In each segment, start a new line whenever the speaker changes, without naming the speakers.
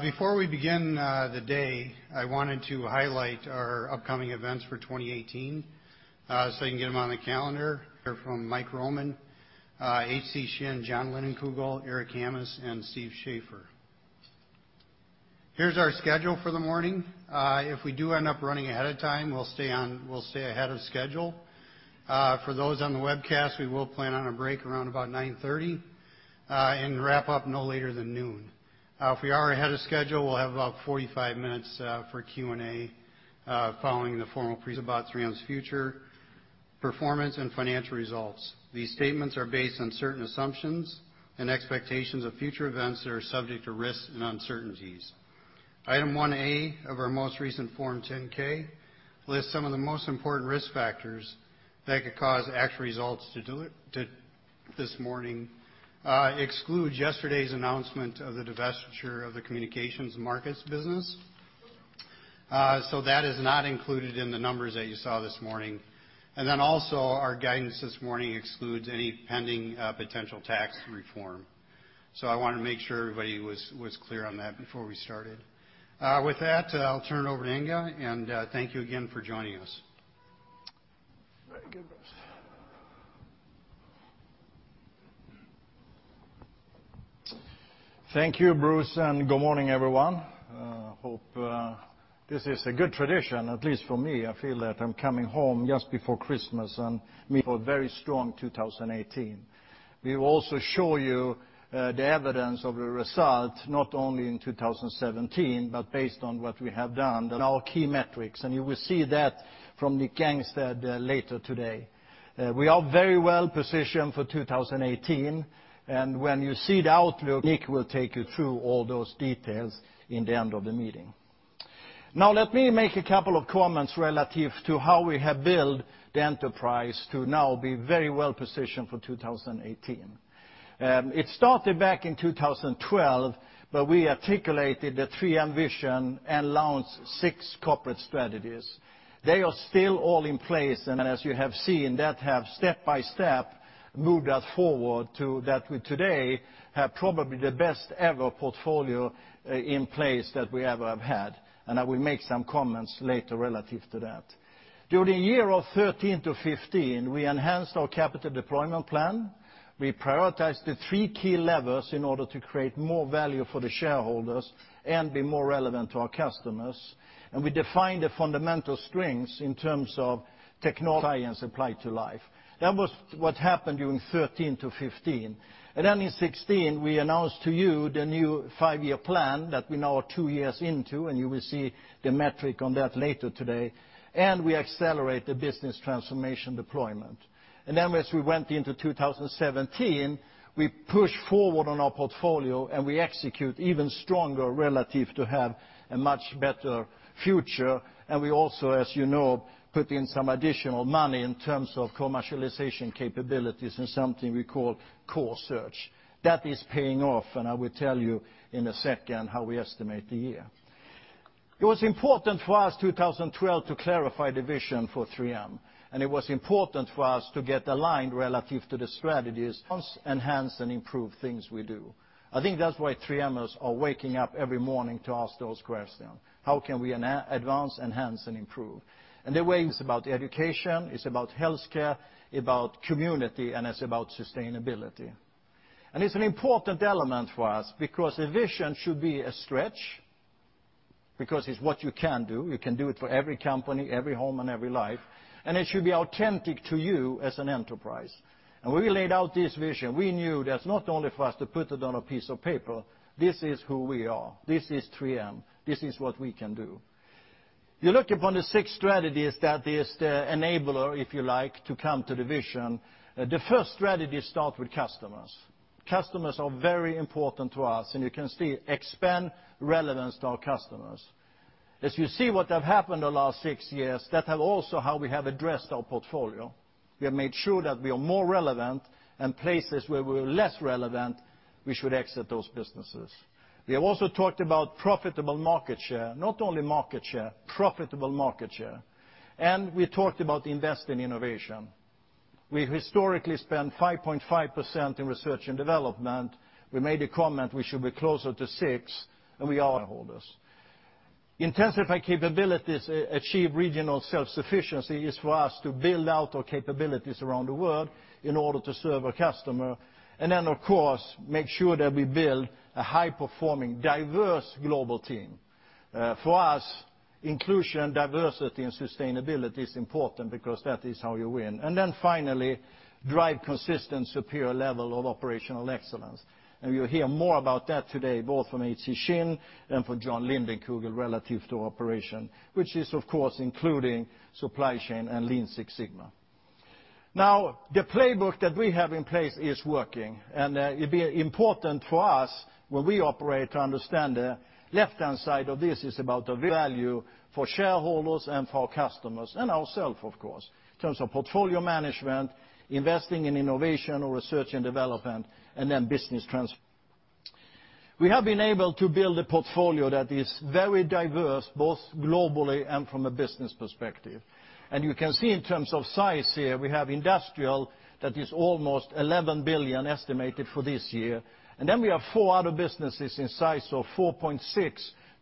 Before we begin the day, I wanted to highlight our upcoming events for 2018, so you can get them on the calendar. They're from Mike Roman, HC Shin, Jon Lindekugel, Eric Hammes, and Steve Shafer. Here's our schedule for the morning. If we do end up running ahead of time, we'll stay ahead of schedule. For those on the webcast, we will plan on a break around about 9:30 A.M. and wrap up no later than noon. If we are ahead of schedule, we'll have about 45 minutes for Q&A following the formal about 3M's future performance and financial results. These statements are based on certain assumptions and expectations of future events that are subject to risks and uncertainties. Item 1A of our most recent Form 10-K lists some of the most important risk factors that could cause actual results to this morning excludes yesterday's announcement of the divestiture of the communication markets business. That is not included in the numbers that you saw this morning. Our guidance this morning excludes any pending potential tax reform. I wanted to make sure everybody was clear on that before we started. With that, I'll turn it over to Inge. Thank you again for joining us.
Very good, Bruce. Thank you, Bruce. Good morning, everyone. Hope this is a good tradition, at least for me, I feel that I'm coming home just before Christmas and meeting a very strong 2018. We will also show you the evidence of the result, not only in 2017, but based on what we have done and our key metrics. You will see that from Nick Gangestad later today. We are very well-positioned for 2018, and when you see the outlook, Nick will take you through all those details in the end of the meeting. Let me make a couple of comments relative to how we have built the enterprise to now be very well-positioned for 2018. It started back in 2012, we articulated the 3M vision and launched six corporate strategies. They are still all in place, as you have seen, that have step by step moved us forward to that we today have probably the best ever portfolio in place that we ever have had. I will make some comments later relative to that. During year of 2013 to 2015, we enhanced our capital deployment plan. We prioritized the three key levers in order to create more value for the shareholders and be more relevant to our customers. We defined the fundamental strengths in terms of technology and applied to life. That was what happened during 2013 to 2015. In 2016, we announced to you the new five-year plan that we now are two years into, you will see the metric on that later today. We accelerate the business transformation deployment. As we went into 2017, we push forward on our portfolio, we execute even stronger relative to have a much better future. We also, as you know, put in some additional money in terms of commercialization capabilities and something we call core search. That is paying off. I will tell you in a second how we estimate the year. It was important for us, 2012, to clarify the vision for 3M. It was important for us to get aligned relative to the strategies, enhance and improve things we do. I think that's why 3Mers are waking up every morning to ask those questions. How can we advance, enhance, and improve? The way it's about education, it's about healthcare, about community, and it's about sustainability. It's an important element for us because a vision should be a stretch, because it's what you can do. You can do it for every company, every home, and every life. It should be authentic to you as an enterprise. When we laid out this vision, we knew that's not only for us to put it on a piece of paper, this is who we are. This is 3M. This is what we can do. You look upon the six strategies that is the enabler, if you like, to come to the vision. The first strategy start with customers. Customers are very important to us. You can see expand relevance to our customers. As you see what have happened the last six years, that have also how we have addressed our portfolio. We have made sure that we are more relevant. Places where we're less relevant, we should exit those businesses. We have also talked about profitable market share, not only market share, profitable market share. We talked about invest in innovation. We historically spend 5.5% in research and development. We made a comment we should be closer to six. We are holders. Intensify capabilities, achieve regional self-sufficiency is for us to build out our capabilities around the world in order to serve our customer. Of course, make sure that we build a high-performing, diverse global team. For us, inclusion, diversity, and sustainability is important because that is how you win. Finally, drive consistent, superior level of operational excellence. You'll hear more about that today, both from HC Shin and from Jon Lindekugel relative to operation, which is, of course, including supply chain and Lean Six Sigma. The playbook that we have in place is working. It'd be important for us when we operate to understand the left-hand side of this is about the value for shareholders and for our customers and ourself, of course, in terms of portfolio management, investing in innovation or research and development, business transformation. We have been able to build a portfolio that is very diverse, both globally and from a business perspective. You can see in terms of size here, we have Industrial that is almost $11 billion estimated for this year. We have four other businesses in size of $4.6 billion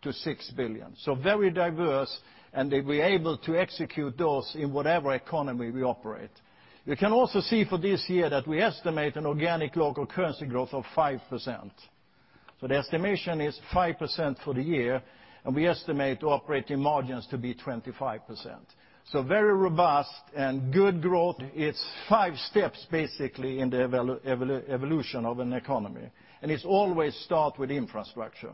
to $6 billion. Very diverse, and they'll be able to execute those in whatever economy we operate. You can also see for this year that we estimate an organic local currency growth of 5%. The estimation is 5% for the year, and we estimate operating margins to be 25%. Very robust and good growth. It's five steps, basically, in the evolution of an economy, and it always starts with infrastructure.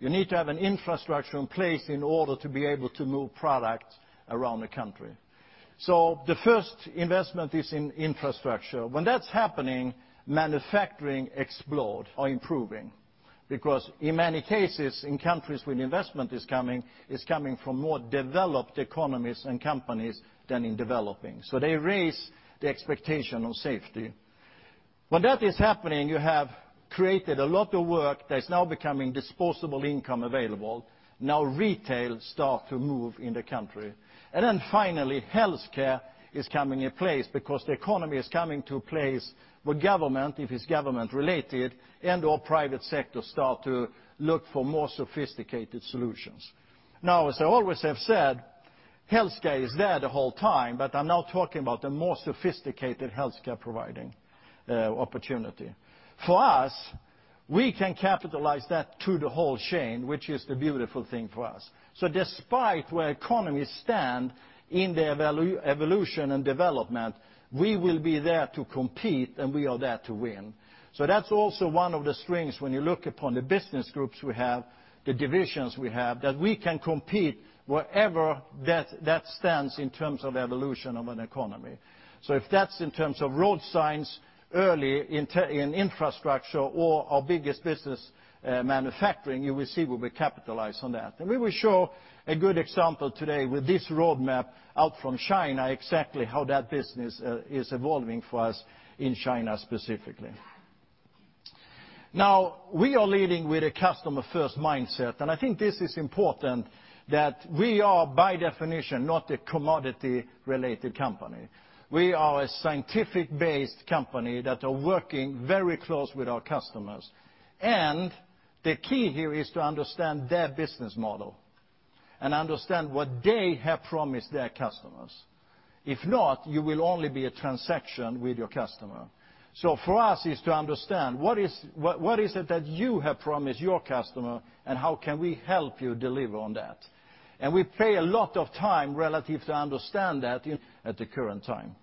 You need to have an infrastructure in place in order to be able to move product around the country. The first investment is in infrastructure. When that's happening, manufacturing explodes or improving, because in many cases, in countries where the investment is coming, it's coming from more developed economies and companies than in developing. They raise the expectation of safety. When that is happening, you have created a lot of work that is now becoming disposable income available. Retail starts to move in the country. Finally, healthcare is coming in place because the economy is coming to a place where government, if it's government-related, and/or private sector start to look for more sophisticated solutions. As I always have said, healthcare is there the whole time, but I'm now talking about the more sophisticated healthcare-providing opportunity. For us, we can capitalize that through the whole chain, which is the beautiful thing for us. Despite where economies stand in their evolution and development, we will be there to compete, and we are there to win. That's also one of the strengths when you look upon the business groups we have, the divisions we have, that we can compete wherever that stands in terms of evolution of an economy. If that's in terms of road signs early in infrastructure or our biggest business, manufacturing, you will see where we capitalize on that. We will show a good example today with this roadmap out from China, exactly how that business is evolving for us in China specifically. We are leading with a customer-first mindset, and I think this is important that we are, by definition, not a commodity-related company. We are a scientific-based company that are working very close with our customers. The key here is to understand their business model and understand what they have promised their customers. If not, you will only be a transaction with your customer. For us, it's to understand, what is it that you have promised your customer, and how can we help you deliver on that? We pay a lot of time relative to understand that at the current time.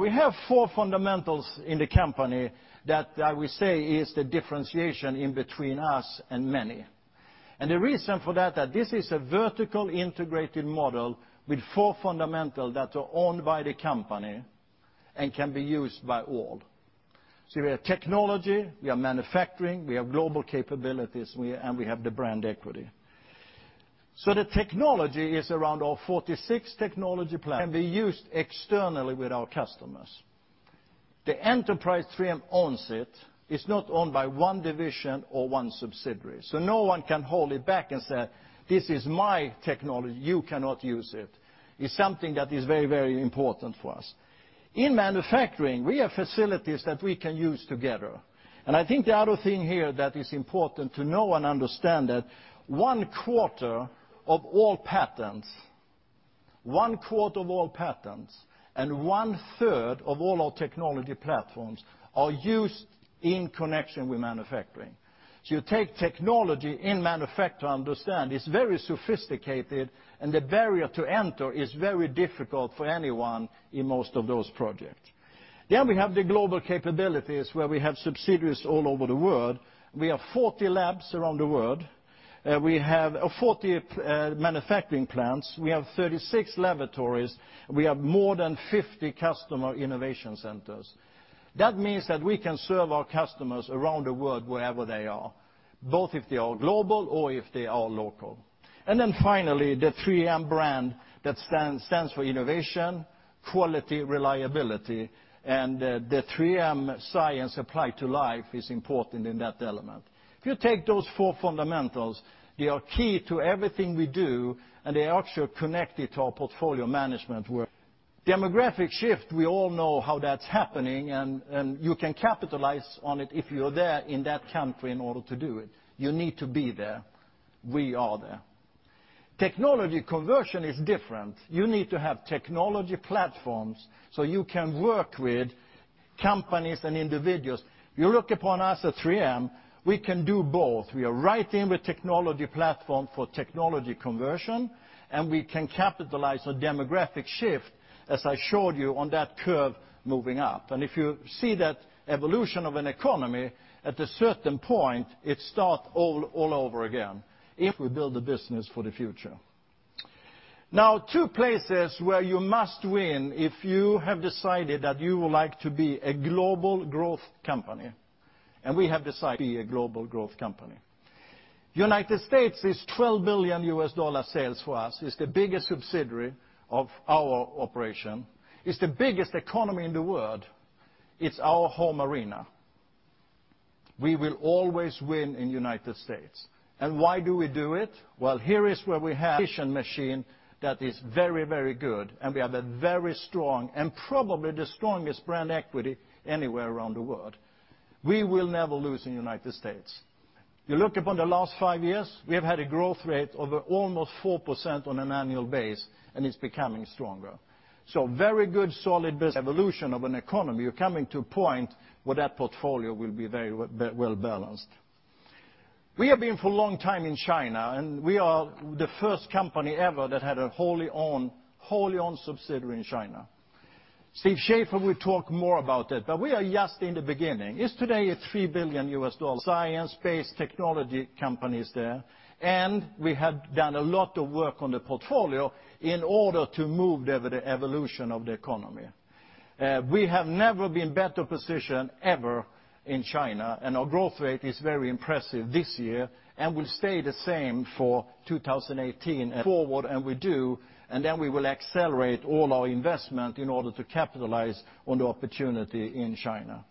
We have four fundamentals in the company that I will say is the differentiation in between us and many. The reason for that this is a vertical integrated model with four fundamentals that are owned by the company and can be used by all. We have technology, we have manufacturing, we have global capabilities, and we have the brand equity. The technology is around our 46 technology platforms can be used externally with our customers. The enterprise 3M owns it. It's not owned by one division or one subsidiary, so no one can hold it back and say, "This is my technology. You cannot use it." It's something that is very, very important for us. In manufacturing, we have facilities that we can use together. I think the other thing here that is important to know and understand that one quarter of all patents and one third of all our technology platforms are used in connection with manufacturing. You take technology in manufacture, understand it's very sophisticated, and the barrier to enter is very difficult for anyone in most of those projects. We have the global capabilities, where we have subsidiaries all over the world. We have 40 labs around the world. We have 40 manufacturing plants. We have 36 laboratories. We have more than 50 customer innovation centers. That means that we can serve our customers around the world wherever they are, both if they are global or if they are local. Finally, the 3M brand that stands for innovation, quality, reliability, and the 3M science applied to life is important in that element. If you take those four fundamentals, they are key to everything we do. They are actually connected to our portfolio management where demographic shift, we all know how that's happening, and you can capitalize on it if you're there in that country in order to do it. You need to be there. We are there. Technology conversion is different. You need to have technology platforms so you can work with companies and individuals. You look upon us at 3M, we can do both. We are right in the technology platform for technology conversion, and we can capitalize on demographic shift, as I showed you on that curve moving up. If you see that evolution of an economy, at a certain point, it starts all over again if we build the business for the future. Now, two places where you must win if you have decided that you would like to be a global growth company. We have decided to be a global growth company. U.S. is $12 billion sales for us. It's the biggest subsidiary of our operation. It's the biggest economy in the world. It's our home arena. We will always win in U.S. Why do we do it? Well, here is where we have a machine that is very good, and we have a very strong and probably the strongest brand equity anywhere around the world. We will never lose in U.S. You look upon the last five years, we have had a growth rate of almost 4% on an annual base. It's becoming stronger. Very good solid evolution of an economy. You're coming to a point where that portfolio will be very well-balanced. We have been for a long time in China. We are the first company ever that had a wholly owned subsidiary in China. Steve Shafer will talk more about it, but we are just in the beginning. It's today a $3 billion science-based technology companies there. We have done a lot of work on the portfolio in order to move the evolution of the economy. We have never been better positioned ever in China. Our growth rate is very impressive this year and will stay the same for 2018 and forward. We will accelerate all our investment in order to capitalize on the opportunity in China.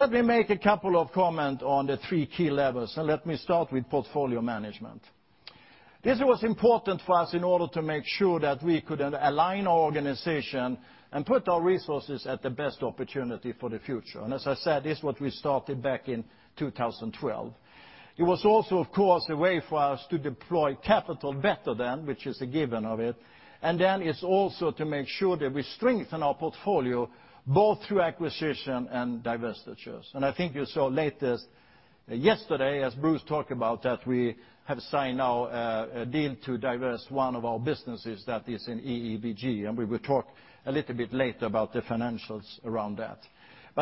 Let me make a couple of comments on the three key levels. Let me start with portfolio management. This was important for us in order to make sure that we could align our organization and put our resources at the best opportunity for the future. As I said, this is what we started back in 2012. It was also, of course, a way for us to deploy capital better than, which is a given of it. It's also to make sure that we strengthen our portfolio both through acquisition and divestitures. I think you saw late yesterday, as Bruce talked about, that we have signed now a deal to divest one of our businesses that is in EEBG. We will talk a little bit later about the financials around that.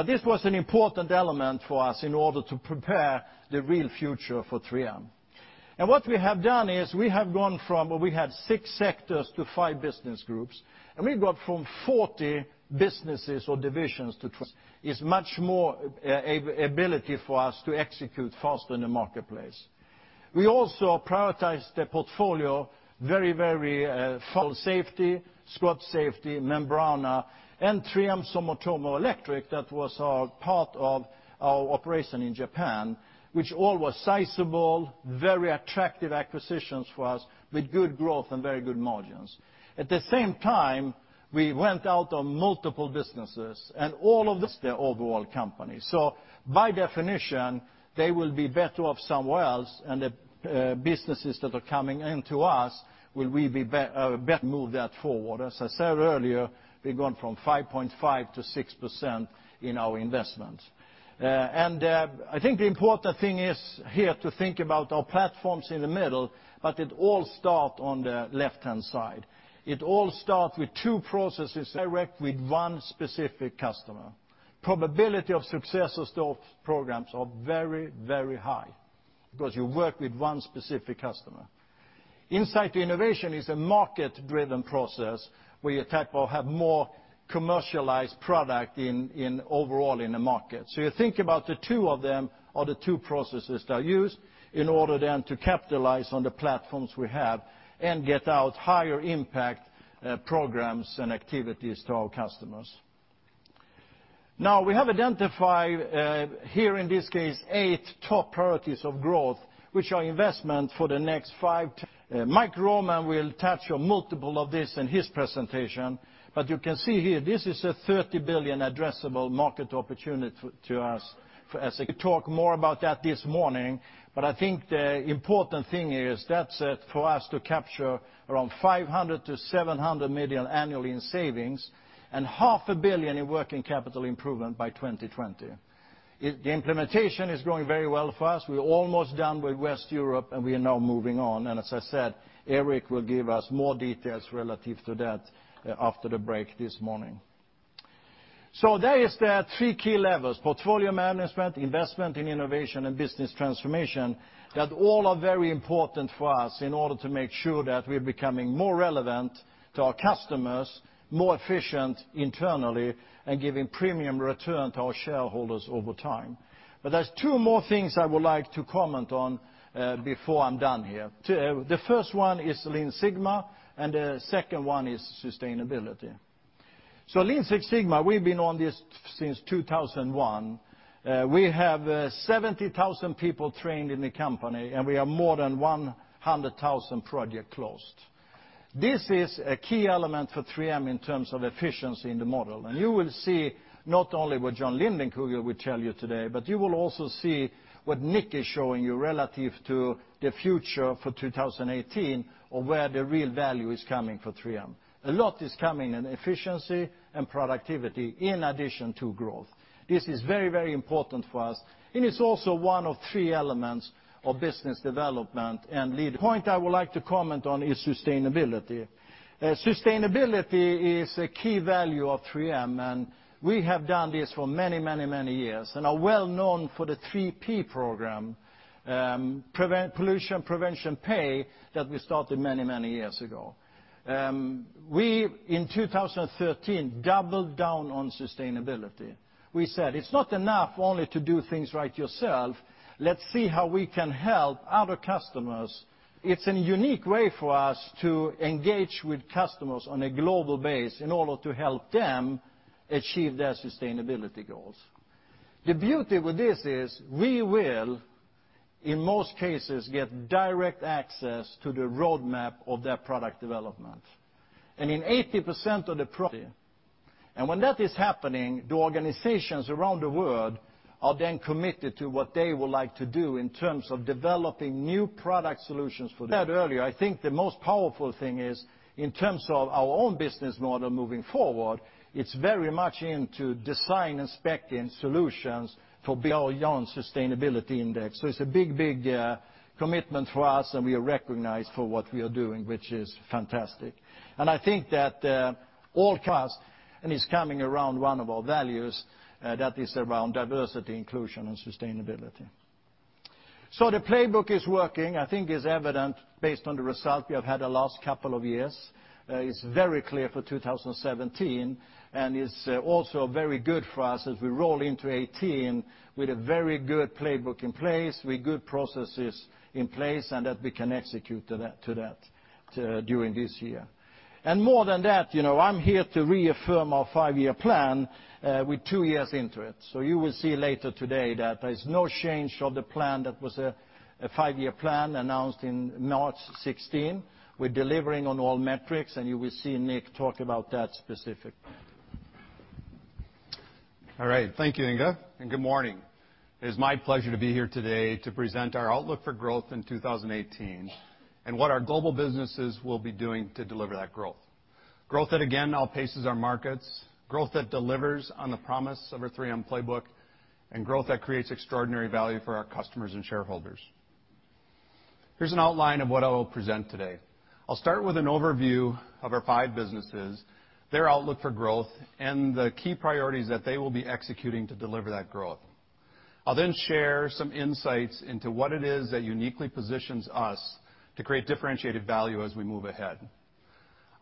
This was an important element for us in order to prepare the real future for 3M. What we have done is we have gone from where we had six sectors to five business groups, and we've got from 40 businesses or divisions to 20. It's much more ability for us to execute faster in the marketplace. We also prioritized the portfolio very. Capital Safety, Scott Safety, Membrana, and Sumitomo 3M, that was a part of our operation in Japan, which all was sizable, very attractive acquisitions for us with good growth and very good margins. At the same time, we went out on multiple businesses, and all of this the overall company. By definition, they will be better off somewhere else, and the businesses that are coming in to us will be better move that forward. As I said earlier, we've gone from 5.5% to 6% in our investment. I think the important thing is here to think about our platforms in the middle. It all start on the left-hand side. It all start with two processes, direct with one specific customer. Probability of successes to programs are very high because you work with one specific customer. Insight to innovation is a market-driven process where you have more commercialized product overall in the market. You think about the two of them are the two processes that are used in order to capitalize on the platforms we have and get out higher-impact programs and activities to our customers. We have identified here in this case, eight top priorities of growth, which are investment for the next five. Mike Roman will touch on multiple of this in his presentation. You can see here, this is a $30 billion addressable market opportunity to us. We talk more about that this morning. I think the important thing is that's for us to capture around $500 million-$700 million annually in savings and half a billion in working capital improvement by 2020. The implementation is going very well for us. We're almost done with West Europe. We are now moving on. As I said, Eric will give us more details relative to that after the break this morning. There are the 3 key levels, portfolio management, investment in innovation, and business transformation, that all are very important for us in order to make sure that we are becoming more relevant to our customers, more efficient internally, and giving premium return to our shareholders over time. There are two more things I would like to comment on before I am done here. The first one is Lean Six Sigma, and the second one is sustainability. Lean Six Sigma, we have been on this since 2001. We have 70,000 people trained in the company, and we have more than 100,000 projects closed. This is a key element for 3M in terms of efficiency in the model. You will see not only what Jon Lindekugel will tell you today, but you will also see what Nick is showing you relative to the future for 2018 of where the real value is coming for 3M. A lot is coming in efficiency and productivity in addition to growth. This is very important for us, and it is also one of 3 elements of business development and point I would like to comment on is sustainability. Sustainability is a key value of 3M, and we have done this for many years and are well-known for the 3P program, Pollution Prevention Pays, that we started many years ago. We, in 2013, doubled down on sustainability. We said it is not enough only to do things right yourself. Let us see how we can help other customers. It is a unique way for us to engage with customers on a global basis in order to help them achieve their sustainability goals. The beauty with this is we will in most cases, get direct access to the roadmap of their product development. When that is happening, the organizations around the world are then committed to what they would like to do in terms of developing new product solutions. Said earlier, I think the most powerful thing is in terms of our own business model moving forward, it is very much into design and spec-in solutions for [Dow Jones] Sustainability Index. It is a big, big commitment for us, and we are recognized for what we are doing, which is fantastic. I think that all and is coming around one of our values, that is around diversity, inclusion, and sustainability. The 3M Playbook is working, I think is evident based on the result we have had the last couple of years. It is very clear for 2017, it is also very good for us as we roll into 2018 with a very good 3M Playbook in place, with good processes in place, and that we can execute to that during this year. More than that, I am here to reaffirm our five-year plan with two years into it. You will see later today that there is no change of the plan that was a five-year plan announced in March 2016. We are delivering on all metrics, and you will see Nick talk about that specifically.
All right. Thank you, Inge, and good morning. It is my pleasure to be here today to present our outlook for growth in 2018, and what our global businesses will be doing to deliver that growth. Growth that again, outpaces our markets, growth that delivers on the promise of our 3M Playbook, and growth that creates extraordinary value for our customers and shareholders. Here's an outline of what I will present today. I'll start with an overview of our five businesses, their outlook for growth, and the key priorities that they will be executing to deliver that growth. I'll share some insights into what it is that uniquely positions us to create differentiated value as we move ahead.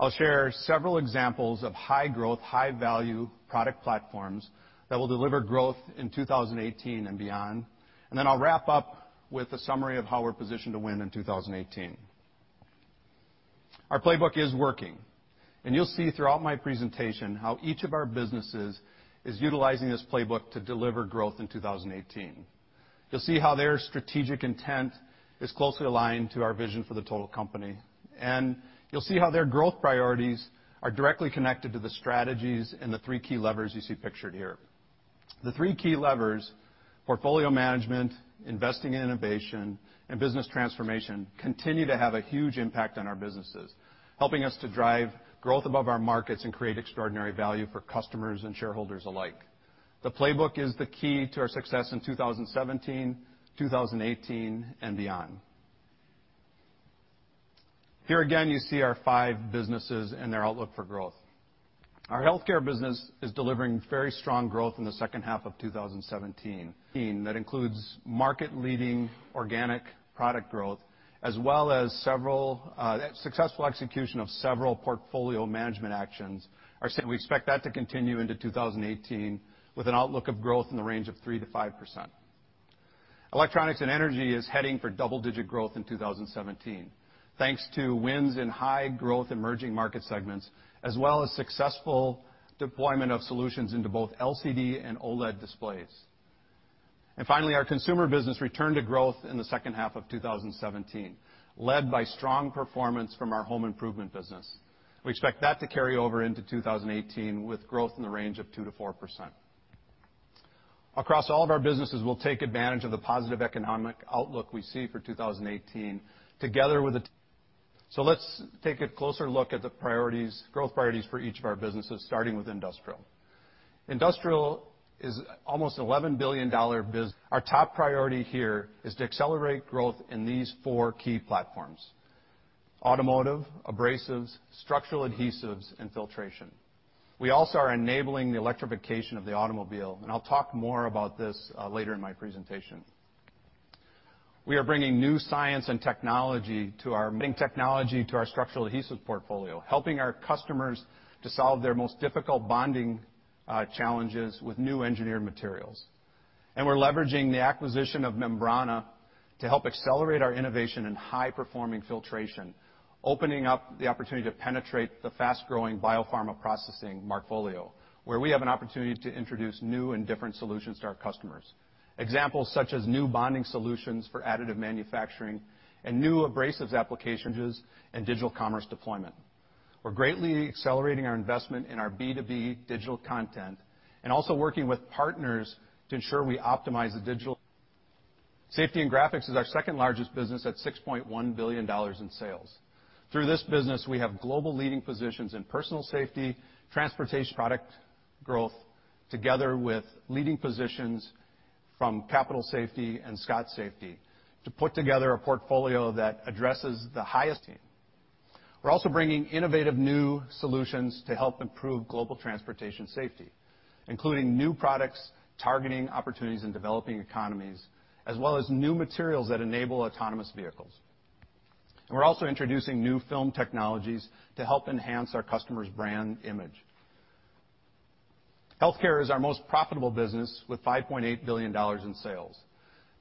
I'll share several examples of high growth, high value product platforms that will deliver growth in 2018 and beyond. I'll wrap up with a summary of how we're positioned to win in 2018. Our playbook is working, and you'll see throughout my presentation how each of our businesses is utilizing this playbook to deliver growth in 2018. You'll see how their strategic intent is closely aligned to our vision for the total company. You'll see how their growth priorities are directly connected to the strategies and the three key levers you see pictured here. The three key levers, portfolio management, investing in innovation, and business transformation, continue to have a huge impact on our businesses, helping us to drive growth above our markets and create extraordinary value for customers and shareholders alike. The playbook is the key to our success in 2017, 2018, and beyond. Here again, you see our five businesses and their outlook for growth. Our healthcare business is delivering very strong growth in the second half of 2017. That includes market leading organic product growth, as well as successful execution of several portfolio management actions. We expect that to continue into 2018 with an outlook of growth in the range of 3%-5%. Electronics & Energy is heading for double digit growth in 2017 thanks to wins in high growth emerging market segments, as well as successful deployment of solutions into both LCD and OLED displays. Finally, our consumer business returned to growth in the second half of 2017, led by strong performance from our home improvement business. We expect that to carry over into 2018 with growth in the range of 2%-4%. Across all of our businesses, we'll take advantage of the positive economic outlook we see for 2018. Let's take a closer look at the growth priorities for each of our businesses, starting with Industrial. Industrial is almost $11 billion. Our top priority here is to accelerate growth in these four key platforms: automotive, abrasives, structural adhesives, and filtration. We also are enabling the electrification of the automobile, I'll talk more about this later in my presentation. We are bringing new science and technology bringing technology to our structural adhesives portfolio, helping our customers to solve their most difficult bonding challenges with new engineered materials. We're leveraging the acquisition of Membrana to help accelerate our innovation in high-performing filtration, opening up the opportunity to penetrate the fast-growing biopharma processing portfolio, where we have an opportunity to introduce new and different solutions to our customers. Examples, such as new bonding solutions for additive manufacturing and new abrasives applications and digital commerce deployment. We're greatly accelerating our investment in our B2B digital content and also working with partners to ensure we optimize. Safety and Graphics is our second largest business at $6.1 billion in sales. Through this business, we have global leading positions in personal safety, product growth, together with leading positions from Capital Safety and Scott Safety to put together a portfolio that addresses the highest need. We're also bringing innovative new solutions to help improve global transportation safety, including new products targeting opportunities in developing economies, as well as new materials that enable autonomous vehicles. We're also introducing new film technologies to help enhance our customers' brand image. Healthcare is our most profitable business with $5.8 billion in sales.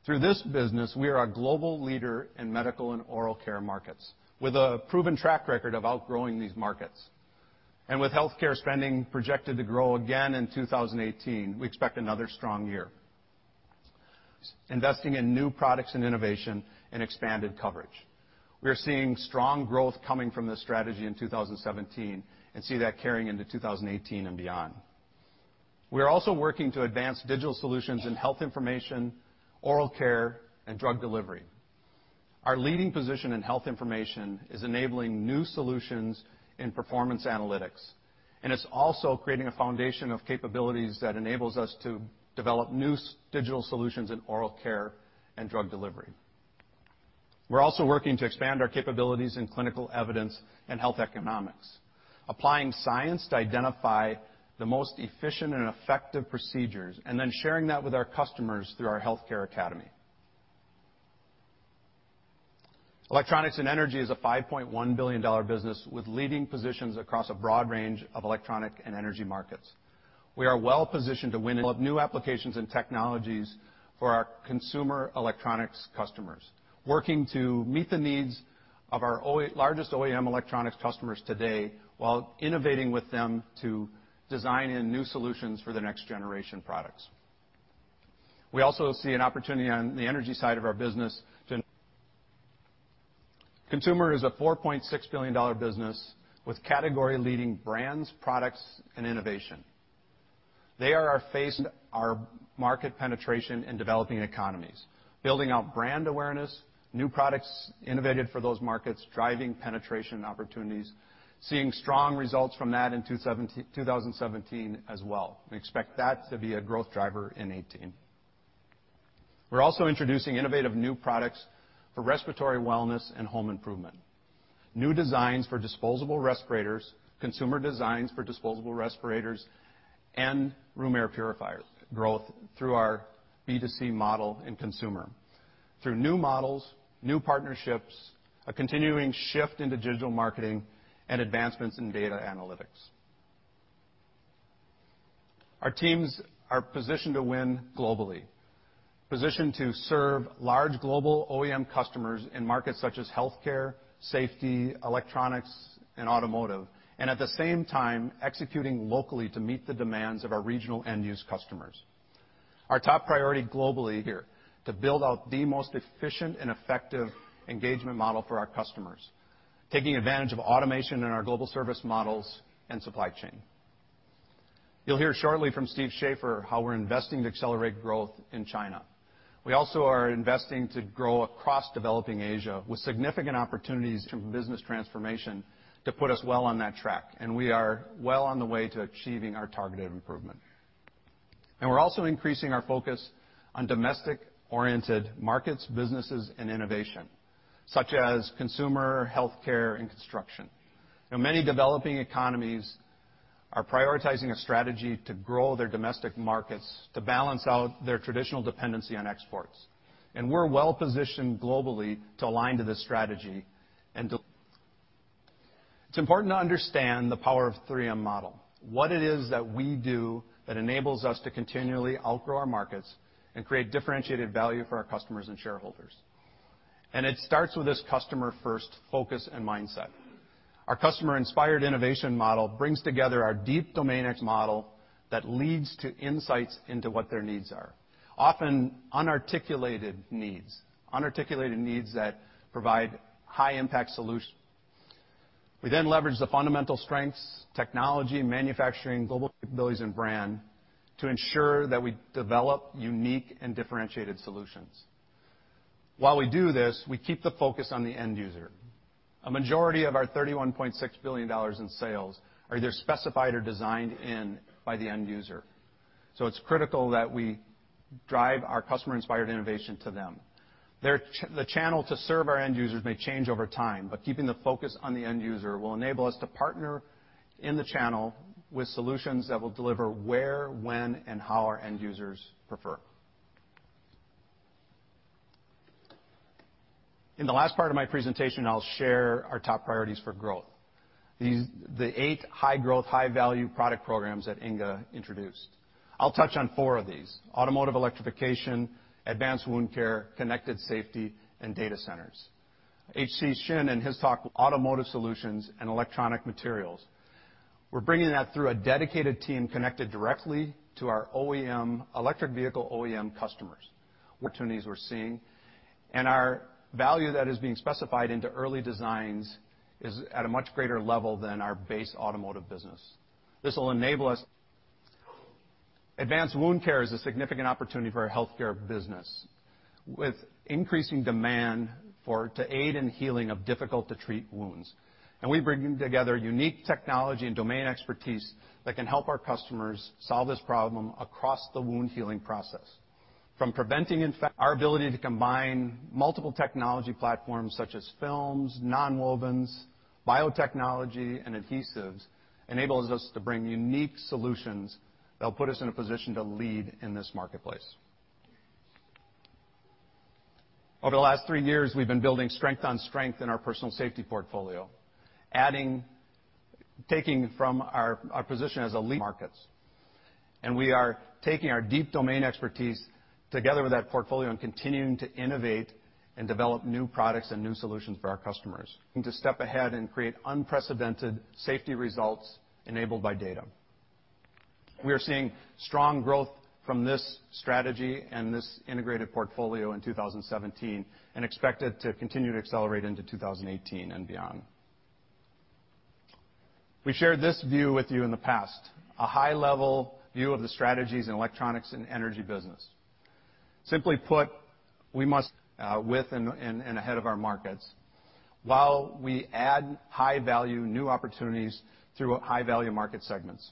Through this business, we are a global leader in medical and oral care markets with a proven track record of outgrowing these markets. With healthcare spending projected to grow again in 2018, we expect another strong year, investing in new products and innovation and expanded coverage. We are seeing strong growth coming from this strategy in 2017 and see that carrying into 2018 and beyond. We are also working to advance digital solutions in health information, oral care, and drug delivery. Our leading position in health information is enabling new solutions in performance analytics, it's also creating a foundation of capabilities that enables us to develop new digital solutions in oral care and drug delivery. We're also working to expand our capabilities in clinical evidence and health economics, applying science to identify the most efficient and effective procedures, then sharing that with our customers through our Healthcare Academy. Electronics and Energy is a $5.1 billion business with leading positions across a broad range of electronic and energy markets. We are well positioned to win new applications and technologies for our consumer electronics customers, working to meet the needs of our largest OEM electronics customers today, while innovating with them to design in new solutions for the next generation products. We also see an opportunity on the energy side of our business. Consumer is a $4.6 billion business with category-leading brands, products, and innovation. They are our face and our market penetration in developing economies, building out brand awareness, new products innovated for those markets, driving penetration opportunities, seeing strong results from that in 2017 as well. We expect that to be a growth driver in 2018. We're also introducing innovative new products for respiratory wellness and home improvement. New designs for disposable respirators, consumer designs for disposable respirators, and room air purifiers growth through our B2C model in consumer, through new models, new partnerships, a continuing shift into digital marketing, advancements in data analytics. Our teams are positioned to win globally, positioned to serve large global OEM customers in markets such as healthcare, safety, electronics, and automotive, at the same time, executing locally to meet the demands of our regional end-use customers. Our top priority globally here, to build out the most efficient and effective engagement model for our customers, taking advantage of automation in our global service models and supply chain. You'll hear shortly from Steve Shafer how we're investing to accelerate growth in China. We also are investing to grow across developing Asia with significant opportunities through business transformation to put us well on that track, we are well on the way to achieving our targeted improvement. We're also increasing our focus on domestic-oriented markets, businesses, and innovation, such as consumer healthcare and construction. Now, many developing economies are prioritizing a strategy to grow their domestic markets to balance out their traditional dependency on exports. We're well positioned globally to align to this strategy. It's important to understand the power of 3M model, what it is that we do that enables us to continually outgrow our markets and create differentiated value for our customers and shareholders. It starts with this customer-first focus and mindset. Our customer-inspired innovation model brings together our deep domain expertise model that leads to insights into what their needs are, often unarticulated needs that provide high-impact solutions. We leverage the fundamental strengths, technology, manufacturing, global capabilities, and brand to ensure that we develop unique and differentiated solutions. While we do this, we keep the focus on the end user. A majority of our $31.6 billion in sales are either specified or designed in by the end user. It's critical that we drive our customer-inspired innovation to them. The channel to serve our end users may change over time, but keeping the focus on the end user will enable us to partner in the channel with solutions that will deliver where, when, and how our end users prefer. In the last part of my presentation, I'll share our top priorities for growth. The eight high-growth, high-value product programs that Inge introduced. I'll touch on four of these, automotive electrification, advanced wound care, connected safety, and data centers. HC Shin in his talk, automotive solutions and electronic materials. We're bringing that through a dedicated team connected directly to our electric vehicle OEM customers. Opportunities we're seeing and our value that is being specified into early designs is at a much greater level than our base automotive business. This will enable us. Advanced wound care is a significant opportunity for our healthcare business with increasing demand to aid in healing of difficult-to-treat wounds. We're bringing together unique technology and domain expertise that can help our customers solve this problem across the wound healing process. From preventing. Our ability to combine multiple technology platforms such as films, nonwovens, biotechnology, and adhesives enables us to bring unique solutions that'll put us in a position to lead in this marketplace. Over the last three years, we've been building strength on strength in our personal safety portfolio, taking from our position as a lead markets. We are taking our deep domain expertise together with that portfolio and continuing to innovate and develop new products and new solutions for our customers. To step ahead and create unprecedented safety results enabled by data. We are seeing strong growth from this strategy and this integrated portfolio in 2017, expect it to continue to accelerate into 2018 and beyond. We shared this view with you in the past, a high-level view of the strategies in Electronics and Energy Business. Simply put, we must with and ahead of our markets, while we add high-value, new opportunities through high-value market segments.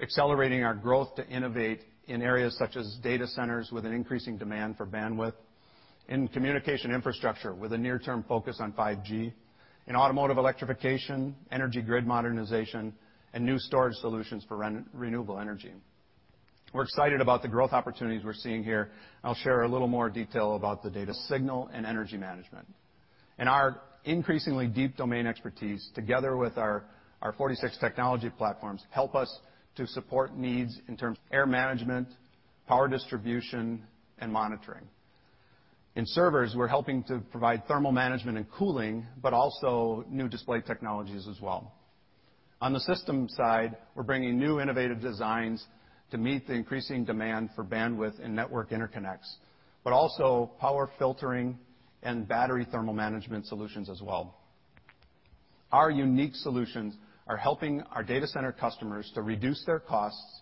Accelerating our growth to innovate in areas such as data centers with an increasing demand for bandwidth, in communication infrastructure with a near-term focus on 5G, in automotive electrification, energy grid modernization, and new storage solutions for renewable energy. We're excited about the growth opportunities we're seeing here. I'll share a little more detail about the data, signal and energy management. Our increasingly deep domain expertise, together with our 46 technology platforms, help us to support needs in terms of air management, power distribution, and monitoring. In servers, we're helping to provide thermal management and cooling, but also new display technologies as well. On the systems side, we're bringing new innovative designs to meet the increasing demand for bandwidth and network interconnects, but also power filtering and battery thermal management solutions as well. Our unique solutions are helping our data center customers to reduce their costs,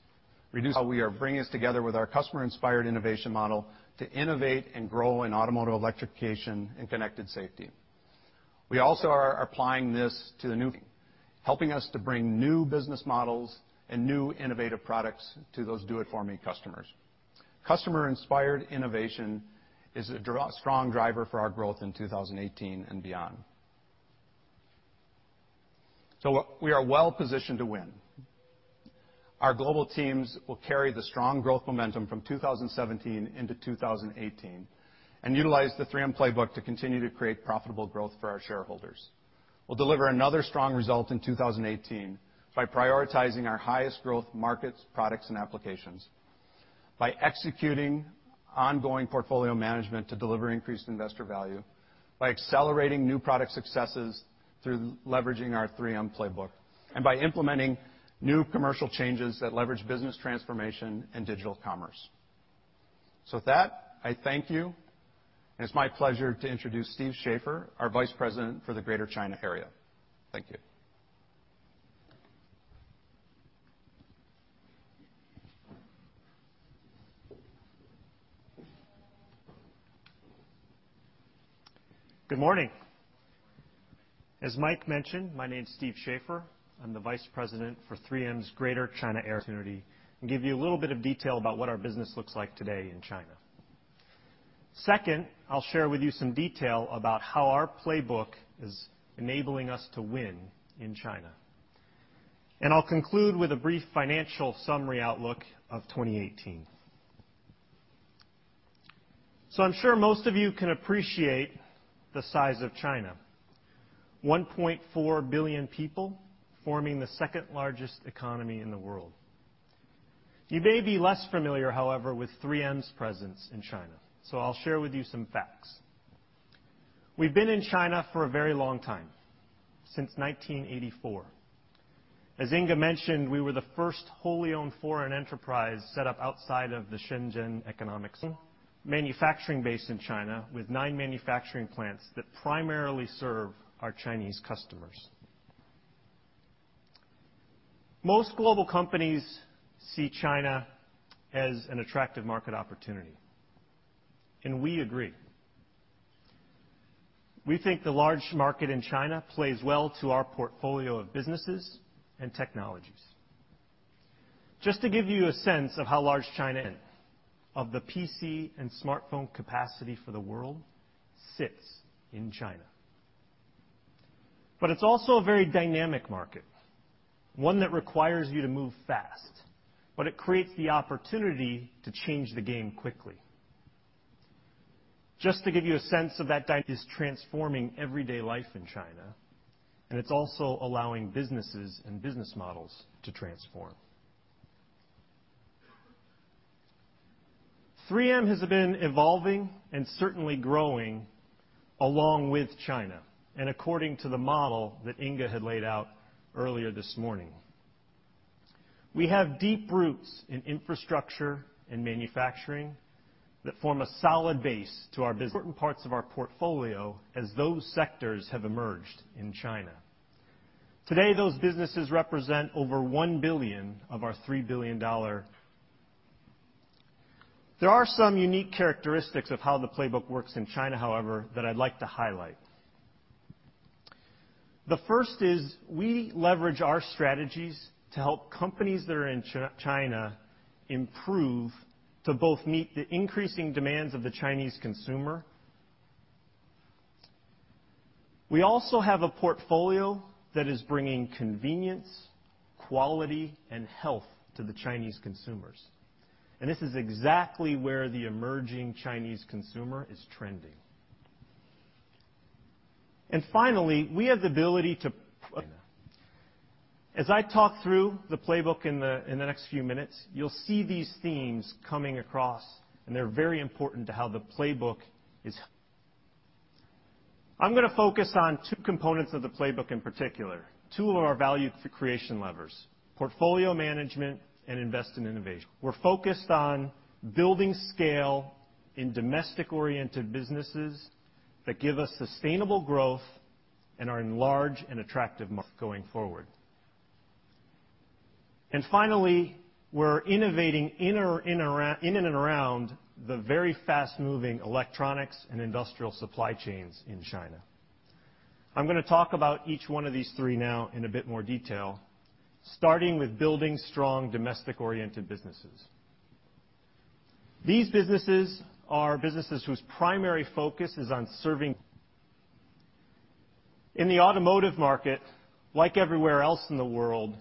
reduce how we are bringing this together with our customer-inspired innovation model to innovate and grow in automotive electrification and connected safety. We also are applying this to the new, helping us to bring new business models and new innovative products to those do it for me customers. Customer-inspired innovation is a strong driver for our growth in 2018 and beyond. We are well-positioned to win. Our global teams will carry the strong growth momentum from 2017 into 2018 and utilize the 3M Playbook to continue to create profitable growth for our shareholders. We'll deliver another strong result in 2018 by prioritizing our highest growth markets, products, and applications, by executing ongoing portfolio management to deliver increased investor value, by accelerating new product successes through leveraging our 3M Playbook, and by implementing new commercial changes that leverage business transformation and digital commerce. With that, I thank you, and it's my pleasure to introduce Stephen Shafer, our vice president for the Greater China area. Thank you.
Good morning. As Mike mentioned, my name's Steve Shafer. I'm the vice president for 3M's Greater China area opportunity and give you a little bit of detail about what our business looks like today in China. Second, I'll share with you some detail about how our playbook is enabling us to win in China. I'll conclude with a brief financial summary outlook of 2018. I'm sure most of you can appreciate the size of China. 1.4 billion people forming the second-largest economy in the world. You may be less familiar, however, with 3M's presence in China, so I'll share with you some facts. We've been in China for a very long time, since 1984. As Inge mentioned, we were the first wholly owned foreign enterprise set up outside of the Shenzhen Special Economic Zone manufacturing base in China with nine manufacturing plants that primarily serve our Chinese customers. Most global companies see China as an attractive market opportunity. We agree. We think the large market in China plays well to our portfolio of businesses and technologies. Just to give you a sense of how large China is, of the PC and smartphone capacity for the world sits in China. It's also a very dynamic market, one that requires you to move fast, but it creates the opportunity to change the game quickly. Just to give you a sense of that. It is transforming everyday life in China, and it's also allowing businesses and business models to transform. 3M has been evolving and certainly growing along with China and according to the model that Inge had laid out earlier this morning. We have deep roots in infrastructure and manufacturing that form a solid base to our important parts of our portfolio as those sectors have emerged in China. Today, those businesses represent over $1 billion of our $3 billion. There are some unique characteristics of how the 3M Playbook works in China, however, that I'd like to highlight. The first is we leverage our strategies to help companies that are in China improve to both meet the increasing demands of the Chinese consumer. We also have a portfolio that is bringing convenience, quality, and health to the Chinese consumers, and this is exactly where the emerging Chinese consumer is trending. Finally, we have the ability to. As I talk through the 3M Playbook in the next few minutes, you'll see these themes coming across, and they're very important to how the 3M Playbook is. I'm going to focus on two components of the 3M Playbook in particular, two of our value creation levers: portfolio management and invest in innovation. We're focused on building scale in domestic-oriented businesses that give us sustainable growth and are in large and attractive markets going forward. Finally, we're innovating in and around the very fast-moving electronics and industrial supply chains in China. I'm going to talk about each one of these three now in a bit more detail, starting with building strong domestic-oriented businesses. These businesses are businesses whose primary focus is on. In the automotive market, like everywhere else in the world,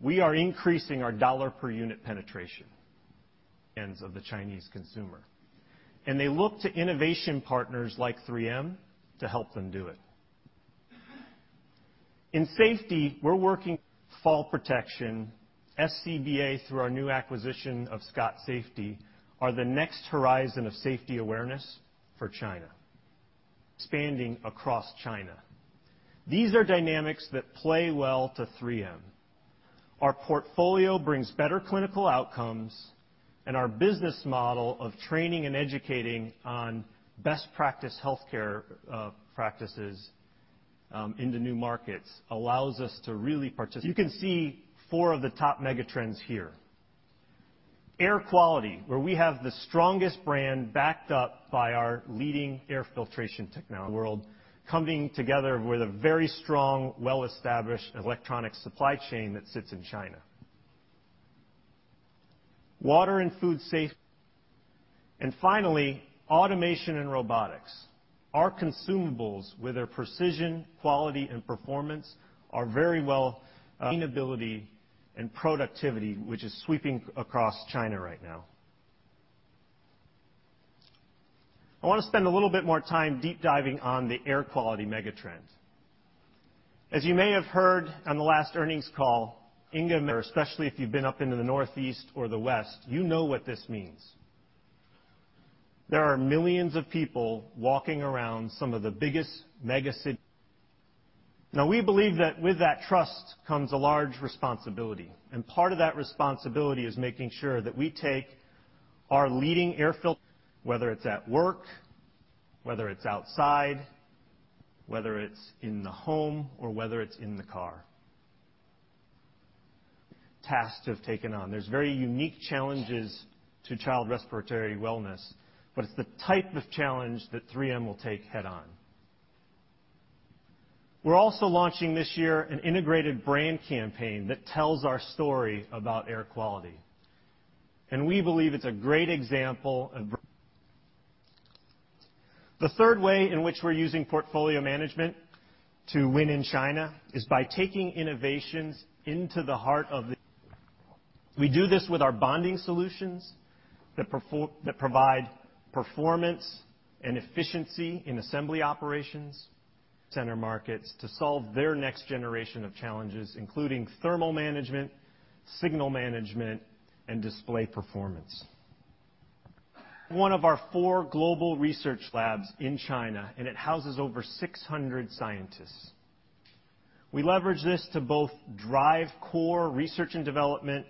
we are increasing our dollar per unit penetration. -ends of the Chinese consumer. They look to innovation partners like 3M to help them do it. In safety, we're. Fall protection, SCBA through our new acquisition of Scott Safety are the next horizon of safety awareness for China. -expanding across China. These are dynamics that play well to 3M. Our portfolio brings better clinical outcomes, and our business model of training and educating on best practice healthcare practices into new markets allows us to really participate. You can see four of the top mega trends here. Air quality, where we have the strongest brand backed up by our leading air filtration technology. -world coming together with a very strong, well-established electronic supply chain that sits in China. Water and food safety. Finally, automation and robotics. Our consumables, with their precision, quality and performance, are. Cleanability and productivity, which is sweeping across China right now. I want to spend a little bit more time deep diving on the air quality mega trend. As you may have heard on the last earnings call, especially if you've been up into the northeast or the west, you know what this means. There are millions of people walking around some of the biggest mega cities. We believe that with that trust comes a large responsibility, and part of that responsibility is making sure that we take our leading air filtration, whether it's at work, whether it's outside, whether it's in the home, or whether it's in the car, a task to have taken on. There's very unique challenges to child respiratory wellness, but it's the type of challenge that 3M will take head on. We're also launching this year an integrated brand campaign that tells our story about air quality, and we believe it's a great example of brand. The third way in which we're using portfolio management to win in China is by taking innovations into the heart of the center markets to solve their next generation of challenges, including thermal management, signal management, and display performance. We do this with our bonding solutions that provide performance and efficiency in assembly operations. It is one of our four global research labs in China, and it houses over 600 scientists. We leverage this to both drive core research and development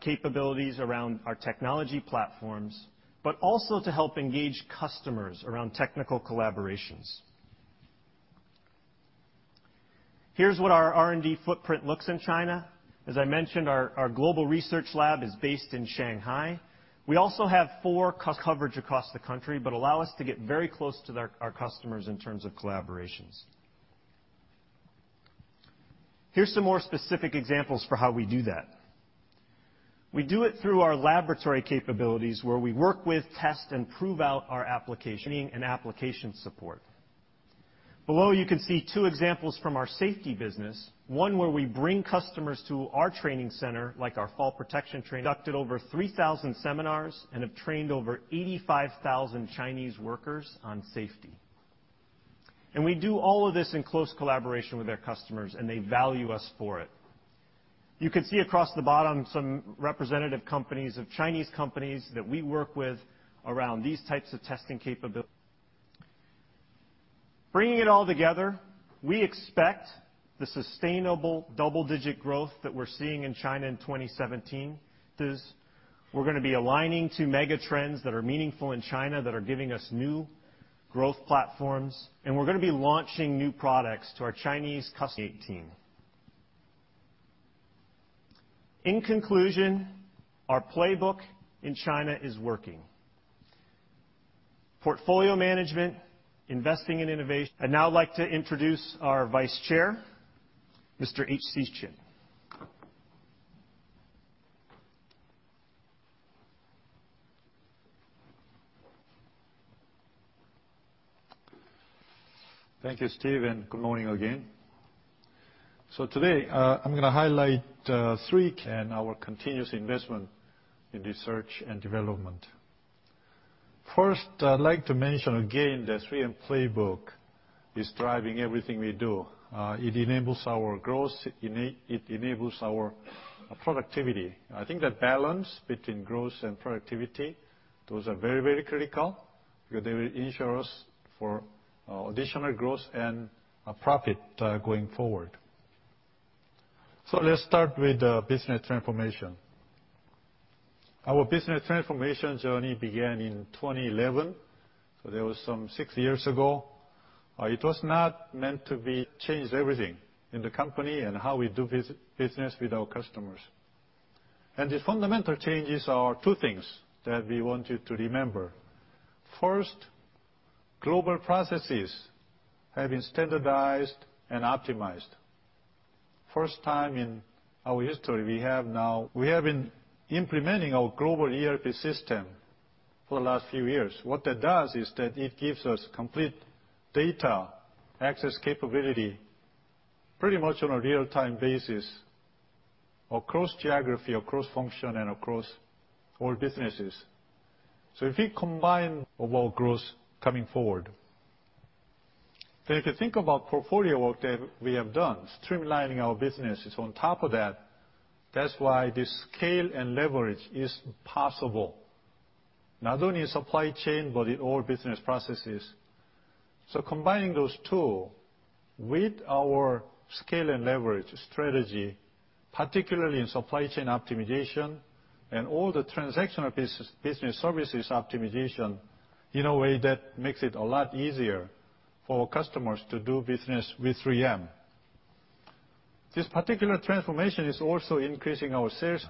capabilities around our technology platforms, but also to help engage customers around technical collaborations. Here's what our R&D footprint looks in China. As I mentioned, our global research lab is based in Shanghai. We also have four customer coverage across the country, but allow us to get very close to our customers in terms of collaborations. Here's some more specific examples for how we do that. We do it through our laboratory capabilities, where we work with, test, and prove out our applications. We also provide training and application support. Below, you can see two examples from our safety business, one where we bring customers to our training center, like our fall protection training. We have conducted over 3,000 seminars and have trained over 85,000 Chinese workers on safety. We do all of this in close collaboration with their customers, and they value us for it. You can see across the bottom some representative companies of Chinese companies that we work with around these types of testing capabilities. Bringing it all together, we expect the sustainable double-digit growth that we're seeing in China in 2017. We're going to be aligning to mega trends that are meaningful in China that are giving us new growth platforms, and we're going to be launching new products to our Chinese customers in 2018. In conclusion, our Playbook in China is working. Portfolio management, investing in innovation. I'd now like to introduce our Vice Chair, Mr. HC Shin.
Thank you, Steve, and good morning again. Today, I'm going to highlight three and our continuous investment in research and development. First, I'd like to mention again that 3M Playbook is driving everything we do. It enables our growth, it enables our productivity. I think that balance between growth and productivity, those are very critical because they will ensure us for additional growth and profit going forward. Let's start with business transformation. Our business transformation journey began in 2011, that was some six years ago. It was not meant to be changed everything in the company and how we do business with our customers. The fundamental changes are two things that we want you to remember. First, global processes have been standardized and optimized. First time in our history, we have been implementing our global ERP system for the last few years. What that does is that it gives us complete data access capability pretty much on a real-time basis, across geography, across function, and across all businesses. If we combine of our growth coming forward. If you think about portfolio work that we have done, streamlining our businesses on top of that's why the scale and leverage is possible, not only supply chain, but in all business processes. Combining those two with our scale and leverage strategy, particularly in supply chain optimization and all the transactional business services optimization, in a way that makes it a lot easier for customers to do business with 3M. This particular transformation is also increasing our sales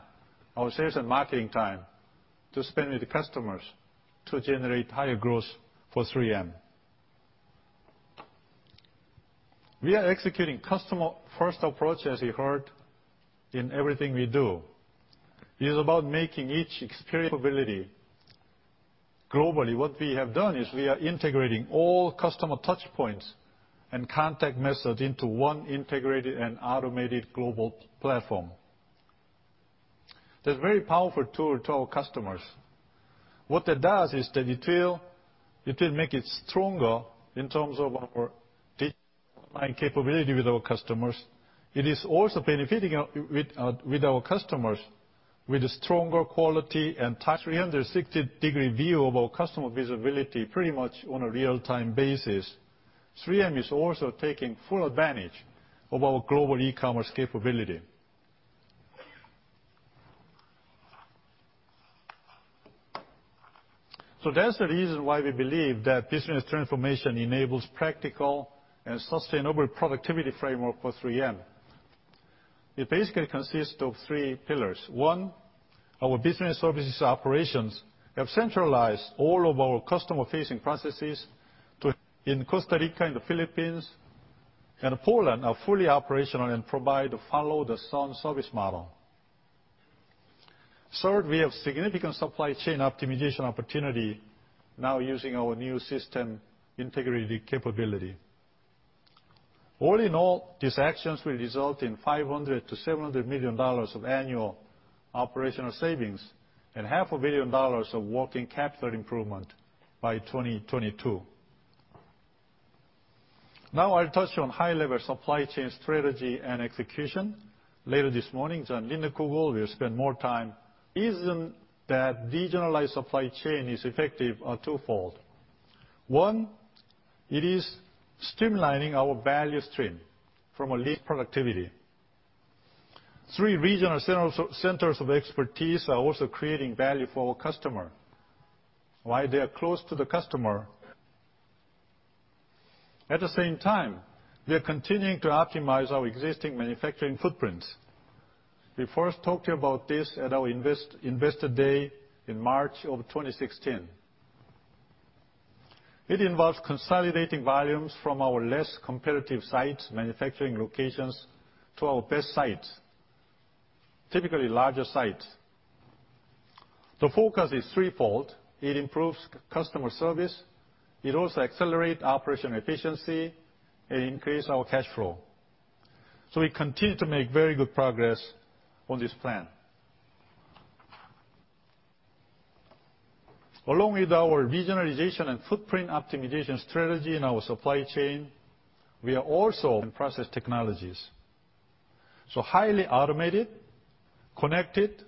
and marketing time to spend with customers to generate higher growth for 3M. We are executing customer first approach, as you heard, in everything we do. It is about making each experience ability globally. What we have done is we are integrating all customer touch points and contact method into one integrated and automated global platform. That's a very powerful tool to our customers. What that does is that it will make it stronger in terms of our digital online capability with our customers. It is also benefiting with our customers, with stronger quality and 360-degree view of our customer visibility pretty much on a real-time basis. 3M is also taking full advantage of our global e-commerce capability. That's the reason why we believe that business transformation enables practical and sustainable productivity framework for 3M. It basically consists of three pillars. One, our business services operations have centralized all of our customer-facing processes to in Costa Rica, and the Philippines, and Poland, are fully operational and provide a follow the sun service model. Third, we have significant supply chain optimization opportunity now using our new system integrated capability. All in all, these actions will result in $500 million-$700 million of annual operational savings and half a billion dollars of working capital improvement by 2022. I'll touch on high level supply chain strategy and execution. Later this morning, Jon Lindekugel will spend more time. Reason that regionalized supply chain is effective are twofold. One, it is streamlining our value stream from a least productivity. Three regional centers of expertise are also creating value for our customer while they are close to the customer. At the same time, we are continuing to optimize our existing manufacturing footprint. We first talked about this at our Investor Day in March of 2016. It involves consolidating volumes from our less competitive sites, manufacturing locations to our best sites, typically larger sites. The focus is threefold. It improves customer service, it also accelerates operational efficiency, and increases our cash flow. We continue to make very good progress on this plan. Along with our regionalization and footprint optimization strategy in our supply chain, we are also in process technologies. Highly automated, connected,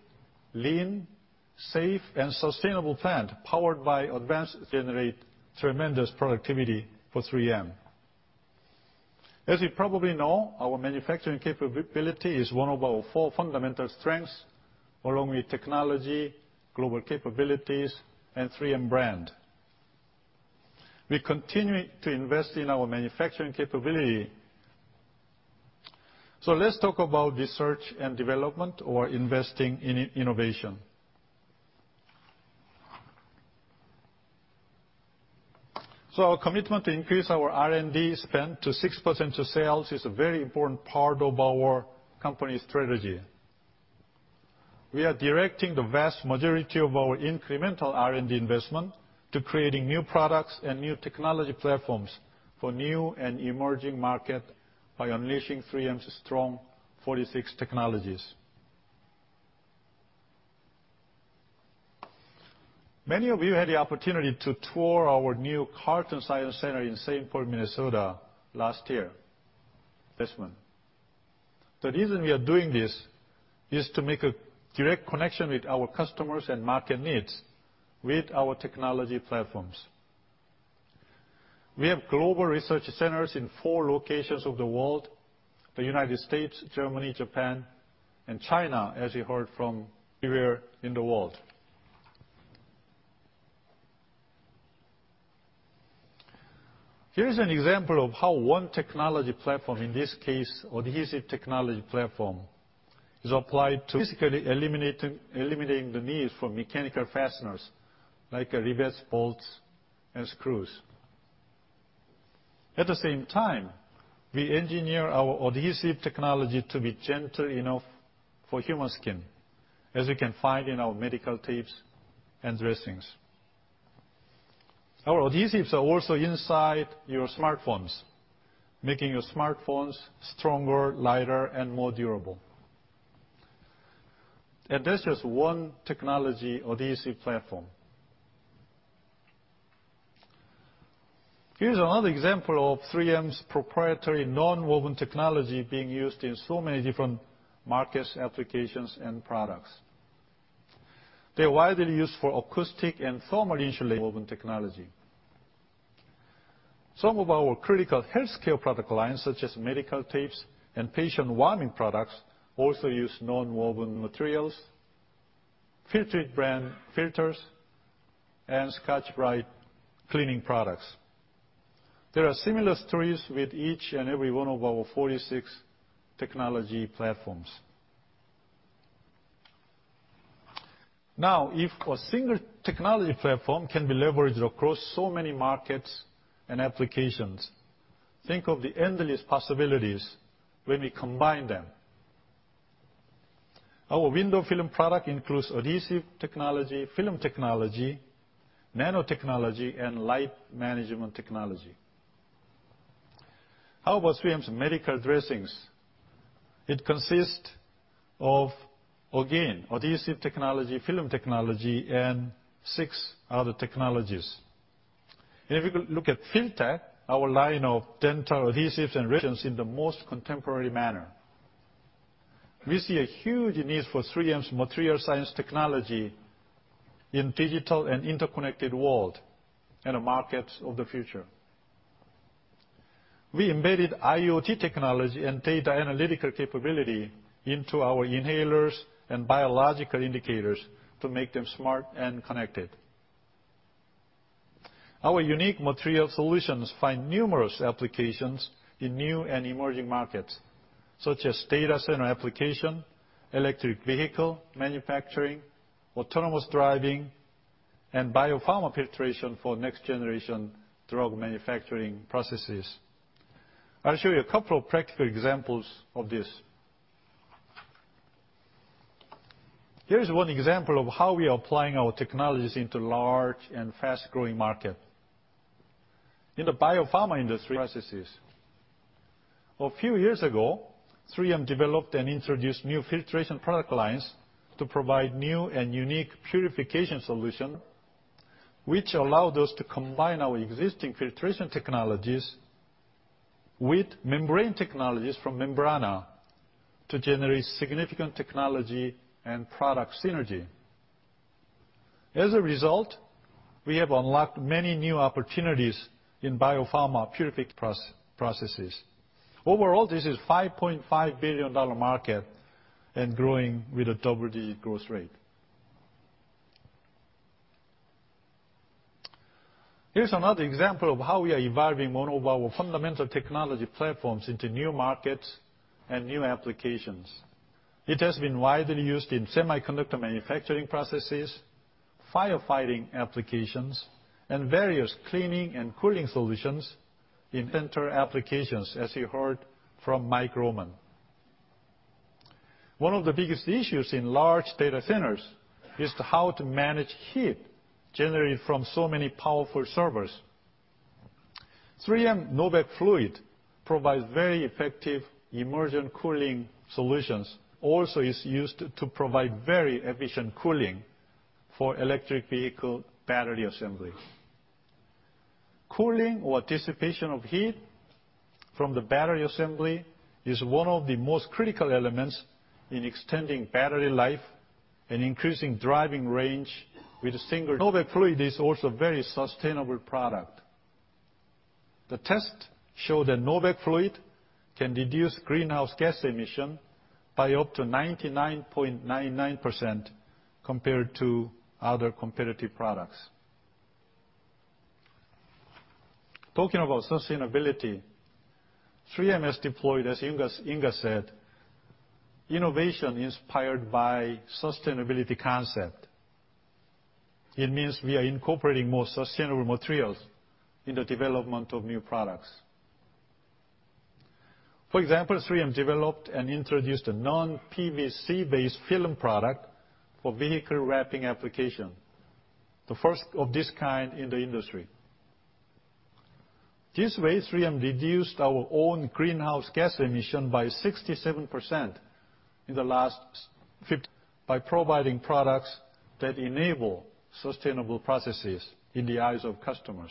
lean, safe, and sustainable plant powered by advanced generates tremendous productivity for 3M. As you probably know, our manufacturing capability is one of our four fundamental strengths, along with technology, global capabilities, and 3M brand. We continue to invest in our manufacturing capability. Let's talk about research and development or investing in innovation. Our commitment to increase our R&D spend to 6% of sales is a very important part of our company strategy. We are directing the vast majority of our incremental R&D investment to creating new products and new technology platforms for new and emerging market by unleashing 3M's strong 46 technologies. Many of you had the opportunity to tour our new Carlton Science Center in St. Paul, Minnesota last year, this one. The reason we are doing this is to make a direct connection with our customers and market needs with our technology platforms. We have global research centers in four locations of the world, the U.S., Germany, Japan, and China, as you heard from everywhere in the world. Here is an example of how one technology platform, in this case, adhesive technology platform, is applied to physically eliminating the need for mechanical fasteners like rivets, bolts, and screws. At the same time, we engineer our adhesive technology to be gentle enough for human skin, as you can find in our medical tapes and dressings. Our adhesives are also inside your smartphones, making your smartphones stronger, lighter, and more durable. That's just one technology adhesive platform. Here's another example of 3M's proprietary nonwoven technology being used in so many different markets, applications, and products. They are widely used for acoustic and thermal insulated nonwoven technology. Some of our critical healthcare product lines, such as medical tapes and patient warming products, also use nonwoven materials, Filtrete brand filters, and Scotch-Brite cleaning products. There are similar stories with each and every one of our 46 technology platforms. If a single technology platform can be leveraged across so many markets and applications, think of the endless possibilities when we combine them. Our window film product includes adhesive technology, film technology, nanotechnology, and light management technology. How about 3M's medical dressings? It consists of, again, adhesive technology, film technology, and six other technologies. If you look at Filtek, our line of dental adhesives and resins in the most contemporary manner. We see a huge need for 3M's material science technology in digital and interconnected world and the markets of the future. We embedded IoT technology and data analytical capability into our inhalers and biological indicators to make them smart and connected. Our unique material solutions find numerous applications in new and emerging markets, such as data center application, electric vehicle manufacturing, autonomous driving, and biopharma filtration for next generation drug manufacturing processes. I'll show you a couple of practical examples of this. Here is one example of how we are applying our technologies into large and fast-growing market. In the biopharma industry processes. A few years ago, 3M developed and introduced new filtration product lines to provide new and unique purification solution, which allowed us to combine our existing filtration technologies with membrane technologies from Membrana to generate significant technology and product synergy. As a result, we have unlocked many new opportunities in biopharma purification processes. Overall, this is $5.5 billion market and growing with a double-digit growth rate. Here's another example of how we are evolving one of our fundamental technology platforms into new markets and new applications. It has been widely used in semiconductor manufacturing processes, firefighting applications, and various cleaning and cooling solutions in center applications, as you heard from Mike Roman. One of the biggest issues in large data centers is how to manage heat generated from so many powerful servers. 3M Novec Fluid provides very effective immersion cooling solutions, also is used to provide very efficient cooling for electric vehicle battery assembly. Cooling or dissipation of heat from the battery assembly is one of the most critical elements in extending battery life and increasing driving range with a single. Novec Fluid is also very sustainable product. The test show that Novec Fluid can reduce greenhouse gas emission by up to 99.99% compared to other competitive products. Talking about sustainability, 3M has deployed, as Inge said, innovation inspired by sustainability concept. It means we are incorporating more sustainable materials in the development of new products. For example, 3M developed and introduced a non-PVC based film product for vehicle wrapping application, the first of this kind in the industry. This way, 3M reduced our own greenhouse gas emission by 67% in the last 15. By providing products that enable sustainable processes in the eyes of customers.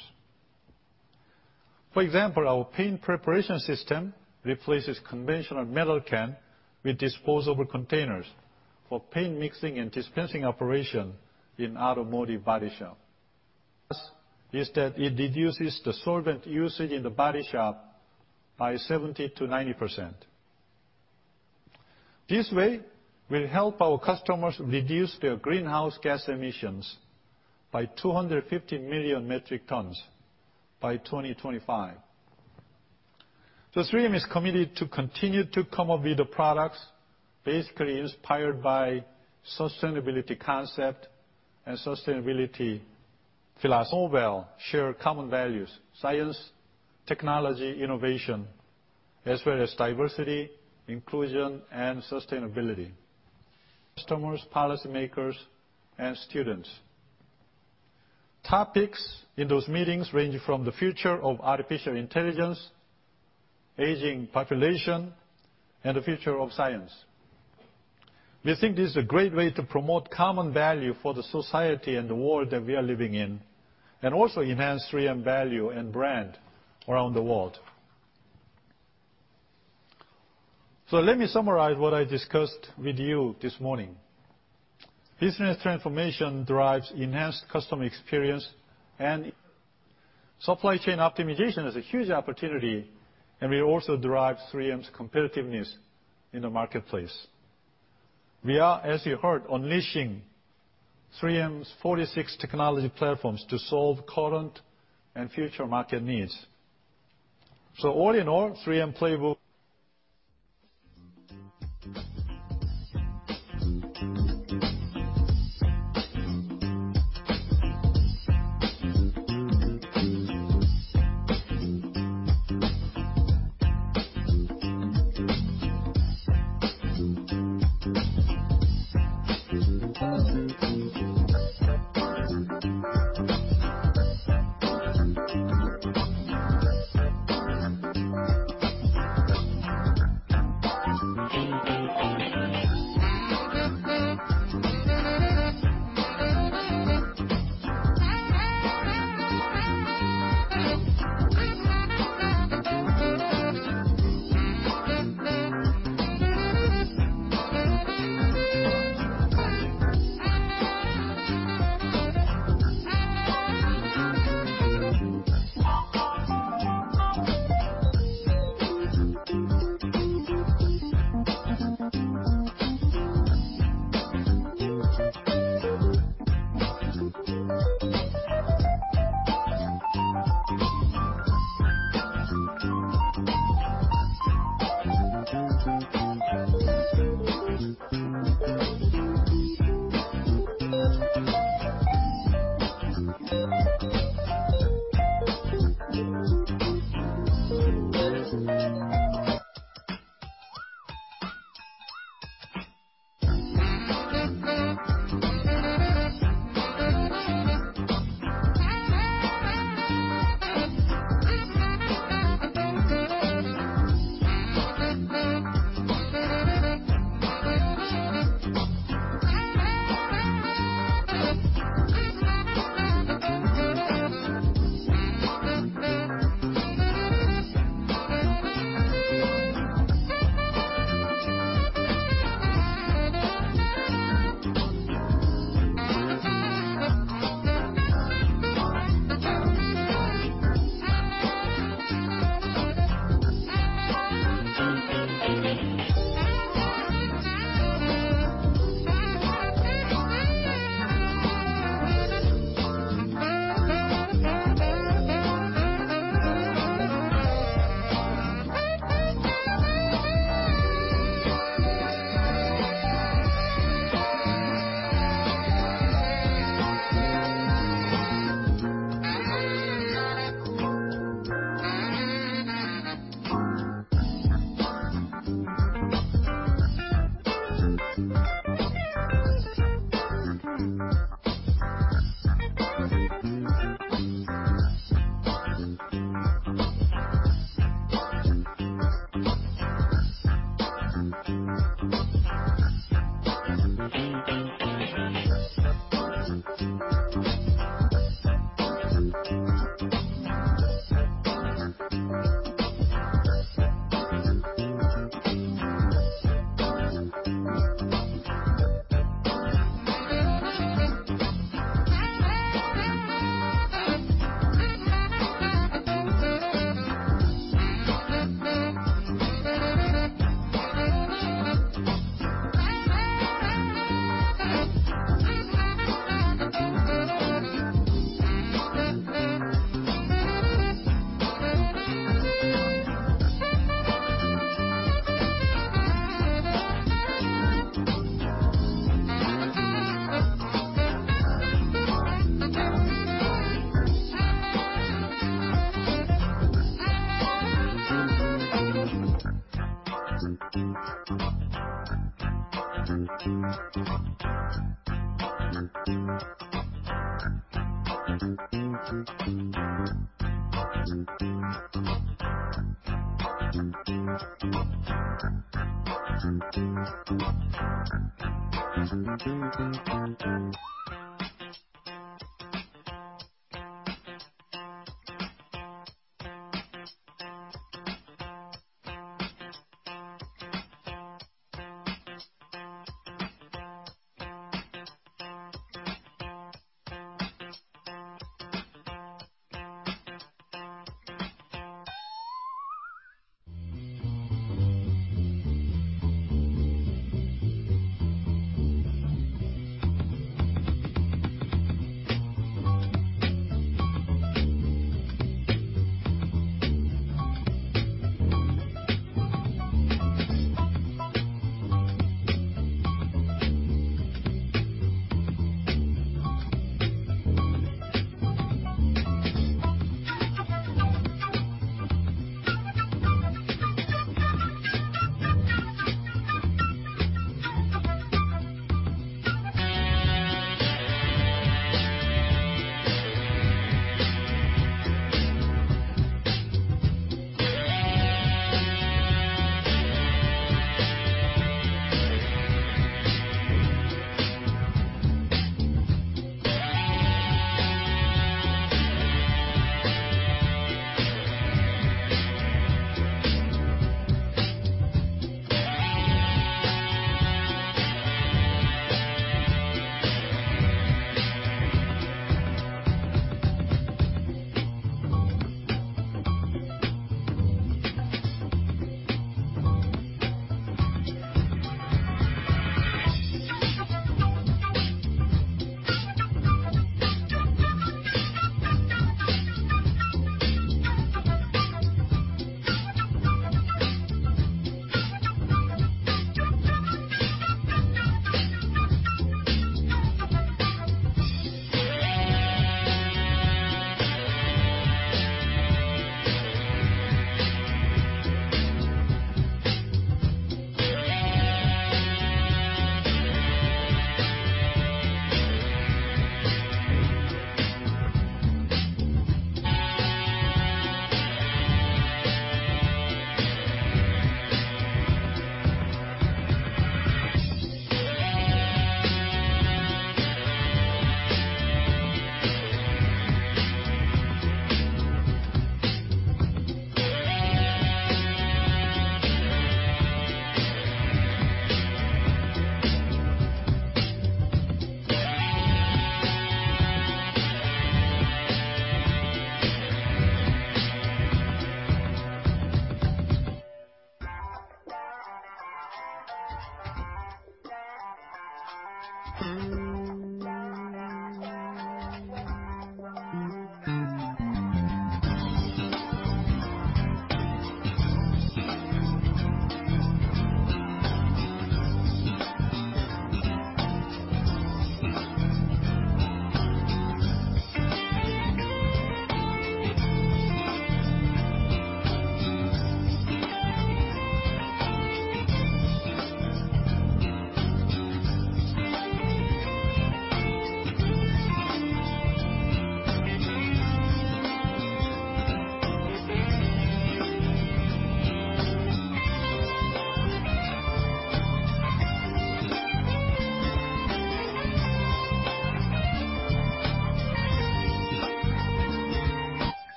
For example, our paint preparation system replaces conventional metal can with disposable containers for paint mixing and dispensing operation in automotive body shop. Plus, is that it reduces the solvent usage in the body shop by 70%-90%. This way will help our customers reduce their greenhouse gas emissions by 250 million metric tons by 2025. 3M is committed to continue to come up with the products, basically inspired by sustainability concept and sustainability [philosophy] share common values, science, technology, innovation, as well as diversity, inclusion, and sustainability. Customers, policymakers, and students. Topics in those meetings range from the future of artificial intelligence, aging population, and the future of science. We think this is a great way to promote common value for the society and the world that we are living in, and also enhance 3M value and brand around the world. Let me summarize what I discussed with you this morning. Business transformation drives enhanced customer experience, and supply chain optimization is a huge opportunity, and will also drive 3M's competitiveness in the marketplace. We are, as you heard, unleashing 3M's 46 technology platforms to solve current and future market needs. All in all, 3M playbook.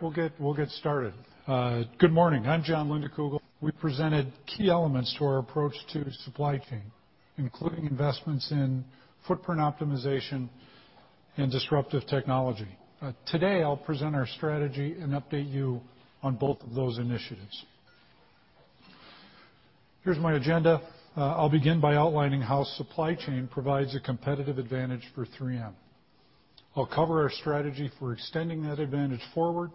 All right, we'll get started. Good morning. I'm Jon Lindekugel. We presented key elements to our approach to supply chain, including investments in footprint optimization and disruptive technology. Today, I'll present our strategy and update you on both of those initiatives. Here's my agenda. I'll begin by outlining how supply chain provides a competitive advantage for 3M. I'll cover our strategy for extending that advantage forward.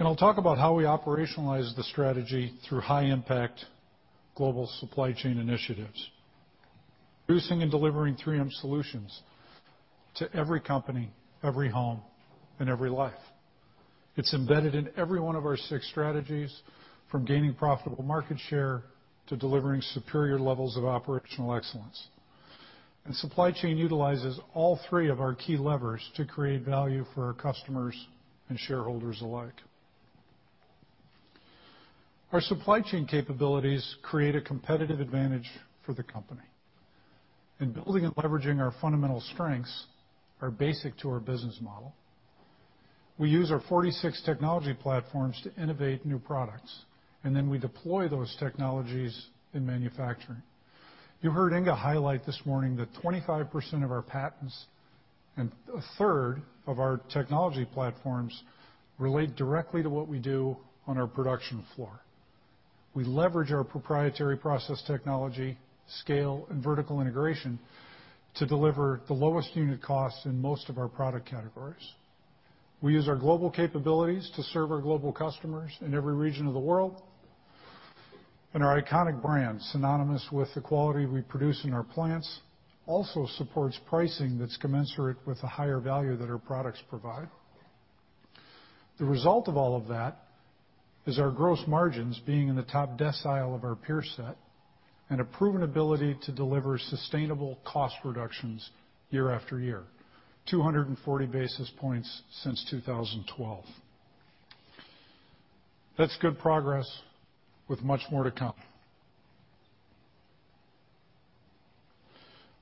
I'll talk about how we operationalize the strategy through high-impact global supply chain initiatives. Producing and delivering 3M solutions to every company, every home, and every life. It's embedded in every one of our six strategies, from gaining profitable market share to delivering superior levels of operational excellence. Supply chain utilizes all three of our key levers to create value for our customers and shareholders alike. Our supply chain capabilities create a competitive advantage for the company. Building and leveraging our fundamental strengths are basic to our business model. We use our 46 technology platforms to innovate new products. Then we deploy those technologies in manufacturing. You heard Inge highlight this morning that 25% of our patents and a third of our technology platforms relate directly to what we do on our production floor. We leverage our proprietary process technology, scale, and vertical integration to deliver the lowest unit costs in most of our product categories. We use our global capabilities to serve our global customers in every region of the world. Our iconic brand, synonymous with the quality we produce in our plants, also supports pricing that's commensurate with the higher value that our products provide. The result of all of that is our gross margins being in the top decile of our peer set and a proven ability to deliver sustainable cost reductions year after year, 240 basis points since 2012. That's good progress with much more to come.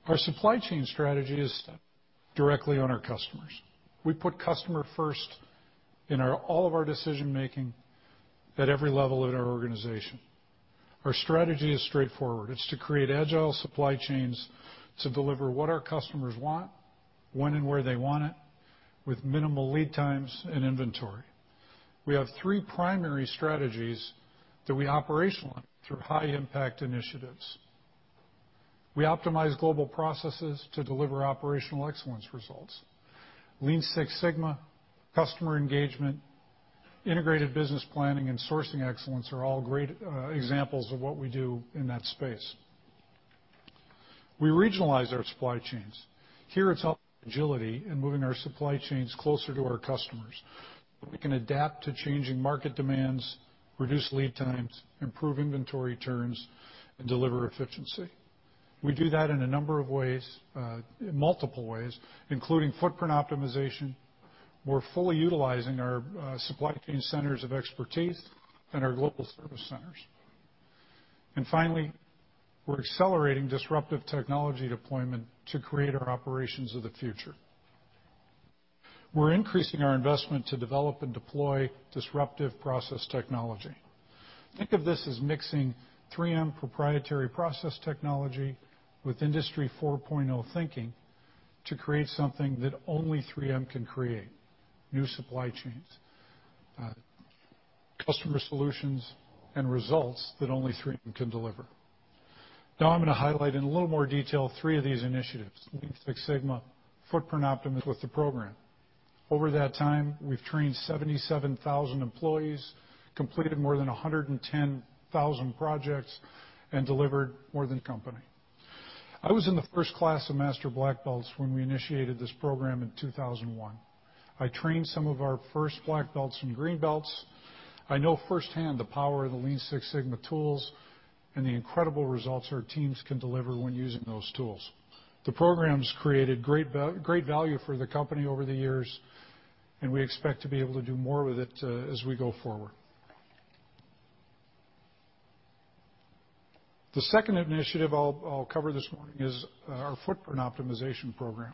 Our supply chain strategy is directly on our customers. We put customer first in all of our decision-making at every level of our organization. Our strategy is straightforward. It's to create agile supply chains to deliver what our customers want, when and where they want it, with minimal lead times and inventory. We have three primary strategies that we operationalize through high impact initiatives. We optimize global processes to deliver operational excellence results. Lean Six Sigma, customer engagement, integrated business planning, and sourcing excellence are all great examples of what we do in that space. We regionalize our supply chains. Here, it's agility in moving our supply chains closer to our customers, where we can adapt to changing market demands, reduce lead times, improve inventory turns, and deliver efficiency. We do that in a number of ways, in multiple ways, including footprint optimization. We're fully utilizing our supply chain centers of expertise and our global service centers. Finally, we're accelerating disruptive technology deployment to create our operations of the future. We're increasing our investment to develop and deploy disruptive process technology. Think of this as mixing 3M proprietary process technology with Industry 4.0 thinking to create something that only 3M can create, new supply chains, customer solutions, and results that only 3M can deliver. I'm going to highlight in a little more detail three of these initiatives, Lean Six Sigma, footprint optimization with the program. Over that time, we've trained 77,000 employees, completed more than 110,000 projects, and delivered more than company. I was in the first class of Master Black Belts when we initiated this program in 2001. I trained some of our first Black Belts and Green Belts. I know firsthand the power of the Lean Six Sigma tools and the incredible results our teams can deliver when using those tools. The program's created great value for the company over the years, and we expect to be able to do more with it as we go forward. The second initiative I'll cover this morning is our Footprint Optimization Program.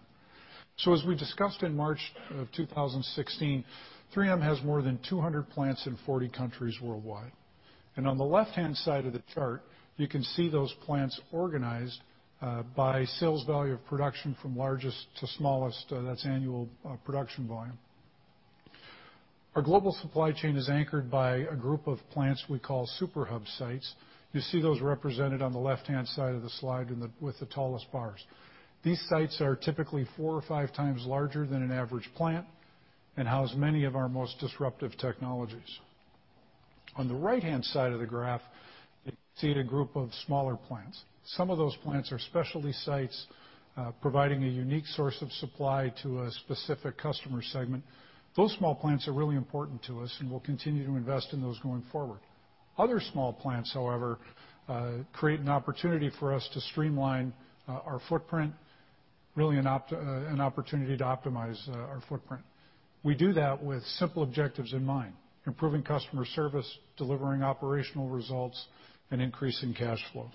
As we discussed in March of 2016, 3M has more than 200 plants in 40 countries worldwide. On the left-hand side of the chart, you can see those plants organized by sales value of production from largest to smallest. That's annual production volume. Our global supply chain is anchored by a group of plants we call super hub sites. You see those represented on the left-hand side of the slide with the tallest bars. These sites are typically four or five times larger than an average plant and house many of our most disruptive technologies. On the right-hand side of the graph, you can see the group of smaller plants. Some of those plants are specialty sites providing a unique source of supply to a specific customer segment. Those small plants are really important to us, and we'll continue to invest in those going forward. Other small plants, however, create an opportunity for us to streamline our footprint, really an opportunity to optimize our footprint. We do that with simple objectives in mind, improving customer service, delivering operational results, and increasing cash flow.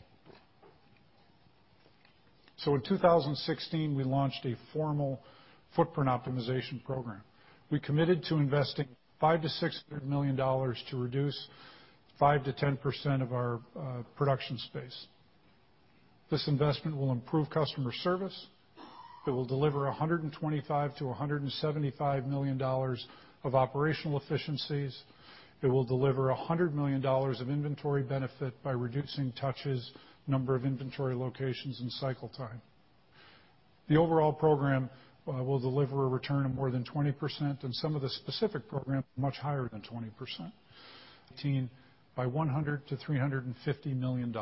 In 2016, we launched a formal Footprint Optimization Program. We committed to investing $500 million-$600 million to reduce 5%-10% of our production space. This investment will improve customer service. It will deliver $125 million-$175 million of operational efficiencies. It will deliver $100 million of inventory benefit by reducing touches, number of inventory locations, and cycle time. The overall program will deliver a return of more than 20%, and some of the specific programs, much higher than 20%. 2018 by $100 million-$350 million.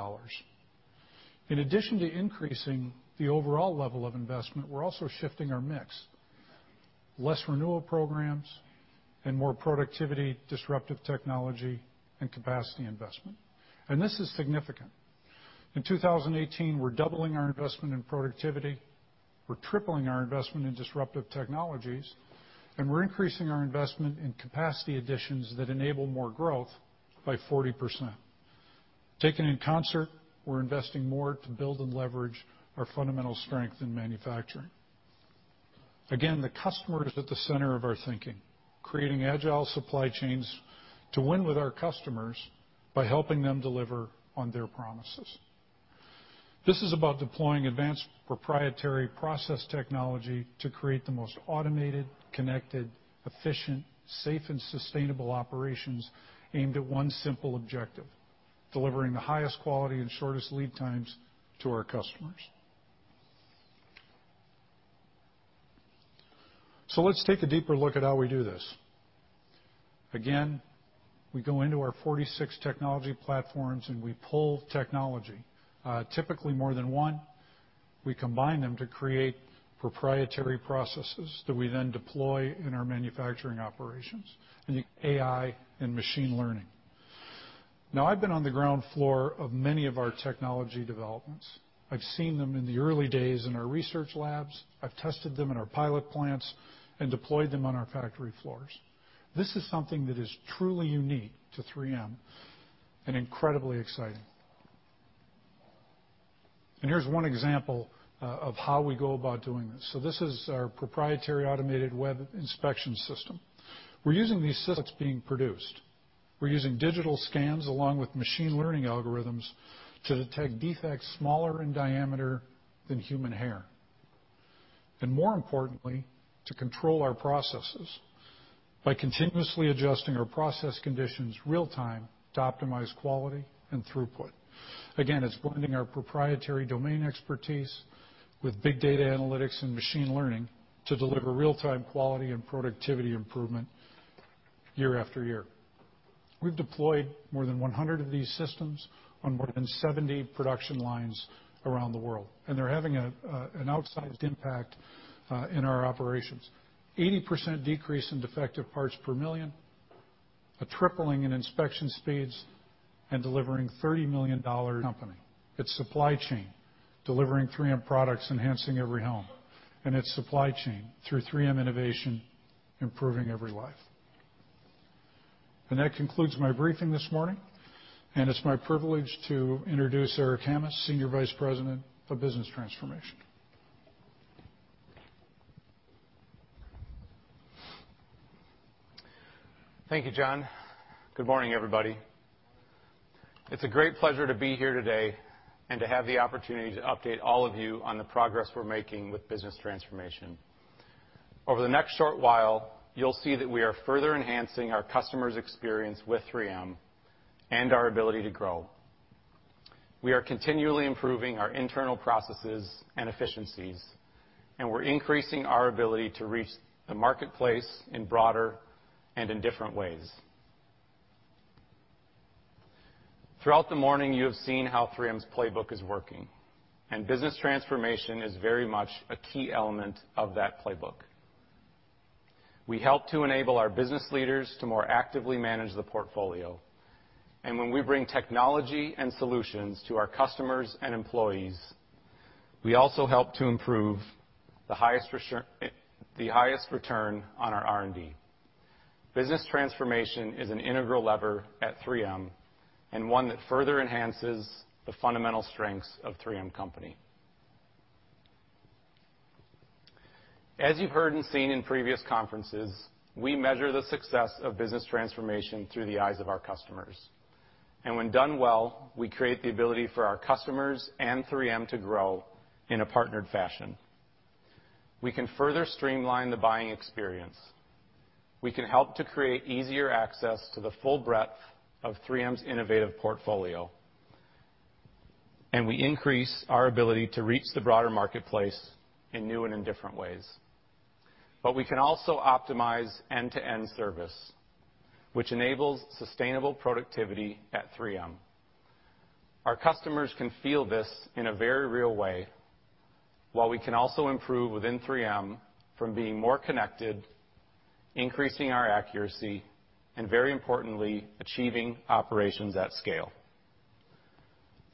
In addition to increasing the overall level of investment, we're also shifting our mix. Less renewal programs and more productivity, disruptive technology, and capacity investment. This is significant. In 2018, we're doubling our investment in productivity, we're tripling our investment in disruptive technologies, and we're increasing our investment in capacity additions that enable more growth by 40%. Taken in concert, we're investing more to build and leverage our fundamental strength in manufacturing. Again, the customer is at the center of our thinking, creating agile supply chains to win with our customers by helping them deliver on their promises. This is about deploying advanced proprietary process technology to create the most automated, connected, efficient, safe, and sustainable operations aimed at one simple objective, delivering the highest quality and shortest lead times to our customers. Let's take a deeper look at how we do this. We go into our 46 technology platforms, and we pull technology, typically more than one. We combine them to create proprietary processes that we then deploy in our manufacturing operations, and AI and machine learning. I've been on the ground floor of many of our technology developments. I've seen them in the early days in our research labs. I've tested them in our pilot plants and deployed them on our factory floors. This is something that is truly unique to 3M and incredibly exciting. Here's one example of how we go about doing this. This is our proprietary automated web inspection system. We're using these systems being produced. We're using digital scans along with machine learning algorithms to detect defects smaller in diameter than human hair, and more importantly, to control our processes by continuously adjusting our process conditions real time to optimize quality and throughput. Again, it's blending our proprietary domain expertise with big data analytics and machine learning to deliver real-time quality and productivity improvement year after year. We've deployed more than 100 of these systems on more than 70 production lines around the world, and they're having an outsized impact in our operations. 80% decrease in defective parts per million, a tripling in inspection speeds, and delivering $30 million company. Its supply chain, delivering 3M products, enhancing every home, and its supply chain through 3M innovation, improving every life. That concludes my briefing this morning, and it's my privilege to introduce Eric Hammes, Senior Vice President of Business Transformation.
Thank you, Jon. Good morning, everybody. It's a great pleasure to be here today and to have the opportunity to update all of you on the progress we're making with business transformation. Over the next short while, you'll see that we are further enhancing our customers' experience with 3M and our ability to grow. We are continually improving our internal processes and efficiencies, and we're increasing our ability to reach the marketplace in broader and in different ways. Throughout the morning, you have seen how 3M's Playbook is working, and business transformation is very much a key element of that Playbook. We help to enable our business leaders to more actively manage the portfolio. When we bring technology and solutions to our customers and employees, we also help to improve the highest return on our R&D. Business transformation is an integral lever at 3M and one that further enhances the fundamental strengths of 3M Company. As you've heard and seen in previous conferences, we measure the success of business transformation through the eyes of our customers. When done well, we create the ability for our customers and 3M to grow in a partnered fashion. We can further streamline the buying experience. We can help to create easier access to the full breadth of 3M's innovative portfolio. We increase our ability to reach the broader marketplace in new and in different ways. We can also optimize end-to-end service, which enables sustainable productivity at 3M. Our customers can feel this in a very real way, while we can also improve within 3M from being more connected, increasing our accuracy, and very importantly, achieving operations at scale.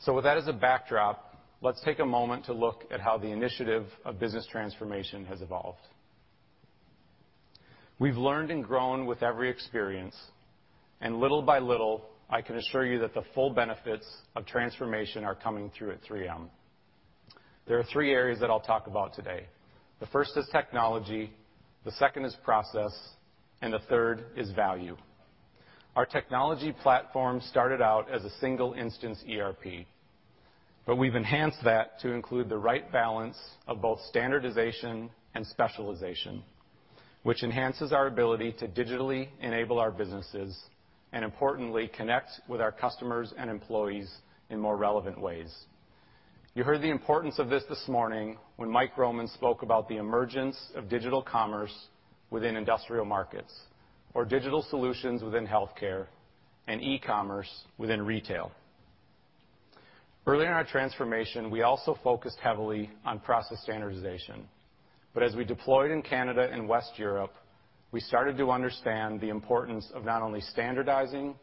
With that as a backdrop, let's take a moment to look at how the initiative of business transformation has evolved. We've learned and grown with every experience, and little by little, I can assure you that the full benefits of transformation are coming through at 3M. There are three areas that I'll talk about today. The first is technology, the second is process, and the third is value. Our technology platform started out as a single instance ERP, but we've enhanced that to include the right balance of both standardization and specialization, which enhances our ability to digitally enable our businesses and importantly, connect with our customers and employees in more relevant ways. You heard the importance of this this morning when Mike Roman spoke about the emergence of digital commerce within industrial markets or digital solutions within healthcare and e-commerce within retail. Early in our transformation, we also focused heavily on process standardization. As we deployed in Canada and West Europe, we started to understand the importance of not only standardizing,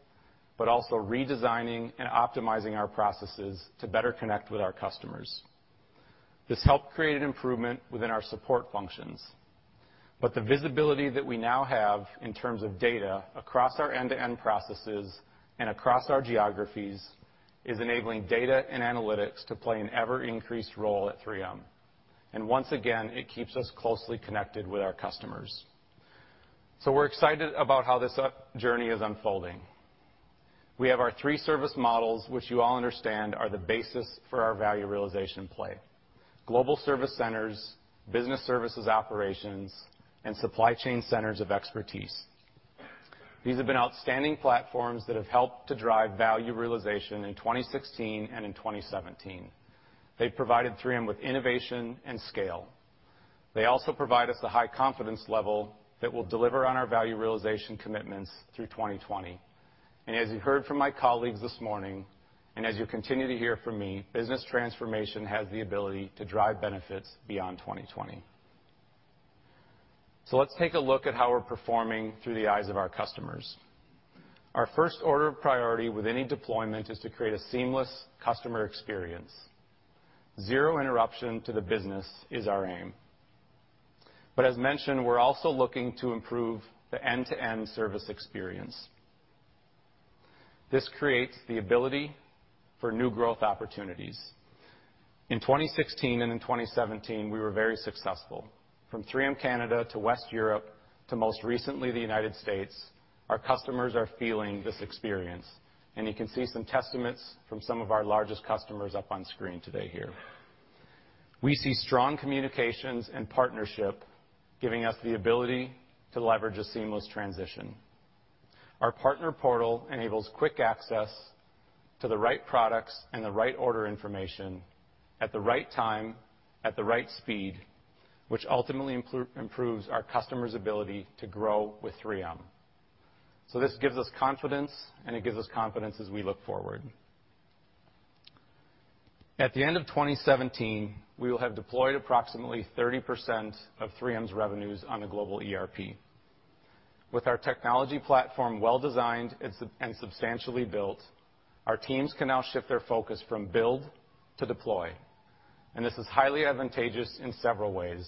but also redesigning and optimizing our processes to better connect with our customers. This helped create an improvement within our support functions. The visibility that we now have in terms of data across our end-to-end processes and across our geographies is enabling data and analytics to play an ever-increased role at 3M. Once again, it keeps us closely connected with our customers. We're excited about how this journey is unfolding. We have our three service models, which you all understand are the basis for our value realization play: global service centers, business services operations, and supply chain centers of expertise. These have been outstanding platforms that have helped to drive value realization in 2016 and in 2017. They've provided 3M with innovation and scale. They also provide us the high confidence level that we'll deliver on our value realization commitments through 2020. As you heard from my colleagues this morning, and as you'll continue to hear from me, business transformation has the ability to drive benefits beyond 2020. Let's take a look at how we're performing through the eyes of our customers. Our first order of priority with any deployment is to create a seamless customer experience. Zero interruption to the business is our aim. As mentioned, we're also looking to improve the end-to-end service experience. This creates the ability for new growth opportunities. In 2016 and in 2017, we were very successful. From 3M Canada to West Europe, to most recently the United States, our customers are feeling this experience, and you can see some testaments from some of our largest customers up on screen today here. We see strong communications and partnership giving us the ability to leverage a seamless transition. Our partner portal enables quick access to the right products and the right order information at the right time, at the right speed, which ultimately improves our customers' ability to grow with 3M. This gives us confidence, and it gives us confidence as we look forward. At the end of 2017, we will have deployed approximately 30% of 3M's revenues on the global ERP. With our technology platform well-designed and substantially built, our teams can now shift their focus from build to deploy. This is highly advantageous in several ways,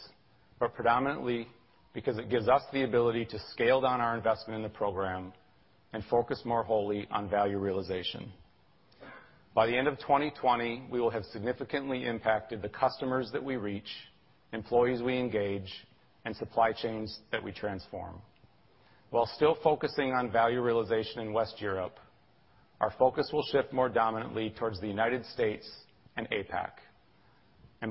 but predominantly because it gives us the ability to scale down our investment in the program and focus more wholly on value realization. By the end of 2020, we will have significantly impacted the customers that we reach, employees we engage, and supply chains that we transform. While still focusing on value realization in West Europe, our focus will shift more dominantly towards the United States and APAC.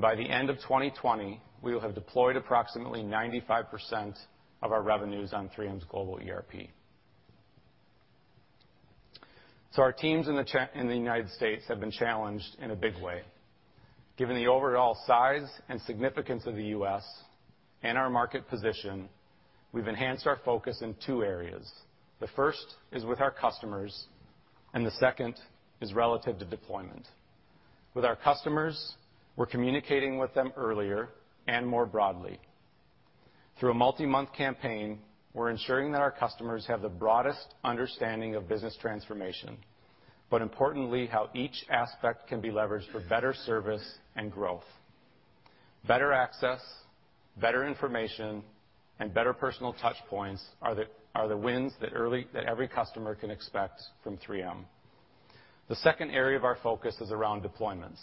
By the end of 2020, we will have deployed approximately 95% of our revenues on 3M's global ERP. Our teams in the United States have been challenged in a big way. Given the overall size and significance of the U.S. and our market position, we've enhanced our focus in two areas. The first is with our customers, and the second is relative to deployment. With our customers, we're communicating with them earlier and more broadly. Through a multi-month campaign, we're ensuring that our customers have the broadest understanding of business transformation, but importantly, how each aspect can be leveraged for better service and growth. Better access, better information, and better personal touch points are the wins that every customer can expect from 3M. The second area of our focus is around deployments.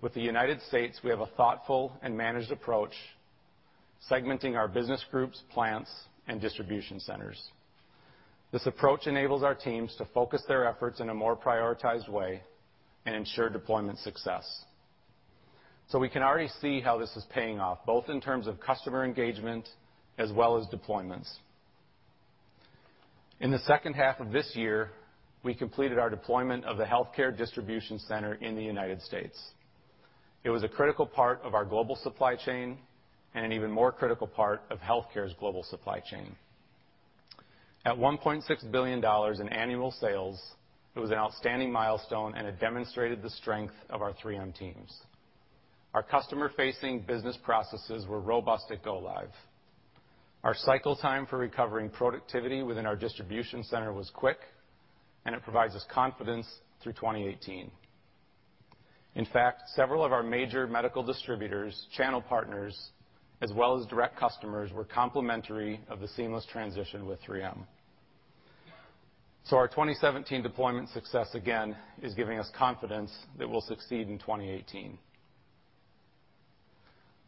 With the United States, we have a thoughtful and managed approach, segmenting our business groups, plants, and distribution centers. This approach enables our teams to focus their efforts in a more prioritized way and ensure deployment success. We can already see how this is paying off, both in terms of customer engagement as well as deployments. In the second half of this year, we completed our deployment of the healthcare distribution center in the United States. It was a critical part of our global supply chain and an even more critical part of healthcare's global supply chain. At $1.6 billion in annual sales, it was an outstanding milestone and it demonstrated the strength of our 3M teams. Our customer-facing business processes were robust at go live. Our cycle time for recovering productivity within our distribution center was quick, and it provides us confidence through 2018. In fact, several of our major medical distributors, channel partners, as well as direct customers, were complimentary of the seamless transition with 3M. Our 2017 deployment success, again, is giving us confidence that we'll succeed in 2018.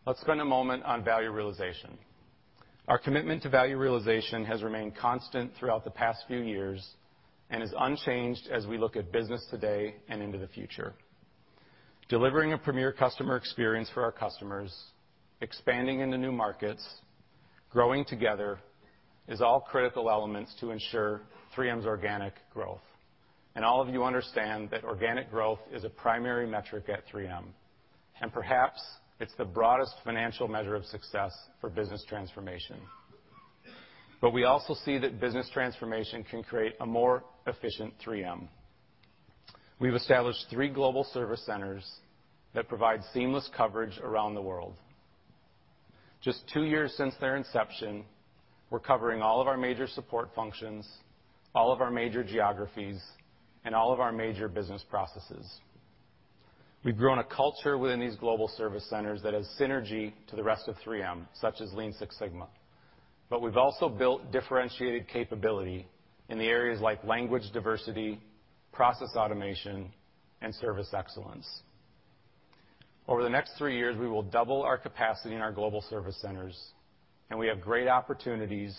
Let's spend a moment on value realization. Our commitment to value realization has remained constant throughout the past few years and is unchanged as we look at business today and into the future. Delivering a premier customer experience for our customers, expanding into new markets, growing together is all critical elements to ensure 3M's organic growth. All of you understand that organic growth is a primary metric at 3M, and perhaps it's the broadest financial measure of success for business transformation. We also see that business transformation can create a more efficient 3M. We've established three global service centers that provide seamless coverage around the world. Just two years since their inception, we're covering all of our major support functions, all of our major geographies, and all of our major business processes. We've grown a culture within these global service centers that has synergy to the rest of 3M, such as Lean Six Sigma. We've also built differentiated capability in the areas like language diversity, process automation, and service excellence. Over the next 3 years, we will double our capacity in our global service centers, and we have great opportunities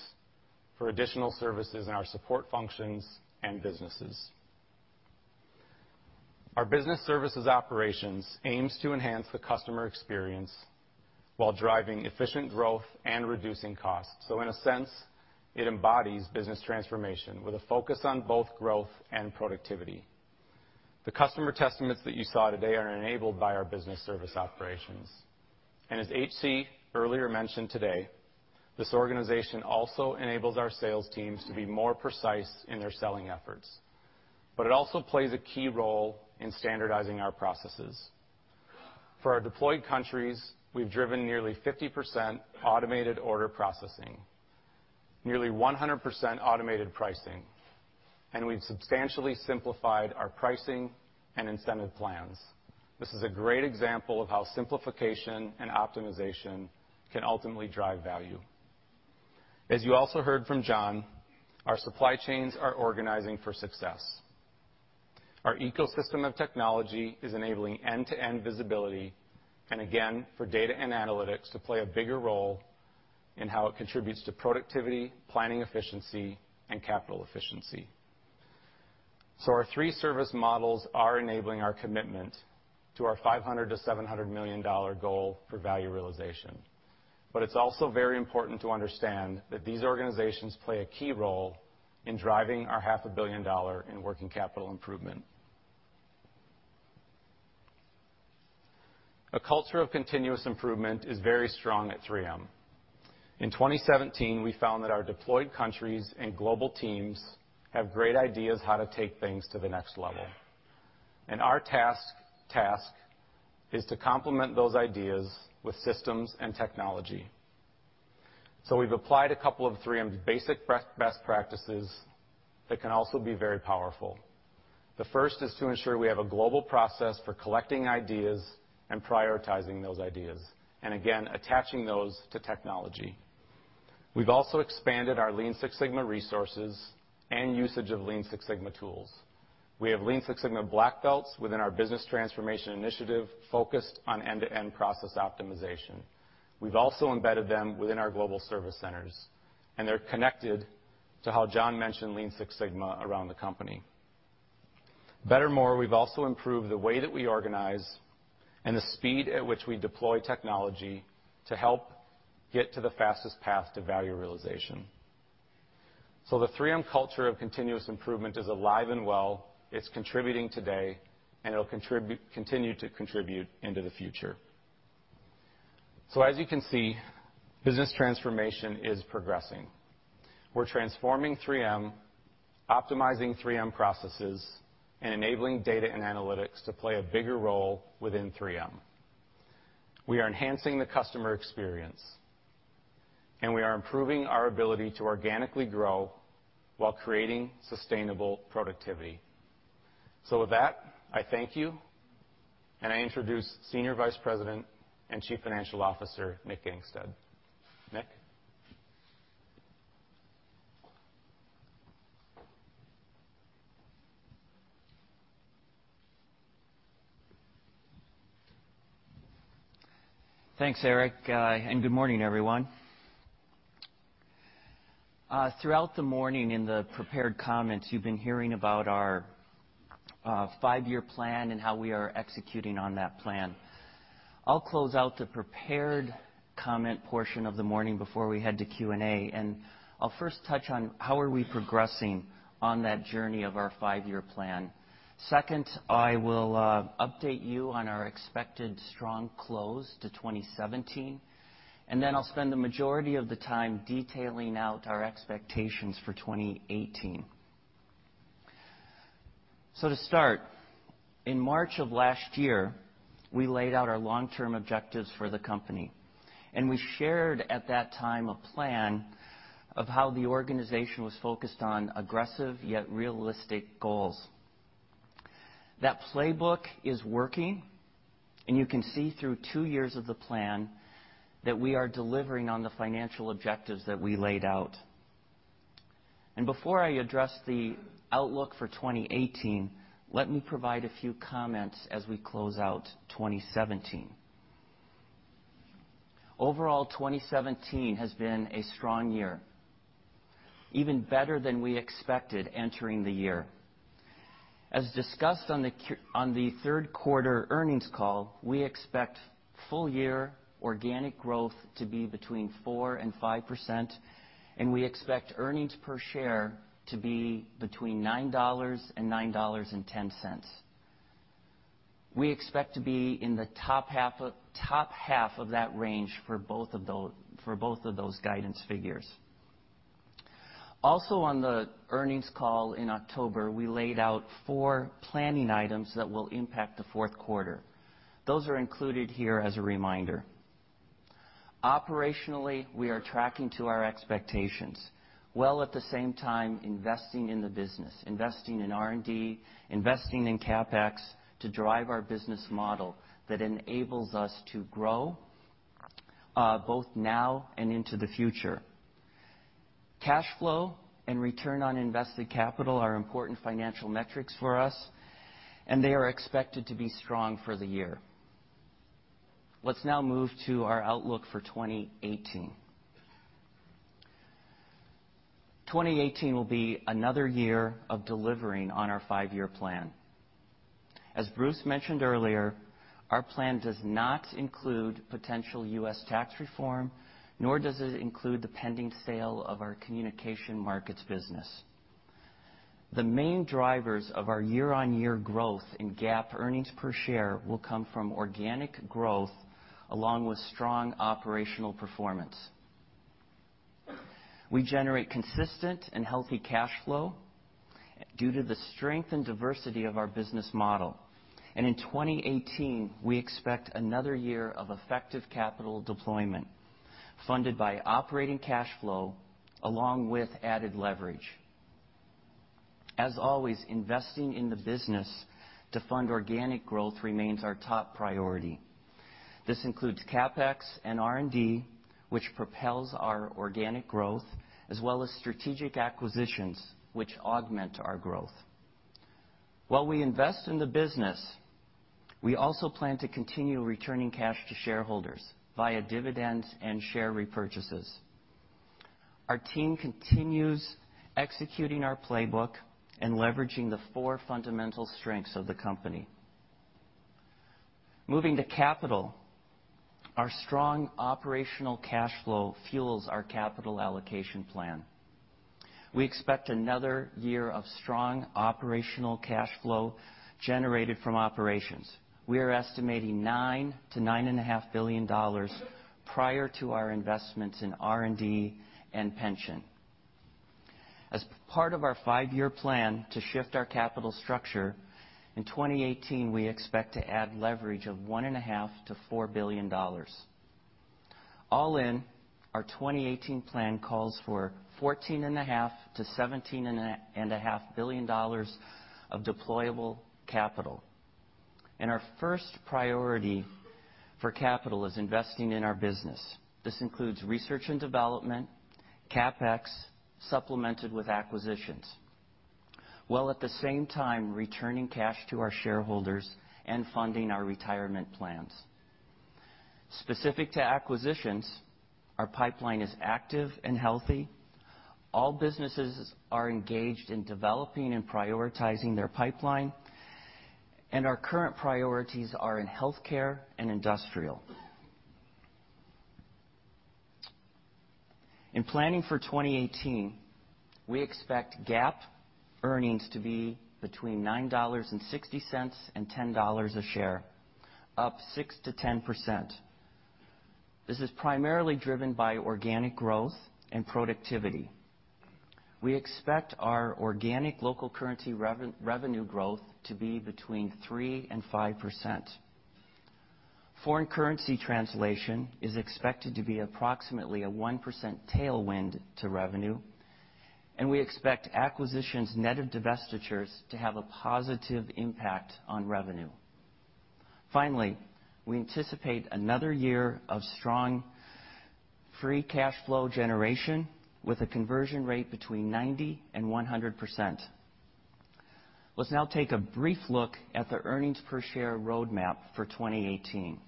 for additional services in our support functions and businesses. Our business services operations aims to enhance the customer experience while driving efficient growth and reducing costs. In a sense, it embodies business transformation with a focus on both growth and productivity. The customer testaments that you saw today are enabled by our business service operations. As HC earlier mentioned today, this organization also enables our sales teams to be more precise in their selling efforts, but it also plays a key role in standardizing our processes. For our deployed countries, we've driven nearly 50% automated order processing, nearly 100% automated pricing, and we've substantially simplified our pricing and incentive plans. This is a great example of how simplification and optimization can ultimately drive value. As you also heard from Jon, our supply chains are organizing for success. Our ecosystem of technology is enabling end-to-end visibility, and again, for data and analytics to play a bigger role in how it contributes to productivity, planning efficiency, and capital efficiency. Our 3 service models are enabling our commitment to our $500 million to $700 million goal for value realization. It's also very important to understand that these organizations play a key role in driving our half a billion dollar in working capital improvement. A culture of continuous improvement is very strong at 3M. In 2017, we found that our deployed countries and global teams have great ideas how to take things to the next level. Our task is to complement those ideas with systems and technology. We've applied a couple of 3M basic best practices that can also be very powerful. The first is to ensure we have a global process for collecting ideas and prioritizing those ideas, and again, attaching those to technology. We've also expanded our Lean Six Sigma resources and usage of Lean Six Sigma tools. We have Lean Six Sigma black belts within our business transformation initiative focused on end-to-end process optimization. We've also embedded them within our global service centers, and they're connected to how Jon mentioned Lean Six Sigma around the company. Better more, we've also improved the way that we organize and the speed at which we deploy technology to help get to the fastest path to value realization. The 3M culture of continuous improvement is alive and well, it's contributing today, and it'll continue to contribute into the future. As you can see, business transformation is progressing. We're transforming 3M, optimizing 3M processes, and enabling data and analytics to play a bigger role within 3M. We are enhancing the customer experience, and we are improving our ability to organically grow while creating sustainable productivity. With that, I thank you, and I introduce Senior Vice President and Chief Financial Officer, Nick Gangestad. Nick?
Thanks, Eric. Good morning, everyone. Throughout the morning in the prepared comments, you've been hearing about our five-year plan and how we are executing on that plan. I'll close out the prepared comment portion of the morning before we head to Q&A. I'll first touch on how are we progressing on that journey of our five-year plan. Second, I will update you on our expected strong close to 2017. I'll spend the majority of the time detailing out our expectations for 2018. To start, in March of last year, we laid out our long-term objectives for the company. We shared at that time a plan of how the organization was focused on aggressive yet realistic goals. That 3M Playbook is working. You can see through two years of the plan that we are delivering on the financial objectives that we laid out. Before I address the outlook for 2018, let me provide a few comments as we close out 2017. Overall, 2017 has been a strong year, even better than we expected entering the year. As discussed on the third quarter earnings call, we expect full year organic growth to be between 4%-5%, and we expect EPS to be between $9-$9.10. We expect to be in the top half of that range for both of those guidance figures. Also on the earnings call in October, we laid out four planning items that will impact the fourth quarter. Those are included here as a reminder. Operationally, we are tracking to our expectations, while at the same time investing in the business, investing in R&D, investing in CapEx to drive our business model that enables us to grow both now and into the future. Cash flow and return on invested capital are important financial metrics for us. They are expected to be strong for the year. Let's now move to our outlook for 2018. 2018 will be another year of delivering on our five-year plan. As Bruce mentioned earlier, our plan does not include potential U.S. tax reform, nor does it include the pending sale of our communication markets business. The main drivers of our year-over-year growth in GAAP EPS will come from organic growth along with strong operational performance. We generate consistent and healthy cash flow due to the strength and diversity of our business model. In 2018, we expect another year of effective capital deployment, funded by operating cash flow along with added leverage. As always, investing in the business to fund organic growth remains our top priority. This includes CapEx and R&D, which propels our organic growth, as well as strategic acquisitions, which augment our growth. While we invest in the business, we also plan to continue returning cash to shareholders via dividends and share repurchases. Our team continues executing our 3M Playbook and leveraging the four fundamental strengths of the company. Moving to capital, our strong operational cash flow fuels our capital allocation plan. We expect another year of strong operational cash flow generated from operations. We are estimating $9 billion-$9.5 billion prior to our investments in R&D and pension. As part of our five-year plan to shift our capital structure, in 2018, we expect to add leverage of $1.5 billion-$4 billion. All in, our 2018 plan calls for $14.5 billion-$17.5 billion of deployable capital. Our first priority for capital is investing in our business. This includes research and development, CapEx, supplemented with acquisitions. While at the same time, returning cash to our shareholders and funding our retirement plans. Specific to acquisitions, our pipeline is active and healthy. All businesses are engaged in developing and prioritizing their pipeline, and our current priorities are in healthcare and industrial. In planning for 2018, we expect GAAP earnings to be between $9.60 and $10 a share, up 6% to 10%. This is primarily driven by organic growth and productivity. We expect our organic local currency revenue growth to be between 3% and 5%. Foreign currency translation is expected to be approximately a 1% tailwind to revenue, and we expect acquisitions net of divestitures to have a positive impact on revenue. Finally, we anticipate another year of strong free cash flow generation with a conversion rate between 90% and 100%. Let's now take a brief look at the earnings per share roadmap for 2018.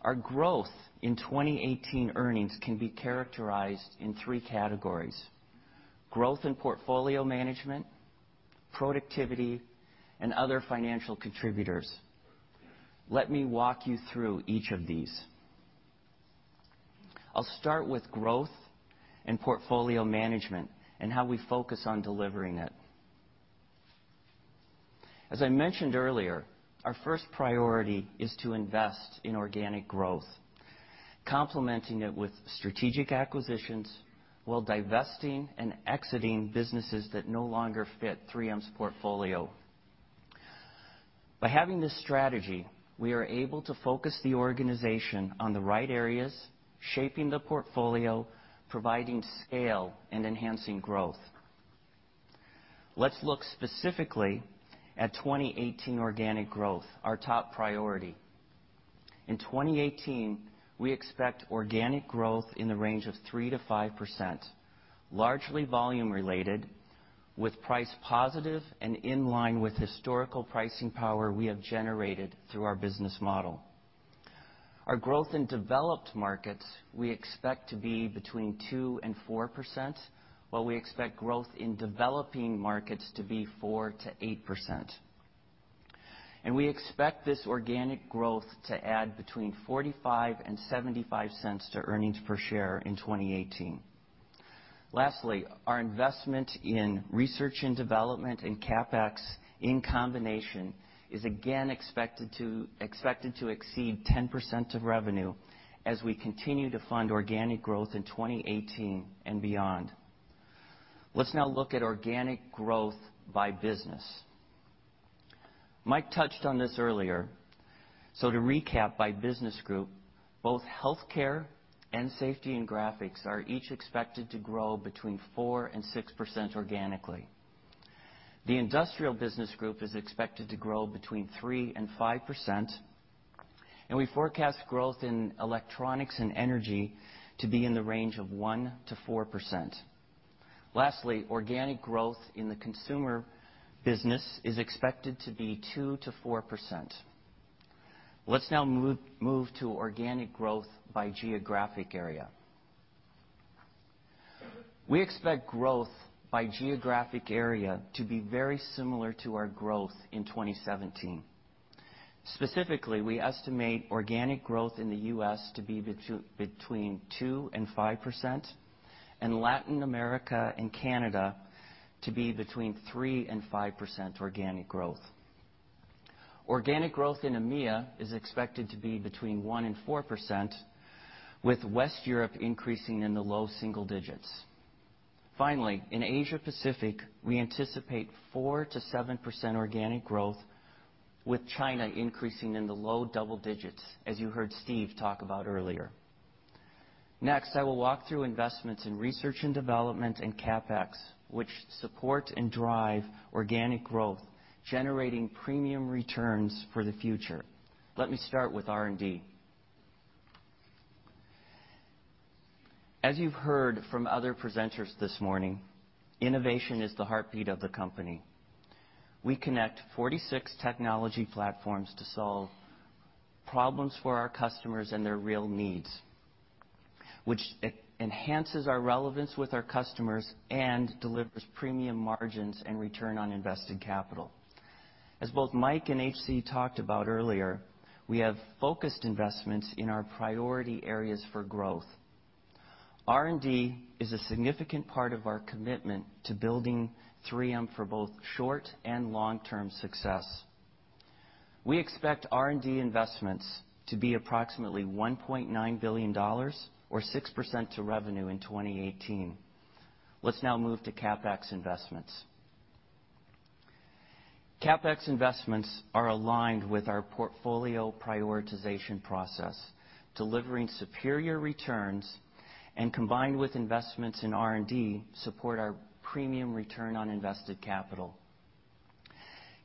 Our growth in 2018 earnings can be characterized in three categories: growth and portfolio management, productivity, and other financial contributors. Let me walk you through each of these. I'll start with growth and portfolio management and how we focus on delivering it. As I mentioned earlier, our first priority is to invest in organic growth, complementing it with strategic acquisitions while divesting and exiting businesses that no longer fit 3M's portfolio. By having this strategy, we are able to focus the organization on the right areas, shaping the portfolio, providing scale, and enhancing growth. Let's look specifically at 2018 organic growth, our top priority. In 2018, we expect organic growth in the range of 3% to 5%, largely volume related, with price positive and in line with historical pricing power we have generated through our business model. Our growth in developed markets, we expect to be between 2% and 4%, while we expect growth in developing markets to be 4% to 8%. We expect this organic growth to add between $0.45 and $0.75 to earnings per share in 2018. Lastly, our investment in research and development and CapEx in combination is again expected to exceed 10% of revenue as we continue to fund organic growth in 2018 and beyond. Let's now look at organic growth by business. Mike touched on this earlier, so to recap by business group, both healthcare and safety and graphics are each expected to grow between 4% and 6% organically. The industrial business group is expected to grow between 3% and 5%, and we forecast growth in electronics and energy to be in the range of 1% to 4%. Lastly, organic growth in the consumer business is expected to be 2% to 4%. Let's now move to organic growth by geographic area. We expect growth by geographic area to be very similar to our growth in 2017. Specifically, we estimate organic growth in the U.S. to be between 2% and 5%, and Latin America and Canada to be between 3% and 5% organic growth. Organic growth in EMEA is expected to be between 1% and 4%, with West Europe increasing in the low single digits. Finally, in Asia Pacific, we anticipate 4% to 7% organic growth, with China increasing in the low double digits, as you heard Steve talk about earlier. Next, I will walk through investments in research and development and CapEx, which support and drive organic growth, generating premium returns for the future. Let me start with R&D. As you've heard from other presenters this morning, innovation is the heartbeat of the company. We connect 46 technology platforms to solve problems for our customers and their real needs, which enhances our relevance with our customers and delivers premium margins and return on invested capital. As both Mike and HC talked about earlier, we have focused investments in our priority areas for growth. R&D is a significant part of our commitment to building 3M for both short- and long-term success. We expect R&D investments to be approximately $1.9 billion, or 6% to revenue in 2018. Let's now move to CapEx investments. CapEx investments are aligned with our portfolio prioritization process, delivering superior returns, and combined with investments in R&D, support our premium return on invested capital.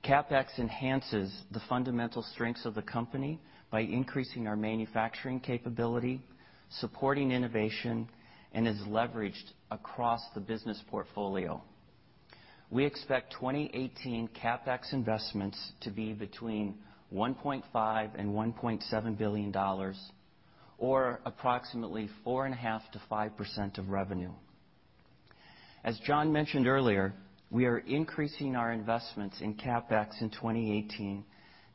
CapEx enhances the fundamental strengths of the company by increasing our manufacturing capability, supporting innovation, and is leveraged across the business portfolio. We expect 2018 CapEx investments to be between $1.5 billion and $1.7 billion, or approximately 4.5%-5% of revenue. As Jon mentioned earlier, we are increasing our investments in CapEx in 2018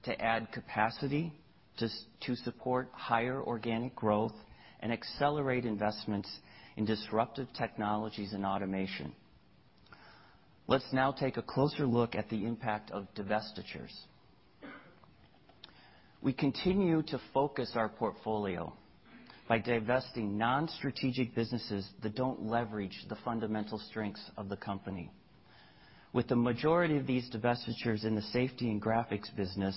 to add capacity to support higher organic growth and accelerate investments in disruptive technologies and automation. Let's now take a closer look at the impact of divestitures. We continue to focus our portfolio by divesting non-strategic businesses that don't leverage the fundamental strengths of the company. With the majority of these divestitures in the safety and graphics business,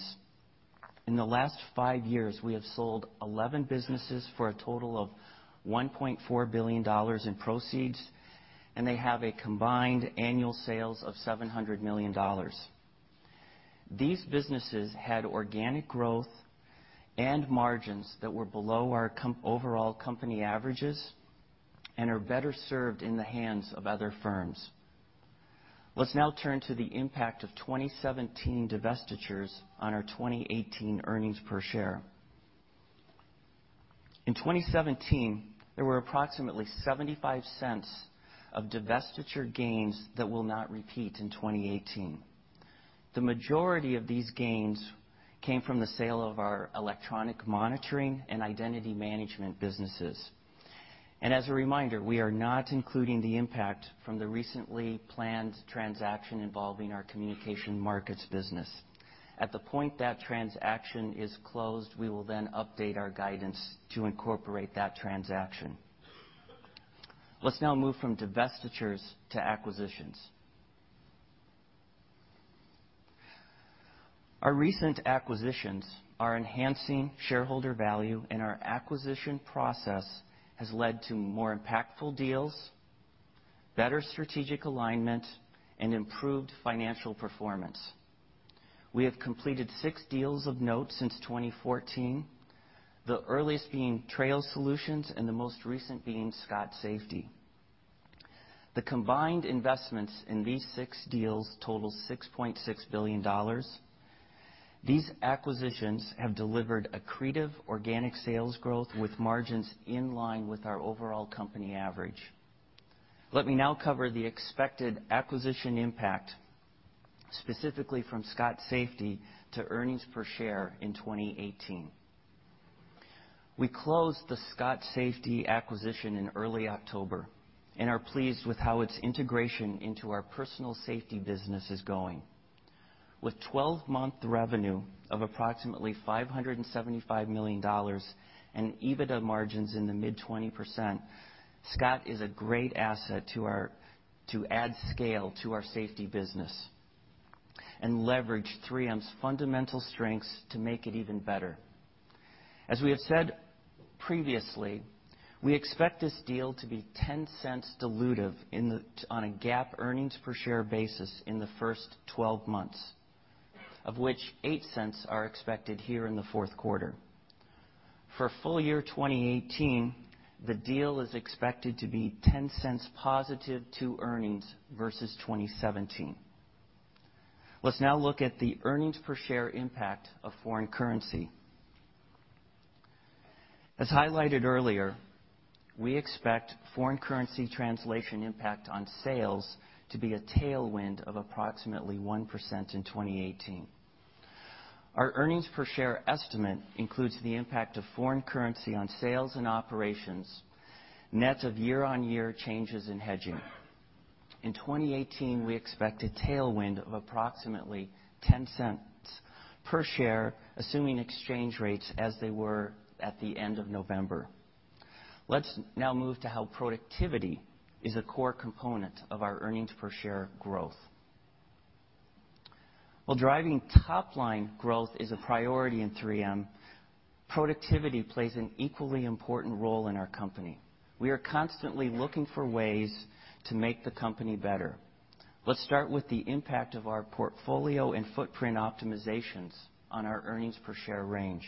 in the last five years, we have sold 11 businesses for a total of $1.4 billion in proceeds, and they have a combined annual sales of $700 million. These businesses had organic growth and margins that were below our overall company averages and are better served in the hands of other firms. Let's now turn to the impact of 2017 divestitures on our 2018 earnings per share. In 2017, there were approximately $0.75 of divestiture gains that will not repeat in 2018. The majority of these gains came from the sale of our electronic monitoring and identity management businesses. As a reminder, we are not including the impact from the recently planned transaction involving our communication markets business. At the point that transaction is closed, we will then update our guidance to incorporate that transaction. Let's now move from divestitures to acquisitions. Our recent acquisitions are enhancing shareholder value. Our acquisition process has led to more impactful deals, better strategic alignment, and improved financial performance. We have completed six deals of note since 2014, the earliest being Treo Solutions and the most recent being Scott Safety. The combined investments in these six deals total $6.6 billion. These acquisitions have delivered accretive organic sales growth with margins in line with our overall company average. Let me now cover the expected acquisition impact, specifically from Scott Safety to earnings per share in 2018. We closed the Scott Safety acquisition in early October and are pleased with how its integration into our personal safety business is going. With 12-month revenue of approximately $575 million and EBITDA margins in the mid-20%, Scott Safety is a great asset to add scale to our safety business and leverage 3M's fundamental strengths to make it even better. As we have said previously, we expect this deal to be $0.10 dilutive on a GAAP earnings per share basis in the first 12 months, of which $0.08 are expected here in the fourth quarter. For full year 2018, the deal is expected to be $0.10 positive to earnings versus 2017. Let's now look at the earnings per share impact of foreign currency. As highlighted earlier, we expect foreign currency translation impact on sales to be a tailwind of approximately 1% in 2018. Our earnings per share estimate includes the impact of foreign currency on sales and operations, net of year-over-year changes in hedging. In 2018, we expect a tailwind of approximately $0.10 per share, assuming exchange rates as they were at the end of November. Let's now move to how productivity is a core component of our earnings per share growth. While driving top-line growth is a priority in 3M, productivity plays an equally important role in our company. We are constantly looking for ways to make the company better. Let's start with the impact of our portfolio and footprint optimizations on our earnings per share range.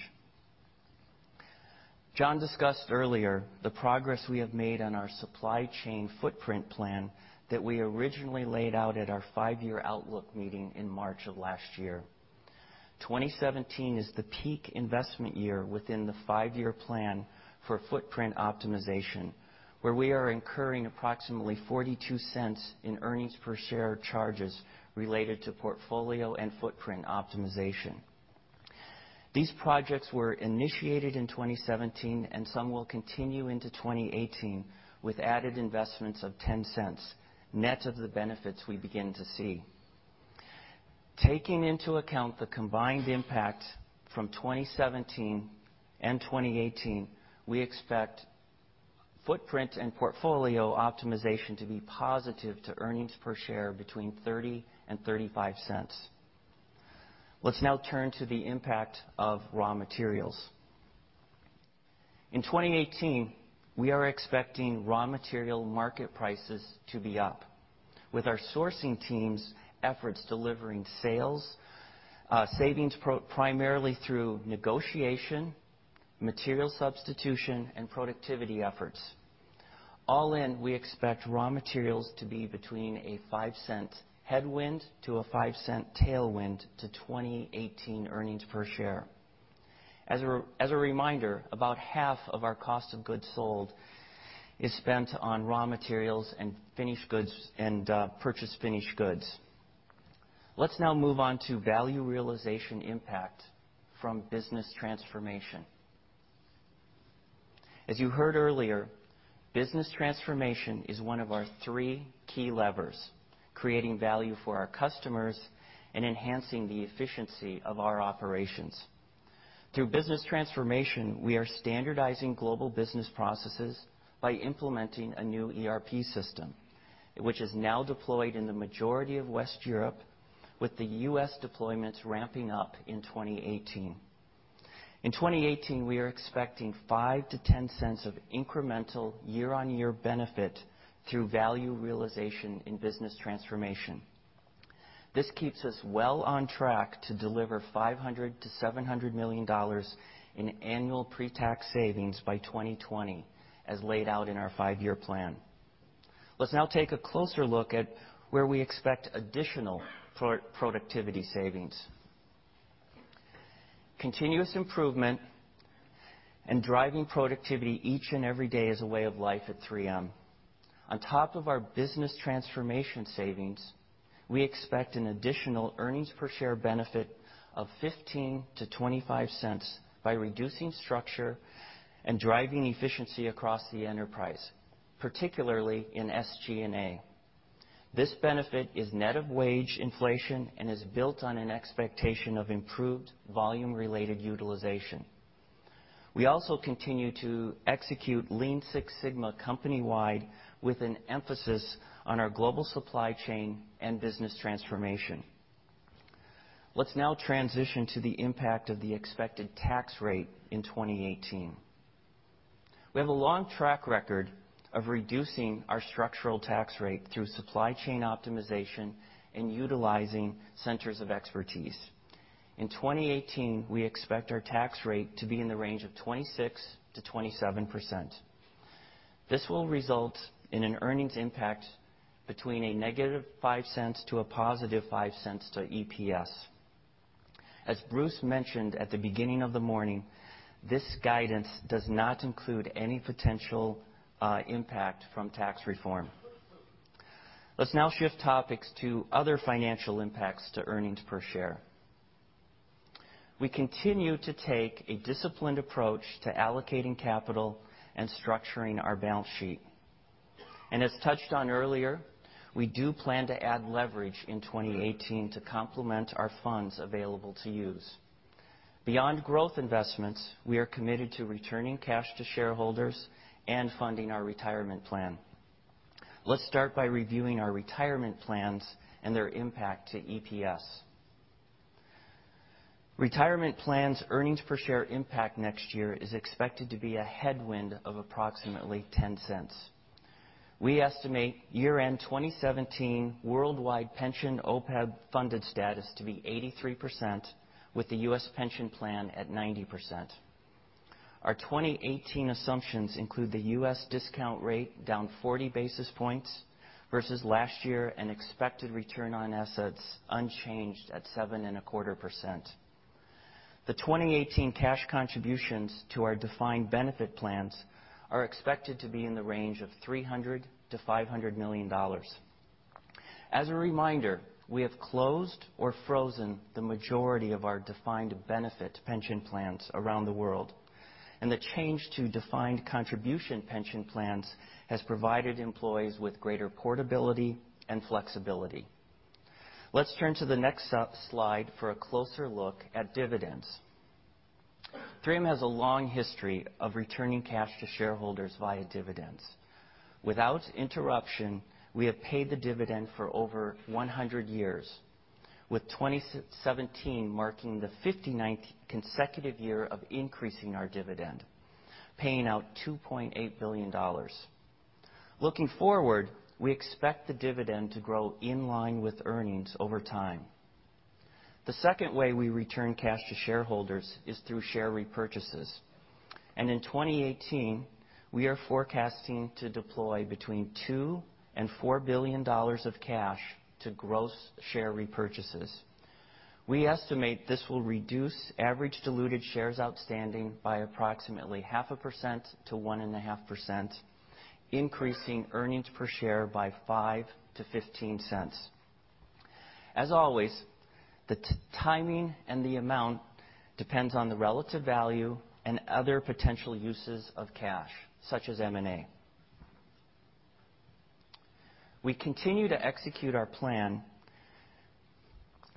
Jon discussed earlier the progress we have made on our supply chain footprint plan that we originally laid out at our five-year outlook meeting in March of last year. 2017 is the peak investment year within the five-year plan for footprint optimization, where we are incurring approximately $0.42 in earnings per share charges related to portfolio and footprint optimization. These projects were initiated in 2017, and some will continue into 2018 with added investments of $0.10, net of the benefits we begin to see. Taking into account the combined impact from 2017 and 2018, we expect footprint and portfolio optimization to be positive to earnings per share between $0.30 and $0.35. Let's now turn to the impact of raw materials. In 2018, we are expecting raw material market prices to be up, with our sourcing team's efforts delivering cost savings primarily through negotiation, material substitution, and productivity efforts. All in, we expect raw materials to be between a $0.05 headwind to a $0.05 tailwind to 2018 earnings per share. As a reminder, about half of our cost of goods sold is spent on raw materials and purchased finished goods. Let's now move on to value realization impact from business transformation. As you heard earlier, business transformation is one of our three key levers, creating value for our customers and enhancing the efficiency of our operations. Through business transformation, we are standardizing global business processes by implementing a new ERP system, which is now deployed in the majority of Western Europe, with the U.S. deployments ramping up in 2018. In 2018, we are expecting $0.05 to $0.10 of incremental year-over-year benefit through value realization in business transformation. This keeps us well on track to deliver $500 to $700 million in annual pre-tax savings by 2020, as laid out in our five-year plan. Let's now take a closer look at where we expect additional productivity savings. Continuous improvement and driving productivity each and every day is a way of life at 3M. On top of our business transformation savings, we expect an additional earnings per share benefit of $0.15 to $0.25 by reducing structure and driving efficiency across the enterprise, particularly in SG&A. This benefit is net of wage inflation and is built on an expectation of improved volume-related utilization. We also continue to execute Lean Six Sigma company-wide with an emphasis on our global supply chain and business transformation. Let's now transition to the impact of the expected tax rate in 2018. We have a long track record of reducing our structural tax rate through supply chain optimization and utilizing centers of expertise. In 2018, we expect our tax rate to be in the range of 26%-27%. This will result in an earnings impact between a negative $0.05 to positive $0.05 to EPS. As Bruce mentioned at the beginning of the morning, this guidance does not include any potential impact from tax reform. Let's now shift topics to other financial impacts to earnings per share. We continue to take a disciplined approach to allocating capital and structuring our balance sheet. As touched on earlier, we do plan to add leverage in 2018 to complement our funds available to use. Beyond growth investments, we are committed to returning cash to shareholders and funding our retirement plan. Let's start by reviewing our retirement plans and their impact to EPS. Retirement plans' earnings per share impact next year is expected to be a headwind of approximately $0.10. We estimate year-end 2017 worldwide pension OPEB-funded status to be 83%, with the U.S. pension plan at 90%. Our 2018 assumptions include the U.S. discount rate down 40 basis points versus last year and expected return on assets unchanged at 7.25%. The 2018 cash contributions to our defined benefit plans are expected to be in the range of $300 million-$500 million. As a reminder, we have closed or frozen the majority of our defined benefit pension plans around the world, and the change to defined contribution pension plans has provided employees with greater portability and flexibility. Let's turn to the next slide for a closer look at dividends. 3M has a long history of returning cash to shareholders via dividends. Without interruption, we have paid the dividend for over 100 years, with 2017 marking the 59th consecutive year of increasing our dividend, paying out $2.8 billion. Looking forward, we expect the dividend to grow in line with earnings over time. The second way we return cash to shareholders is through share repurchases. In 2018, we are forecasting to deploy between $2 billion and $4 billion of cash to gross share repurchases. We estimate this will reduce average diluted shares outstanding by approximately 0.5%-1.5%, increasing earnings per share by $0.05 to $0.15. As always, the timing and the amount depends on the relative value and other potential uses of cash, such as M&A. We continue to execute our plan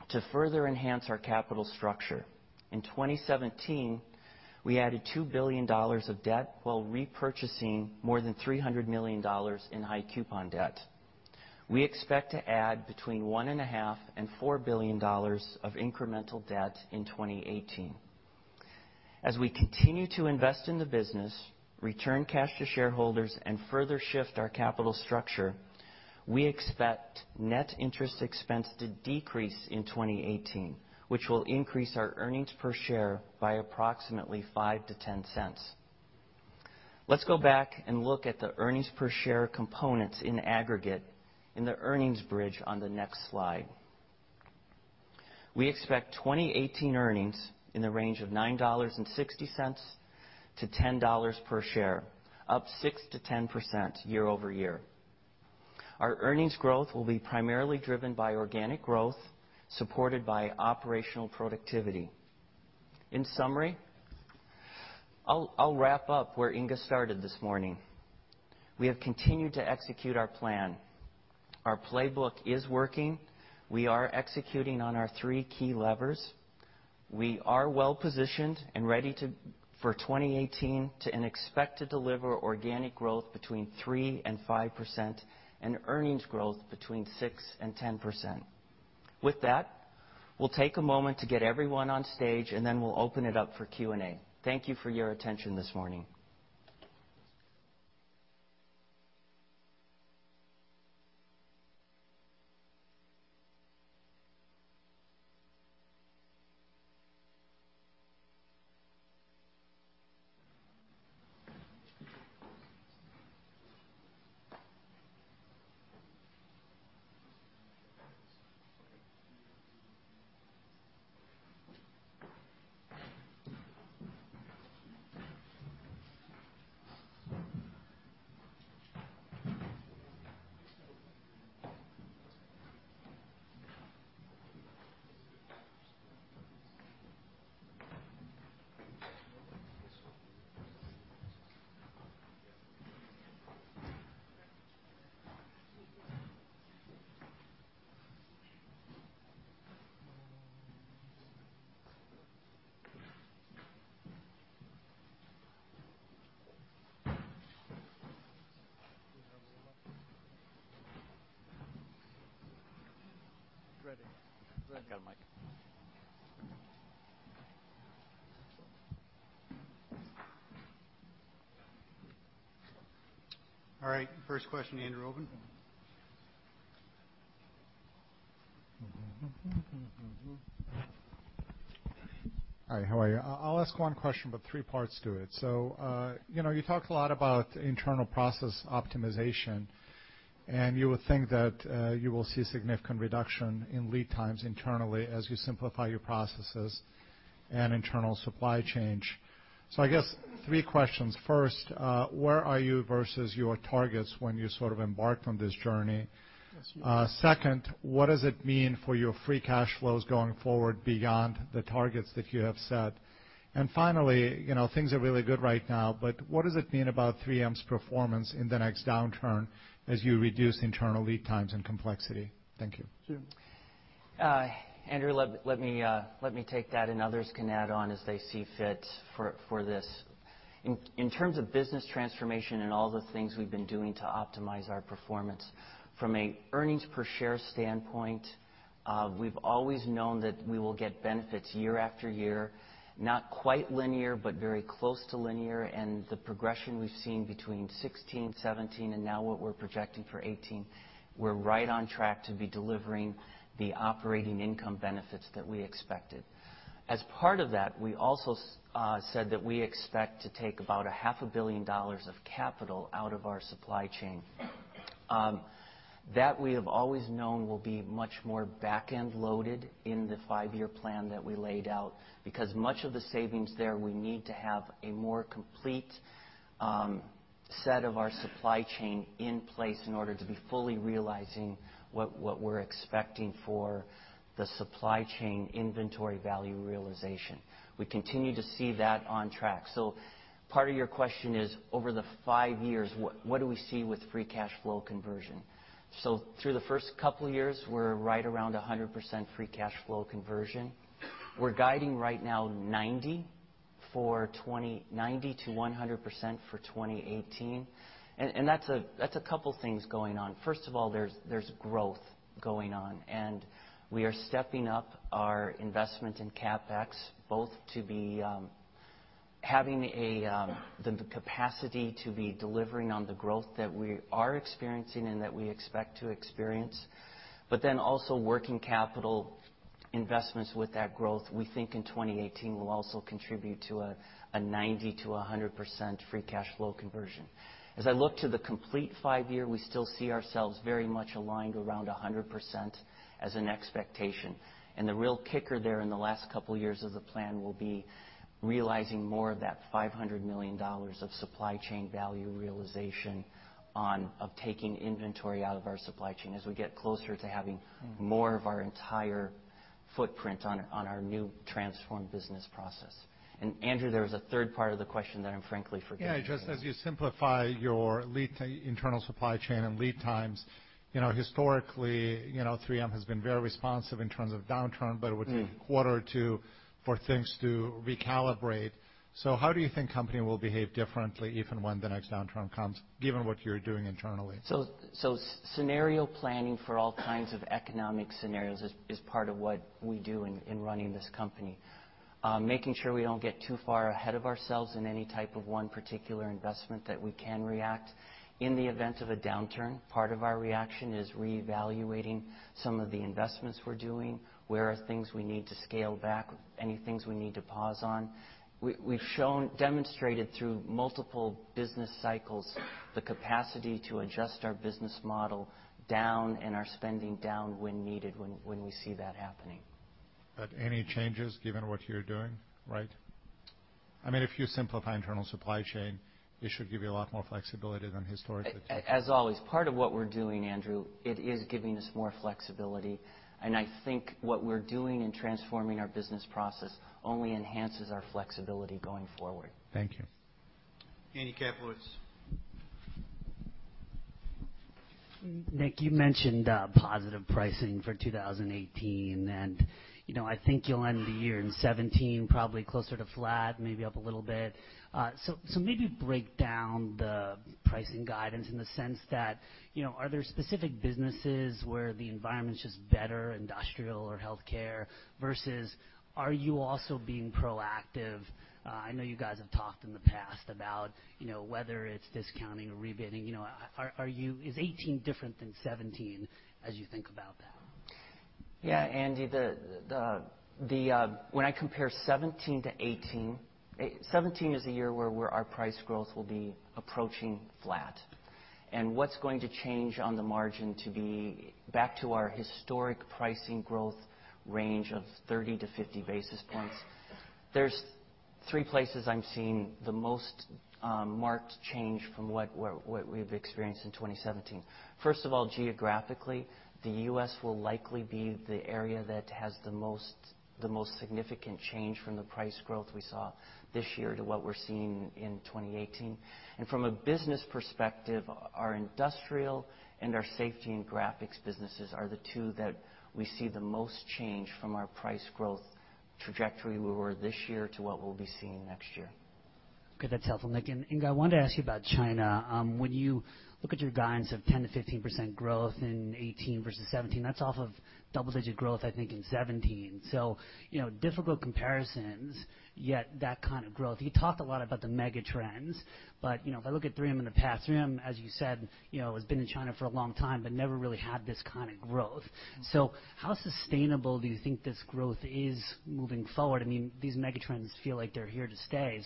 to further enhance our capital structure. In 2017, we added $2 billion of debt while repurchasing more than $300 million in high coupon debt. We expect to add between $1.5 billion and $4 billion of incremental debt in 2018. As we continue to invest in the business, return cash to shareholders, and further shift our capital structure, we expect net interest expense to decrease in 2018, which will increase our earnings per share by approximately $0.05-$0.10. Let's go back and look at the earnings per share components in aggregate in the earnings bridge on the next slide. We expect 2018 earnings in the range of $9.60 to $10 per share, up 6%-10% year-over-year. Our earnings growth will be primarily driven by organic growth, supported by operational productivity. In summary, I'll wrap up where Inge started this morning. We have continued to execute our plan. Our Playbook is working. We are executing on our three key levers. We are well-positioned and ready for 2018 and expect to deliver organic growth between 3% and 5% and earnings growth between 6% and 10%. With that, we'll take a moment to get everyone on stage, and then we'll open it up for Q&A. Thank you for your attention this morning.
Ready.
I've got a mic.
All right. First question, Andrew Obin.
Hi, how are you? I'll ask one question, but three parts to it. You talked a lot about internal process optimization, and you would think that you will see a significant reduction in lead times internally as you simplify your processes and internal supply chain. I guess three questions. First, where are you versus your targets when you sort of embarked on this journey? Second, what does it mean for your free cash flows going forward beyond the targets that you have set? Finally, things are really good right now, but what does it mean about 3M's performance in the next downturn as you reduce internal lead times and complexity? Thank you.
Sure. Andrew, let me take that, others can add on as they see fit for this. In terms of business transformation and all the things we've been doing to optimize our performance, from an earnings per share standpoint, we've always known that we will get benefits year after year, not quite linear, but very close to linear. The progression we've seen between 2016, 2017, and now what we're projecting for 2018, we're right on track to be delivering the operating income benefits that we expected. As part of that, we also said that we expect to take about a half a billion dollars of capital out of our supply chain. That we have always known will be much more back-end loaded in the five-year plan that we laid out because much of the savings there, we need to have a more complete set of our supply chain in place in order to be fully realizing what we're expecting for the supply chain inventory value realization. We continue to see that on track. Part of your question is, over the five years, what do we see with free cash flow conversion? Through the first couple of years, we're right around 100% free cash flow conversion. We're guiding right now 90%-100% for 2018. That's a couple things going on. First of all, there's growth going on, and we are stepping up our investment in CapEx, both to be having the capacity to be delivering on the growth that we are experiencing and that we expect to experience. Also working capital investments with that growth, we think in 2018 will also contribute to a 90%-100% free cash flow conversion. As I look to the complete five-year, we still see ourselves very much aligned around 100% as an expectation. The real kicker there in the last couple of years of the plan will be realizing more of that $500 million of supply chain value realization of taking inventory out of our supply chain as we get closer to having more of our entire footprint on our new transformed business process. Andrew, there was a third part of the question that I'm frankly forgetting.
Just as you simplify your lead internal supply chain and lead times, historically, 3M has been very responsive in terms of downturn, but it would take a quarter or two for things to recalibrate. How do you think company will behave differently if and when the next downturn comes, given what you're doing internally?
Scenario planning for all kinds of economic scenarios is part of what we do in running this company. Making sure we don't get too far ahead of ourselves in any type of one particular investment that we can react in the event of a downturn. Part of our reaction is reevaluating some of the investments we're doing, where are things we need to scale back, any things we need to pause on. We've demonstrated through multiple business cycles the capacity to adjust our business model down and our spending down when needed when we see that happening.
Any changes given what you're doing, right? If you simplify internal supply chain, it should give you a lot more flexibility than historically.
As always, part of what we're doing, Andrew, it is giving us more flexibility. I think what we're doing in transforming our business process only enhances our flexibility going forward.
Thank you.
Andrew Kaplowitz.
Nick, you mentioned positive pricing for 2018, I think you'll end the year in 2017 probably closer to flat, maybe up a little bit. Maybe break down the pricing guidance in the sense that, are there specific businesses where the environment's just better, industrial or healthcare, versus are you also being proactive? I know you guys have talked in the past about whether it's discounting or rebidding. Is 2018 different than 2017 as you think about that?
Yeah, Andy, when I compare 2017 to 2018, 2017 is a year where our price growth will be approaching flat. What's going to change on the margin to be back to our historic pricing growth range of 30-50 basis points? There's three places I'm seeing the most marked change from what we've experienced in 2017. First of all, geographically, the U.S. will likely be the area that has the most significant change from the price growth we saw this year to what we're seeing in 2018. From a business perspective, our industrial and our safety and graphics businesses are the two that we see the most change from our price growth trajectory where we were this year to what we'll be seeing next year.
Okay, that's helpful, Nick. Inge, I wanted to ask you about China. When you look at your guidance of 10%-15% growth in 2018 versus 2017, that's off of double-digit growth, I think, in 2017. Difficult comparisons, yet that kind of growth. You talked a lot about the mega trends, if I look at 3M in the past, 3M, as you said, has been in China for a long time but never really had this kind of growth. How sustainable do you think this growth is moving forward? These mega trends feel like they're here to stay.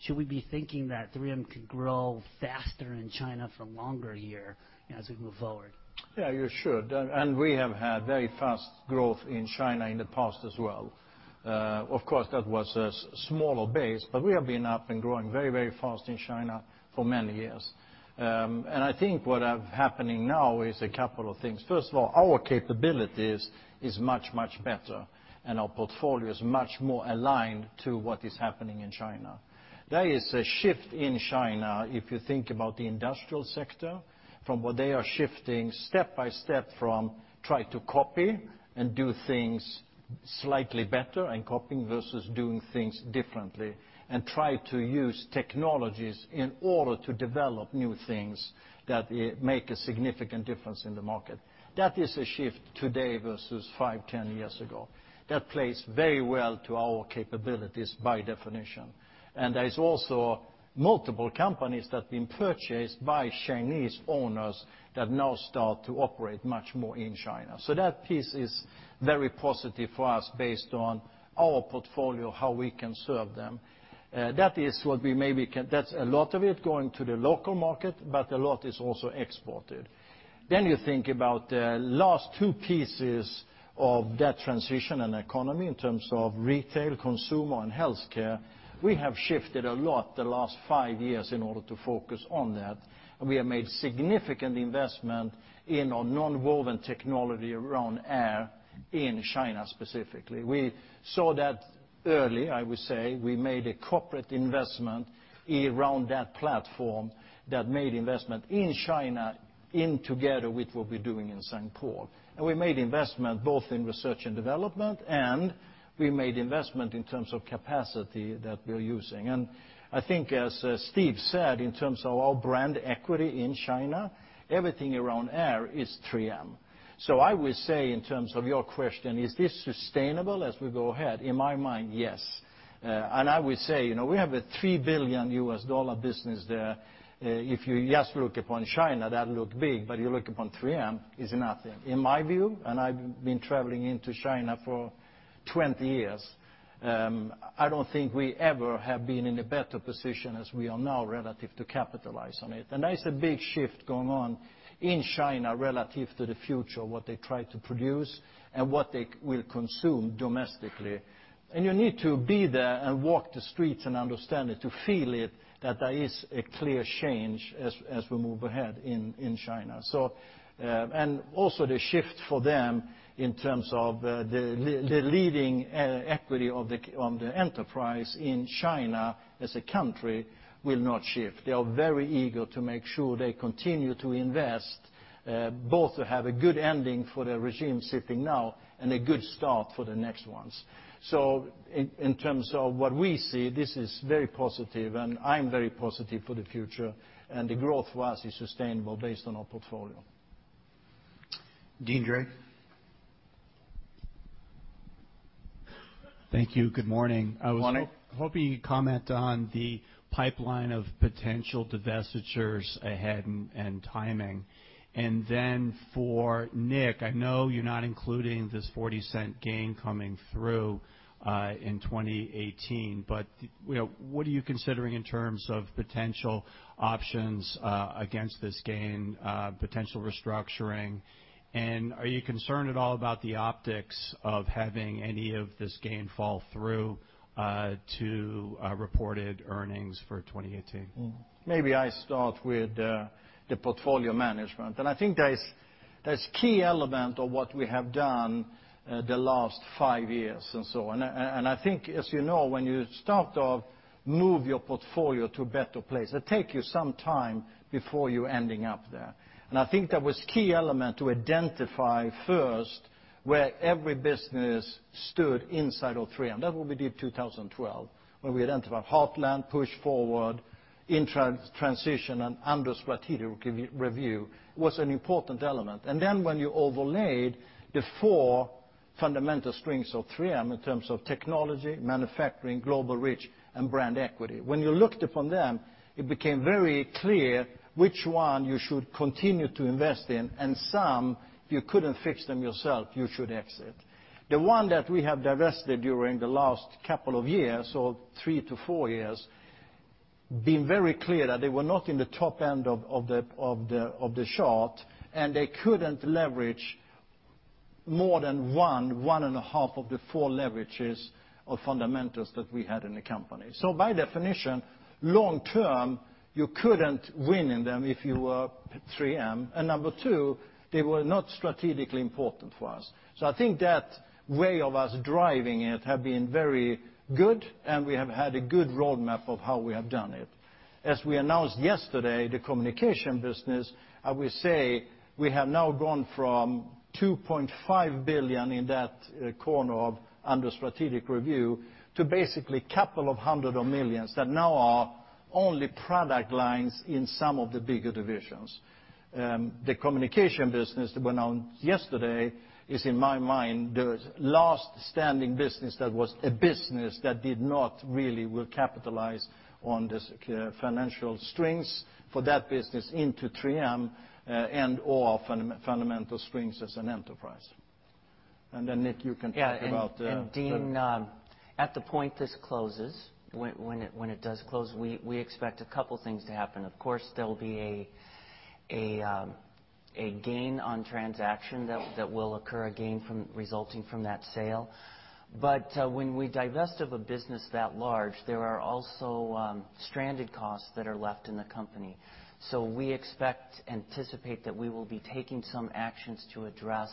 Should we be thinking that 3M could grow faster in China for longer year as we move forward?
Yeah, you should. We have had very fast growth in China in the past as well. Of course, that was a smaller base, we have been up and growing very fast in China for many years. I think what is happening now is a couple of things. First of all, our capabilities is much better, and our portfolio is much more aligned to what is happening in China. There is a shift in China, if you think about the industrial sector, from what they are shifting step by step from try to copy and do things slightly better and coping versus doing things differently, and try to use technologies in order to develop new things that make a significant difference in the market. That is a shift today versus 5, 10 years ago. That plays very well to our capabilities by definition. There's also multiple companies that have been purchased by Chinese owners that now start to operate much more in China. That piece is very positive for us based on our portfolio, how we can serve them. That's a lot of it going to the local market, a lot is also exported. You think about the last two pieces of that transition and economy in terms of retail, consumer, and healthcare. We have shifted a lot the last 5 years in order to focus on that, and we have made significant investment in our nonwoven technology around air in China specifically. We saw that early, I would say. We made a corporate investment around that platform that made investment in China in together with what we're doing in St. Paul. We made investment both in research and development, and we made investment in terms of capacity that we're using. I think as Steve said, in terms of our brand equity in China, everything around air is 3M. I would say in terms of your question, is this sustainable as we go ahead? In my mind, yes. I would say, we have a $3 billion U.S. business there. If you just look upon China, that look big, you look upon 3M, it's nothing. In my view, I've been traveling into China for 20 years, I don't think we ever have been in a better position as we are now relative to capitalize on it. There's a big shift going on in China relative to the future, what they try to produce and what they will consume domestically. You need to be there and walk the streets and understand it, to feel it, that there is a clear change as we move ahead in China. Also the shift for them in terms of the leading equity of the enterprise in China as a country will not shift. They are very eager to make sure they continue to invest, both to have a good ending for the regime sitting now and a good start for the next ones. In terms of what we see, this is very positive and I'm very positive for the future, and the growth for us is sustainable based on our portfolio.
Deane Dray?
Thank you. Good morning.
Morning.
I was hoping you could comment on the pipeline of potential divestitures ahead and timing. Then for Nick, I know you're not including this $0.40 gain coming through in 2018, but what are you considering in terms of potential options against this gain, potential restructuring? Are you concerned at all about the optics of having any of this gain fall through to reported earnings for 2018?
Maybe I start with the portfolio management, that is key element of what we have done the last 5 years and so on. As you know, when you start to move your portfolio to a better place, it take you some time before you're ending up there. That was key element to identify first where every business stood inside of 3M. That what we did 2012, when we identified heartland, push forward, in transition, and under strategic review, was an important element. When you overlaid the 4 fundamental strengths of 3M in terms of technology, manufacturing, global reach, and brand equity, when you looked upon them, it became very clear which one you should continue to invest in, and some you couldn't fix them yourself, you should exit. The one that we have divested during the last couple of years, or 3 to 4 years, been very clear that they were not in the top end of the shot, and they couldn't leverage more than one and a half of the 4 leverages or fundamentals that we had in the company. By definition, long-term, you couldn't win in them if you were 3M. Number 2, they were not strategically important for us. That way of us driving it have been very good, and we have had a good roadmap of how we have done it. As we announced yesterday, the communication markets business, I would say we have now gone from $2.5 billion in that corner of under strategic review to basically couple of hundred of millions that now are only product lines in some of the bigger divisions. The communication markets business that went out yesterday is, in my mind, the last standing business that was a business that did not really will capitalize on this financial strengths for that business into 3M, and, or fundamental strengths as an enterprise. Nick, you can talk about the-
Yeah, Deane, at the point this closes, when it does close, we expect a couple things to happen. Of course, there'll be a gain on transaction that will occur, a gain resulting from that sale. When we divest of a business that large, there are also stranded costs that are left in the company. We expect, anticipate, that we will be taking some actions to address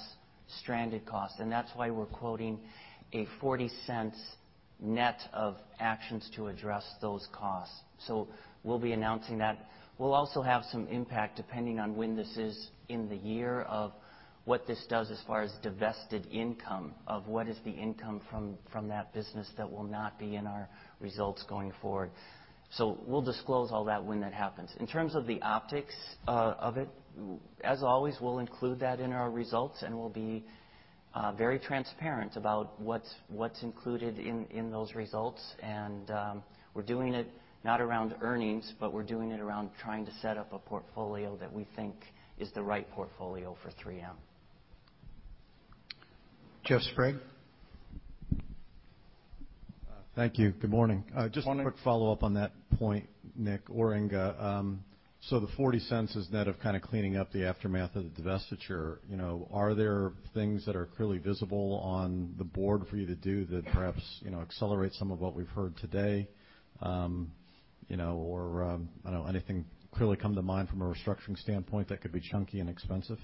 stranded costs, and that's why we're quoting a $0.40 Net of actions to address those costs. We'll be announcing that. We'll also have some impact, depending on when this is in the year, of what this does as far as divested income, of what is the income from that business that will not be in our results going forward. We'll disclose all that when that happens. In terms of the optics of it, as always, we'll include that in our results, and we'll be very transparent about what's included in those results. We're doing it not around earnings, but we're doing it around trying to set up a portfolio that we think is the right portfolio for 3M.
Jeff Sprague.
Thank you. Good morning.
Morning.
Just a quick follow-up on that point, Nick, or Inge. The $0.40 is net of kind of cleaning up the aftermath of the divestiture. Are there things that are clearly visible on the board for you to do that perhaps accelerate some of what we've heard today? Or, I don't know, anything clearly come to mind from a restructuring standpoint that could be chunky and expensive?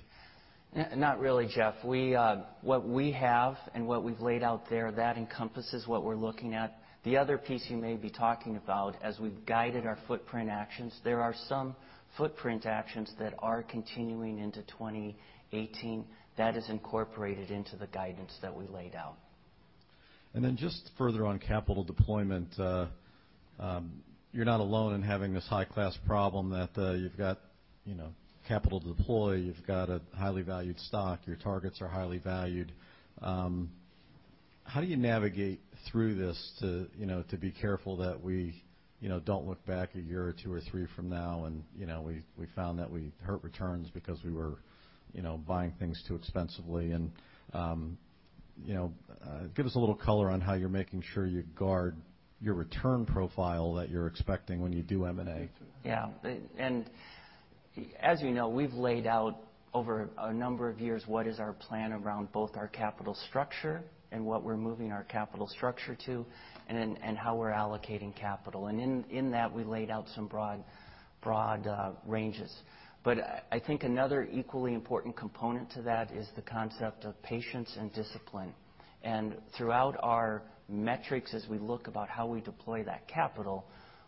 Not really, Jeff. What we have and what we've laid out there, that encompasses what we're looking at. The other piece you may be talking about, as we've guided our footprint actions, there are some footprint actions that are continuing into 2018. That is incorporated into the guidance that we laid out.
Just further on capital deployment, you're not alone in having this high-class problem that you've got capital to deploy, you've got a highly valued stock, your targets are highly valued. How do you navigate through this to be careful that we don't look back a year or two or three from now, and we found that we hurt returns because we were buying things too expensively? Give us a little color on how you're making sure you guard your return profile that you're expecting when you do M&A.
Yeah. As you know, we've laid out over a number of years what is our plan around both our capital structure and what we're moving our capital structure to, and how we're allocating capital. In that, we laid out some broad ranges. I think another equally important component to that is the concept of patience and discipline. Throughout our metrics, as we look about how we deploy that capital,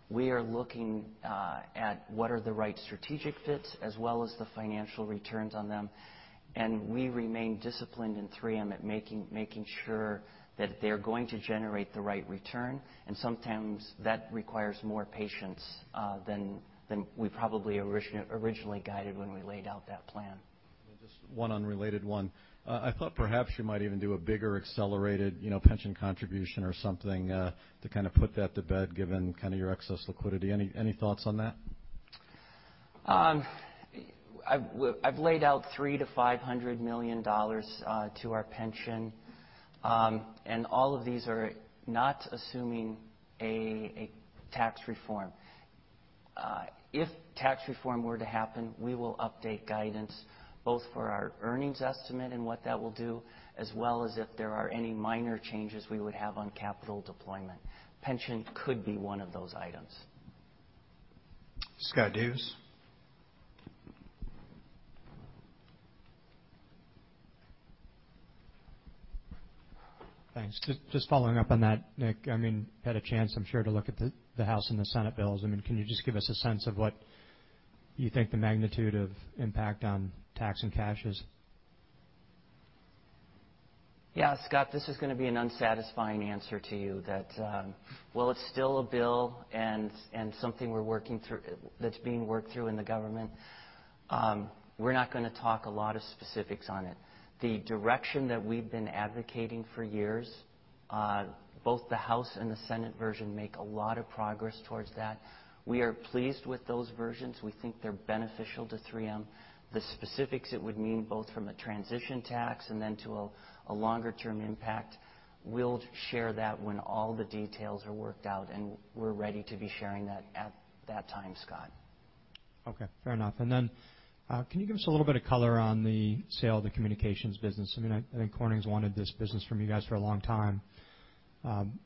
we are looking at what are the right strategic fits, as well as the financial returns on them, and we remain disciplined in 3M at making sure that they're going to generate the right return, and sometimes that requires more patience than we probably originally guided when we laid out that plan.
Just one unrelated one. I thought perhaps you might even do a bigger accelerated pension contribution or something to kind of put that to bed, given kind of your excess liquidity. Any thoughts on that?
I've laid out $300 million to $500 million to our pension. All of these are not assuming a tax reform. If tax reform were to happen, we will update guidance both for our earnings estimate and what that will do, as well as if there are any minor changes we would have on capital deployment. Pension could be one of those items.
Scott Davis.
Thanks. Just following up on that, Nick, I mean, had a chance, I'm sure, to look at the House and the Senate bills. I mean, can you just give us a sense of what you think the magnitude of impact on tax and cash is?
Yeah, Scott, this is going to be an unsatisfying answer to you that while it's still a bill and something that's being worked through in the government, we're not going to talk a lot of specifics on it. The direction that we've been advocating for years, both the House and the Senate version make a lot of progress towards that. We are pleased with those versions. We think they're beneficial to 3M. The specifics it would mean, both from a transition tax and then to a longer-term impact, we'll share that when all the details are worked out, and we're ready to be sharing that at that time, Scott.
Okay. Fair enough. Then, can you give us a little bit of color on the sale of the communication markets business? I mean, I think Corning's wanted this business from you guys for a long time.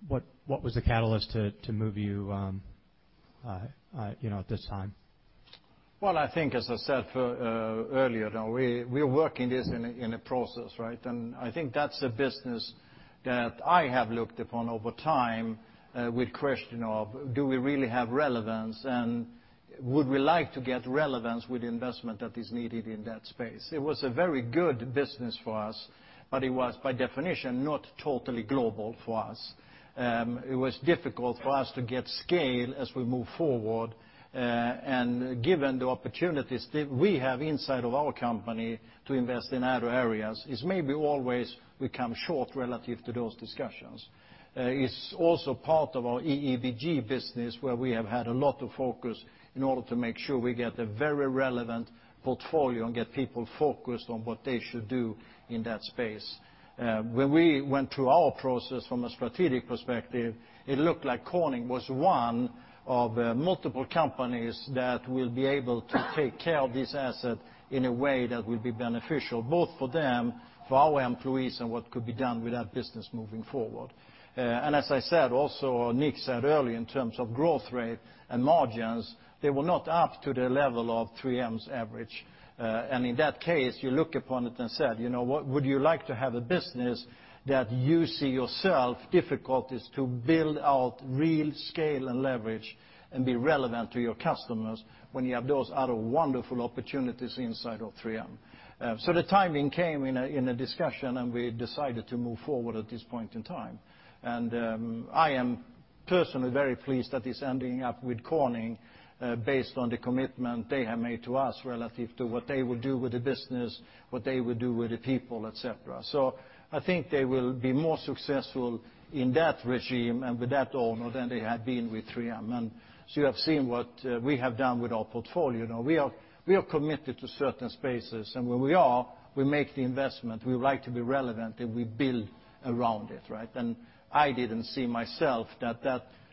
What was the catalyst to move you at this time?
Well, I think as I said earlier, we're working this in a process, right? I think that's a business that I have looked upon over time with question of, do we really have relevance, and would we like to get relevance with the investment that is needed in that space? It was a very good business for us, but it was by definition, not totally global for us. It was difficult for us to get scale as we move forward, and given the opportunities that we have inside of our company to invest in other areas, is maybe always we come short relative to those discussions. It's also part of our EEBG business, where we have had a lot of focus in order to make sure we get a very relevant portfolio and get people focused on what they should do in that space. When we went through our process from a strategic perspective, it looked like Corning Incorporated was one of multiple companies that will be able to take care of this asset in a way that will be beneficial, both for them, for our employees, and what could be done with that business moving forward. As I said also, Nick said earlier in terms of growth rate and margins, they were not up to the level of 3M's average. In that case, you look upon it and said, would you like to have a business that you see yourself difficulties to build out real scale and leverage and be relevant to your customers when you have those other wonderful opportunities inside of 3M? The timing came in a discussion, and we decided to move forward at this point in time. Personally very pleased that it's ending up with Corning Incorporated, based on the commitment they have made to us relative to what they will do with the business, what they will do with the people, et cetera. I think they will be more successful in that regime and with that owner than they had been with 3M. You have seen what we have done with our portfolio, and we are committed to certain spaces, and where we are, we make the investment. We like to be relevant, and we build around it. Right? I didn't see myself that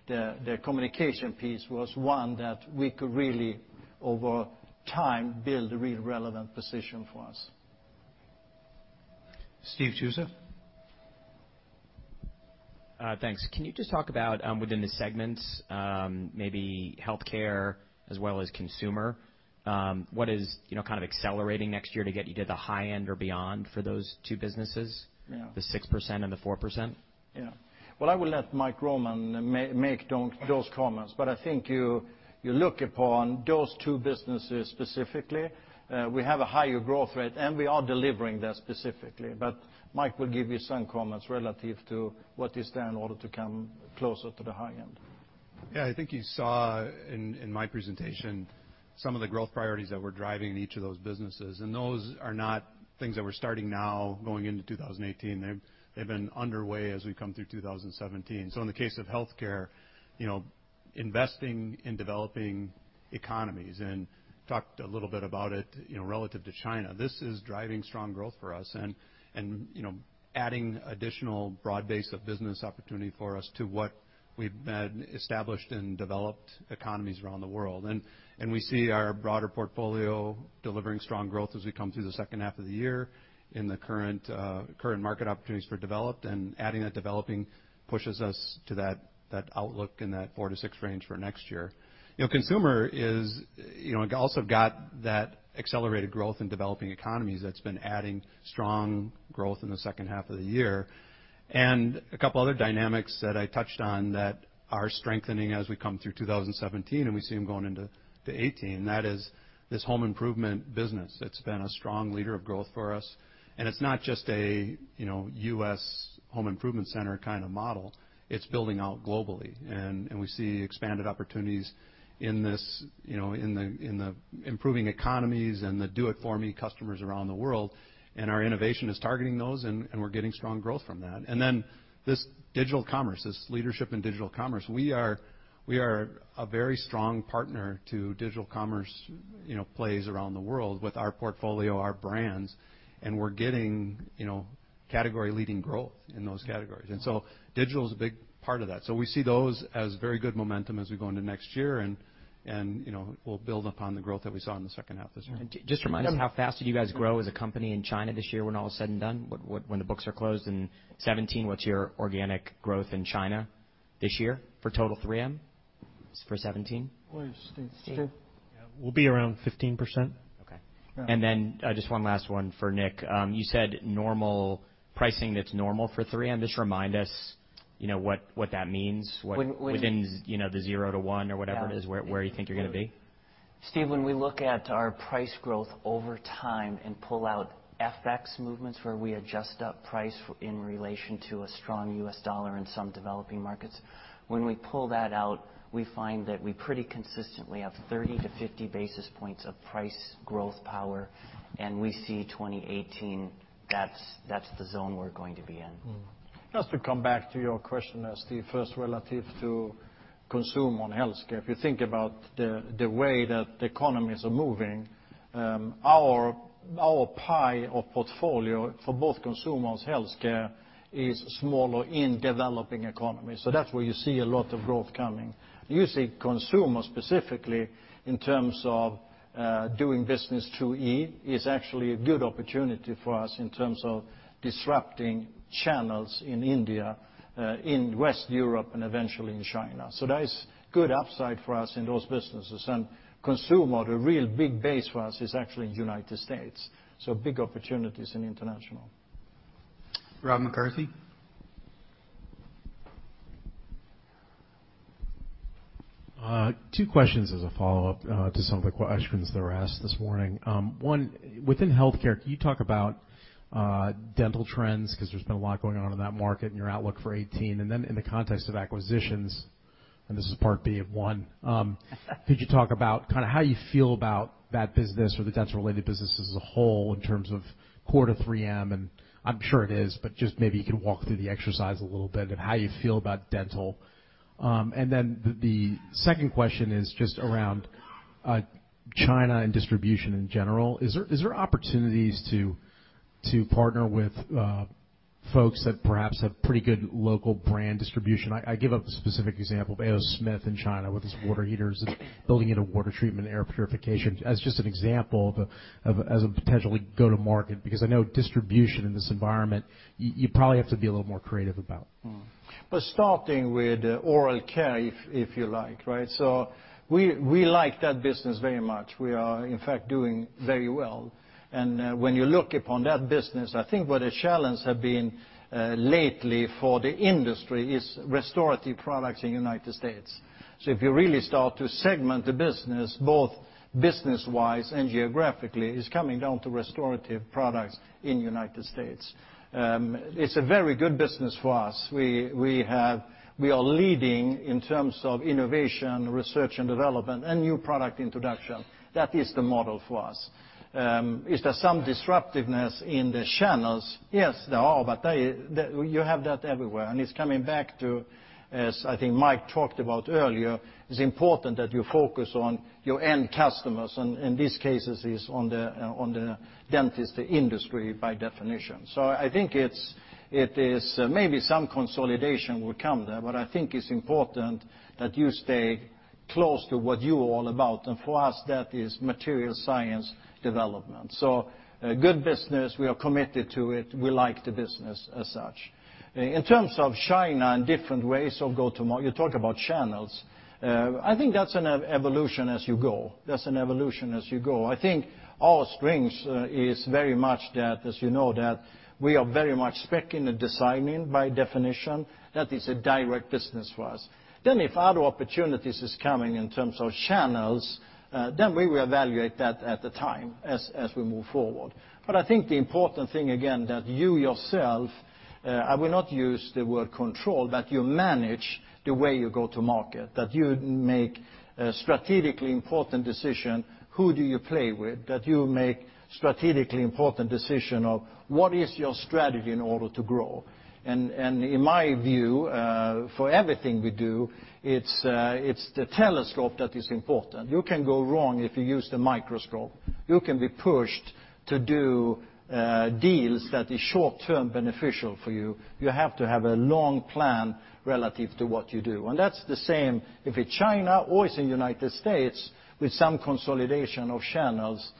the communication piece was one that we could really, over time, build a really relevant position for us.
Steve Tusa.
Thanks. Can you just talk about, within the segments, maybe healthcare as well as consumer, what is accelerating next year to get you to the high end or beyond for those two businesses?
Yeah.
The 6% and the 4%?
Yeah. Well, I will let Mike Roman make those comments, but I think you look upon those two businesses specifically, we have a higher growth rate, and we are delivering that specifically. Mike will give you some comments relative to what is there in order to come closer to the high end.
Yeah, I think you saw in my presentation some of the growth priorities that we're driving in each of those businesses, and those are not things that we're starting now going into 2018. They've been underway as we come through 2017. In the case of healthcare, investing in developing economies, and talked a little bit about it, relative to China. This is driving strong growth for us and adding additional broad base of business opportunity for us to what we've had established in developed economies around the world. We see our broader portfolio delivering strong growth as we come through the second half of the year in the current market opportunities for developed, and adding that developing pushes us to that outlook in that 4-6 range for next year. It also got that accelerated growth in developing economies that's been adding strong growth in the second half of the year. A couple other dynamics that I touched on that are strengthening as we come through 2017 and we see them going into 2018. That is this home improvement business that's been a strong leader of growth for us, and it's not just a U.S. home improvement center kind of model. It's building out globally, and we see expanded opportunities in the improving economies and the do-it-for-me customers around the world, and our innovation is targeting those, and we're getting strong growth from that. This digital commerce, this leadership in digital commerce, we are a very strong partner to digital commerce plays around the world with our portfolio, our brands, and we're getting category-leading growth in those categories. Digital's a big part of that. We see those as very good momentum as we go into next year, and we'll build upon the growth that we saw in the second half this year.
Just remind us, how fast did you guys grow as a company in China this year when all is said and done? When the books are closed in 2017, what's your organic growth in China this year for total 3M? For 2017?
Where is Steve? Steve.
We'll be around 15%.
Okay. Just one last one for Nick. You said pricing that's normal for 3M. Just remind us what that means within the zero to one or whatever it is, where you think you're going to be?
Steve, when we look at our price growth over time and pull out FX movements where we adjust up price in relation to a strong U.S. dollar in some developing markets, when we pull that out, we find that we pretty consistently have 30 to 50 basis points of price growth power, we see 2018, that's the zone we're going to be in.
Just to come back to your question as the first relative to consumer on healthcare. If you think about the way that the economies are moving, our pie of portfolio for both consumer healthcare is smaller in developing economies. That's where you see a lot of growth coming. You see consumer specifically in terms of doing B2C is actually a good opportunity for us in terms of disrupting channels in India, in West Europe, and eventually in China. There is good upside for us in those businesses. Consumer, the real big base for us is actually United States, big opportunities in international.
Rob McCarthy.
Two questions as a follow-up to some of the questions that were asked this morning. One, within healthcare, can you talk about dental trends? Because there's been a lot going on in that market and your outlook for 2018. In the context of acquisitions, and this is part B of one, could you talk about how you feel about that business or the dental-related business as a whole in terms of core to 3M, and I'm sure it is, but just maybe you could walk through the exercise a little bit of how you feel about dental. The second question is just around China and distribution in general. Is there opportunities to partner with folks that perhaps have pretty good local brand distribution? I give a specific example of A. O. Smith in China with its water heaters, building into water treatment, air purification. Just an example of a potential go-to-market, because I know distribution in this environment, you probably have to be a little more creative about.
Starting with oral care, if you like, right? We like that business very much. We are, in fact, doing very well. When you look upon that business, I think where the challenge have been lately for the industry is restorative products in U.S. If you really start to segment the business, both business-wise and geographically, it's coming down to restorative products in U.S. It's a very good business for us. We are leading in terms of innovation, R&D, and new product introduction. That is the model for us. Is there some disruptiveness in the channels? Yes, there are, but you have that everywhere, and it's coming back to, as I think Mike talked about earlier, it's important that you focus on your end customers, and this case is on the dentist industry, by definition. I think maybe some consolidation will come there, but I think it's important that you stay close to what you are all about, and for us, that is material science development. A good business, we are committed to it. We like the business as such. In terms of China and different ways of go to market, you talk about channels. I think that's an evolution as you go. I think our strength is very much that, as you know, that we are very much spec-ing and designing, by definition. That is a direct business for us. If other opportunities is coming in terms of channels, then we will evaluate that at the time as we move forward. I think the important thing, again, that you yourself, I will not use the word control, that you manage the way you go to market, that you make a strategically important decision, who do you play with? That you make strategically important decision of what is your strategy in order to grow. In my view, for everything we do, it's the telescope that is important. You can go wrong if you use the microscope. You can be pushed to do deals that is short term beneficial for you. You have to have a long plan relative to what you do, and that's the same if it China or it's in U.S. with some consolidation of channels,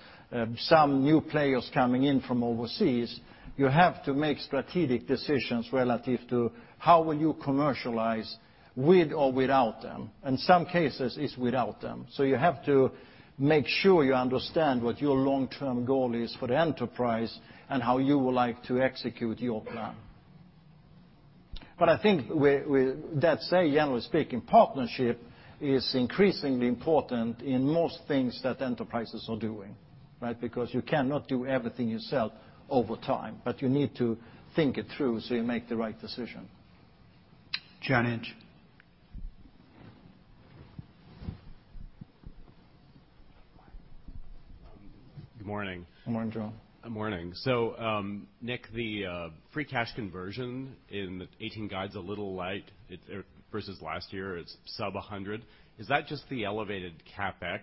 some new players coming in from overseas. You have to make strategic decisions relative to how will you commercialize with or without them, and some cases it's without them. You have to make sure you understand what your long-term goal is for the enterprise and how you will like to execute your plan. I think with that said, generally speaking, partnership is increasingly important in most things that enterprises are doing, right? Because you cannot do everything yourself over time, but you need to think it through so you make the right decision.
John Inch.
Good morning.
Good morning, John.
Good morning. Nick, the free cash conversion in the 2018 guide's a little light. Versus last year, it's sub-100. Is that just the elevated CapEx?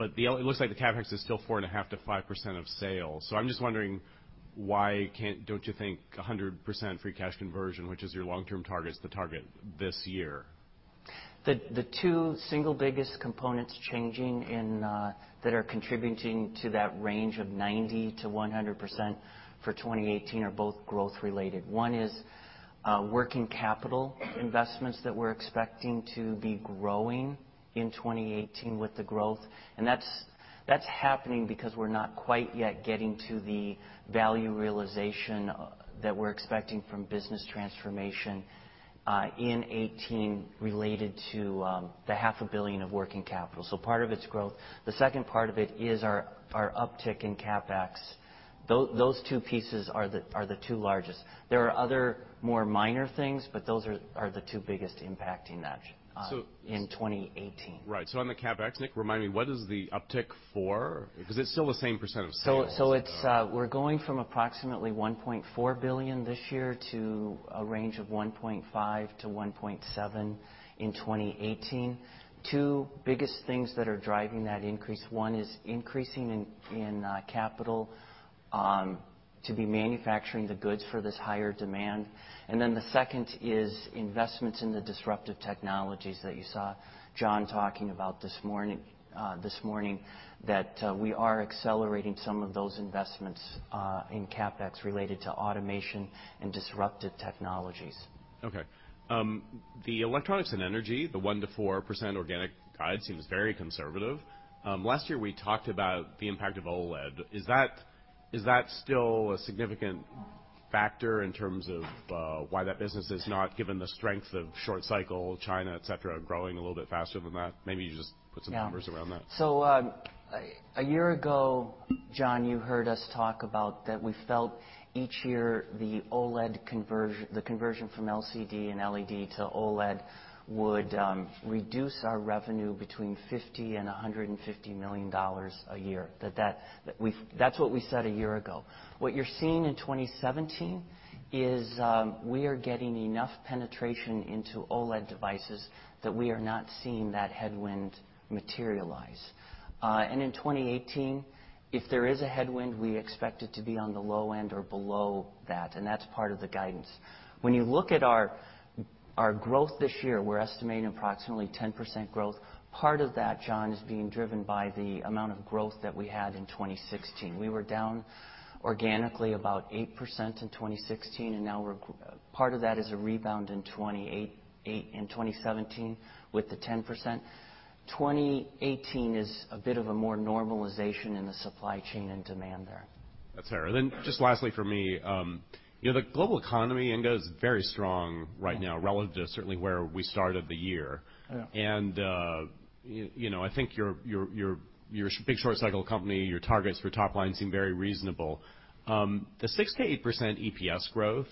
It looks like the CapEx is still 4.5%-5% of sales. I'm just wondering why don't you think 100% free cash conversion, which is your long-term target, is the target this year?
The two single biggest components changing that are contributing to that range of 90%-100% for 2018 are both growth related. One is working capital investments that we're expecting to be growing in 2018 with the growth, and that's happening because we're not quite yet getting to the value realization that we're expecting from business transformation in 2018 related to the half a billion of working capital. Part of it's growth. The second part of it is our uptick in CapEx. Those two pieces are the two largest. There are other more minor things, but those are the two biggest impacting that in 2018.
Right. On the CapEx, Nick, remind me, what is the uptick for? Because it's still the same % of sales.
We're going from approximately $1.4 billion this year to a range of $1.5 billion-$1.7 billion in 2018. Two biggest things that are driving that increase: One is increasing in capital to be manufacturing the goods for this higher demand, and then the second is investments in the disruptive technologies that you saw Jon talking about this morning, that we are accelerating some of those investments in CapEx related to automation and disruptive technologies.
Okay. The Electronics & Energy, the 1%-4% organic guide seems very conservative. Last year, we talked about the impact of OLED. Is that still a significant factor in terms of why that business is not, given the strength of short cycle, China, et cetera, growing a little bit faster than that? Maybe you just put some numbers around that.
Yeah. A year ago, John, you heard us talk about that we felt each year the conversion from LCD and LED to OLED would reduce our revenue between $50 million and $150 million a year. That is what we said a year ago. What you are seeing in 2017 is we are getting enough penetration into OLED devices that we are not seeing that headwind materialize. In 2018, if there is a headwind, we expect it to be on the low end or below that, and that is part of the guidance. When you look at our growth this year, we are estimating approximately 10% growth. Part of that, John, is being driven by the amount of growth that we had in 2016. We were down organically about 8% in 2016, and now part of that is a rebound in 2017 with the 10%. 2018 is a bit of a more normalization in the supply chain and demand there.
That is fair. Just lastly for me, the global economy, Inge, is very strong right now relative to certainly where we started the year.
Yeah.
I think you are a big short-cycle company. Your targets for top line seem very reasonable. The 6%-8% EPS growth,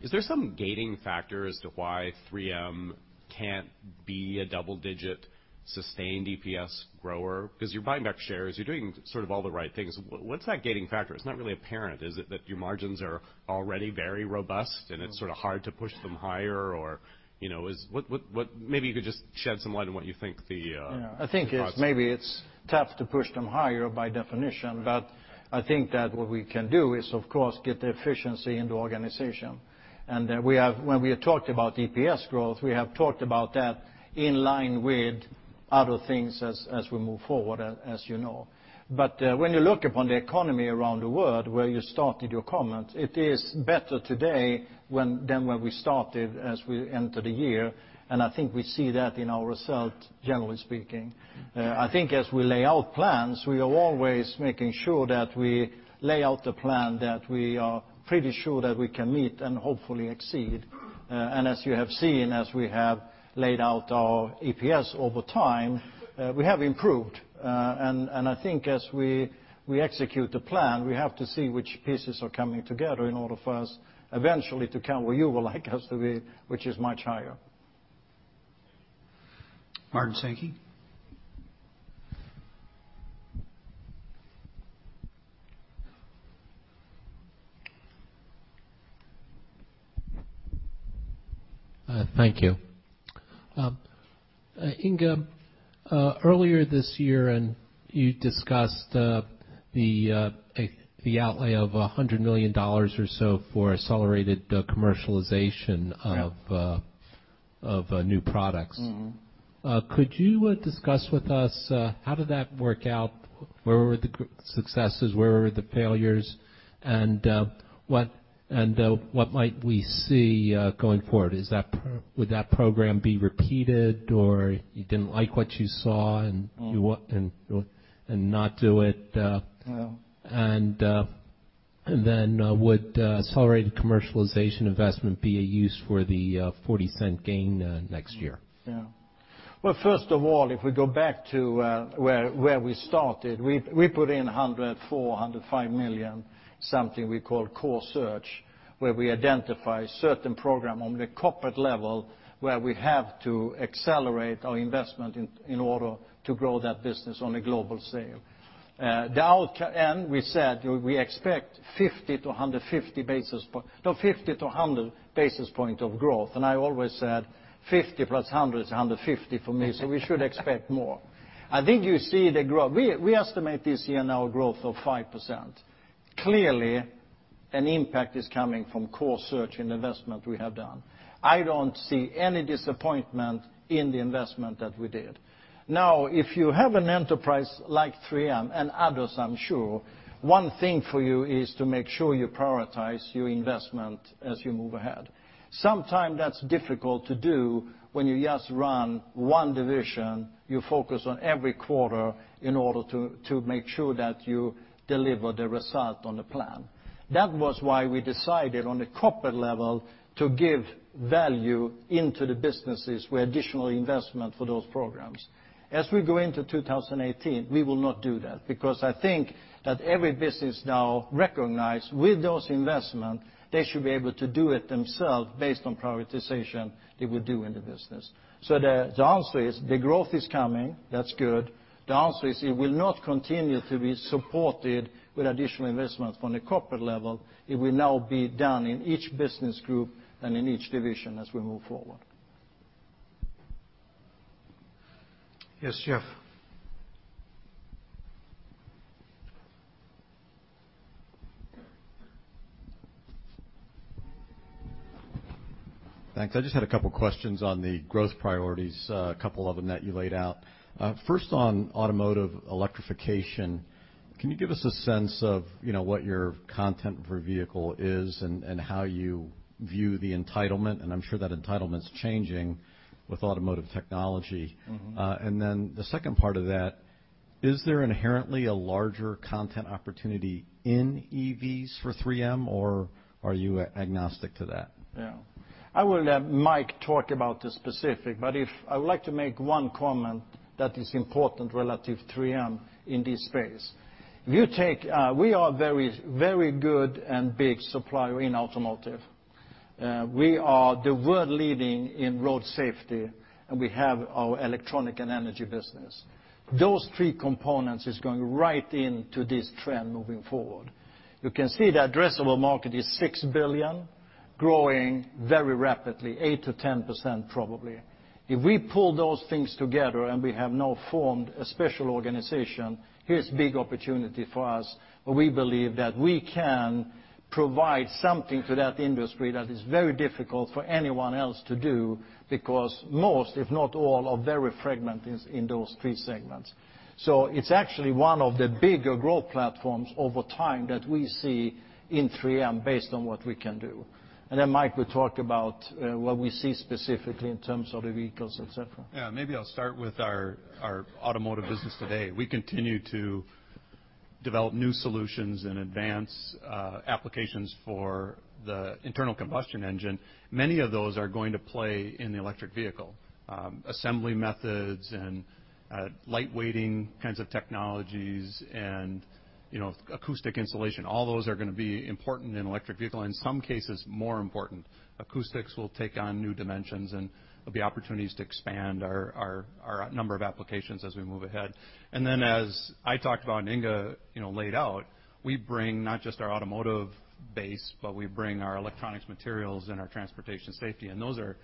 is there some gating factor as to why 3M cannot be a double-digit sustained EPS grower? Because you are buying back shares, you are doing sort of all the right things. What is that gating factor? It is not really apparent. Is it that your margins are already very robust, and it is sort of hard to push them higher? Or maybe you could just shed some light on what you think the.
Yeah.
-the prospects-
I think maybe it's tough to push them higher by definition. I think that what we can do is, of course, get the efficiency in the organization. When we have talked about EPS growth, we have talked about that in line with other things as we move forward, as you know. When you look upon the economy around the world, where you started your comment, it is better today than when we started as we entered the year, and I think we see that in our result, generally speaking. I think as we lay out plans, we are always making sure that we lay out the plan that we are pretty sure that we can meet and hopefully exceed. As you have seen, as we have laid out our EPS over time, we have improved. I think as we execute the plan, we have to see which pieces are coming together in order for us eventually to come where you will like us to be, which is much higher.
Martin Sankey.
Thank you. Inge, earlier this year you discussed the outlay of $100 million or so for accelerated commercialization-
Yeah
of new products. Could you discuss with us how did that work out? Where were the successes, where were the failures, and what might we see going forward? Would that program be repeated, or you didn't like what you saw and-
No
Not do it?
No.
would accelerated commercialization investment be a use for the $0.40 gain next year?
First of all, if we go back to where we started, we put in $104 million, $105 million, something we call core search, where we identify certain program on the corporate level where we have to accelerate our investment in order to grow that business on a global scale. We said we expect 50-100 basis point of growth, and I always said 50 plus 100 is 150 for me, so we should expect more. I think you see the growth. We estimate this year now a growth of 5%. Clearly, an impact is coming from core search and investment we have done. I don't see any disappointment in the investment that we did. If you have an enterprise like 3M, and others, I'm sure, one thing for you is to make sure you prioritize your investment as you move ahead. Sometimes that's difficult to do when you just run one division, you focus on every quarter in order to make sure that you deliver the result on the plan. That was why we decided on the corporate level to give value into the businesses with additional investment for those programs. As we go into 2018, we will not do that, because I think that every business now recognize with those investment, they should be able to do it themselves based on prioritization they will do in the business. The answer is, the growth is coming. That's good. The answer is, it will not continue to be supported with additional investments from the corporate level. It will now be done in each business group and in each division as we move forward. Yes, Jeff.
Thanks. I just had a couple questions on the growth priorities, a couple of them that you laid out. First, on automotive electrification, can you give us a sense of what your content per vehicle is and how you view the entitlement? I'm sure that entitlement's changing with automotive technology. Is there inherently a larger content opportunity in EVs for 3M, or are you agnostic to that?
Yeah. I will let Mike talk about the specific, but I would like to make one comment that is important relative to 3M in this space. We are a very good and big supplier in automotive. We are the world leading in road safety, and we have our electronic and energy business. Those three components is going right into this trend moving forward. You can see the addressable market is $6 billion, growing very rapidly, 8%-10%, probably. If we pull those things together and we have now formed a special organization, here's a big opportunity for us, where we believe that we can provide something to that industry that is very difficult for anyone else to do because most, if not all, are very fragmented in those three segments. It's actually one of the bigger growth platforms over time that we see in 3M based on what we can do. Mike will talk about what we see specifically in terms of the vehicles, et cetera.
Yeah. Maybe I'll start with our automotive business today. We continue to develop new solutions and advance applications for the internal combustion engine. Many of those are going to play in the electric vehicle. Assembly methods and light-weighting kinds of technologies and acoustic insulation, all those are going to be important in electric vehicle, in some cases more important. Acoustics will take on new dimensions, and there'll be opportunities to expand our number of applications as we move ahead. As I talked about, and Inge laid out, we bring not just our automotive base, but we bring our electronics materials and our transportation safety, and those are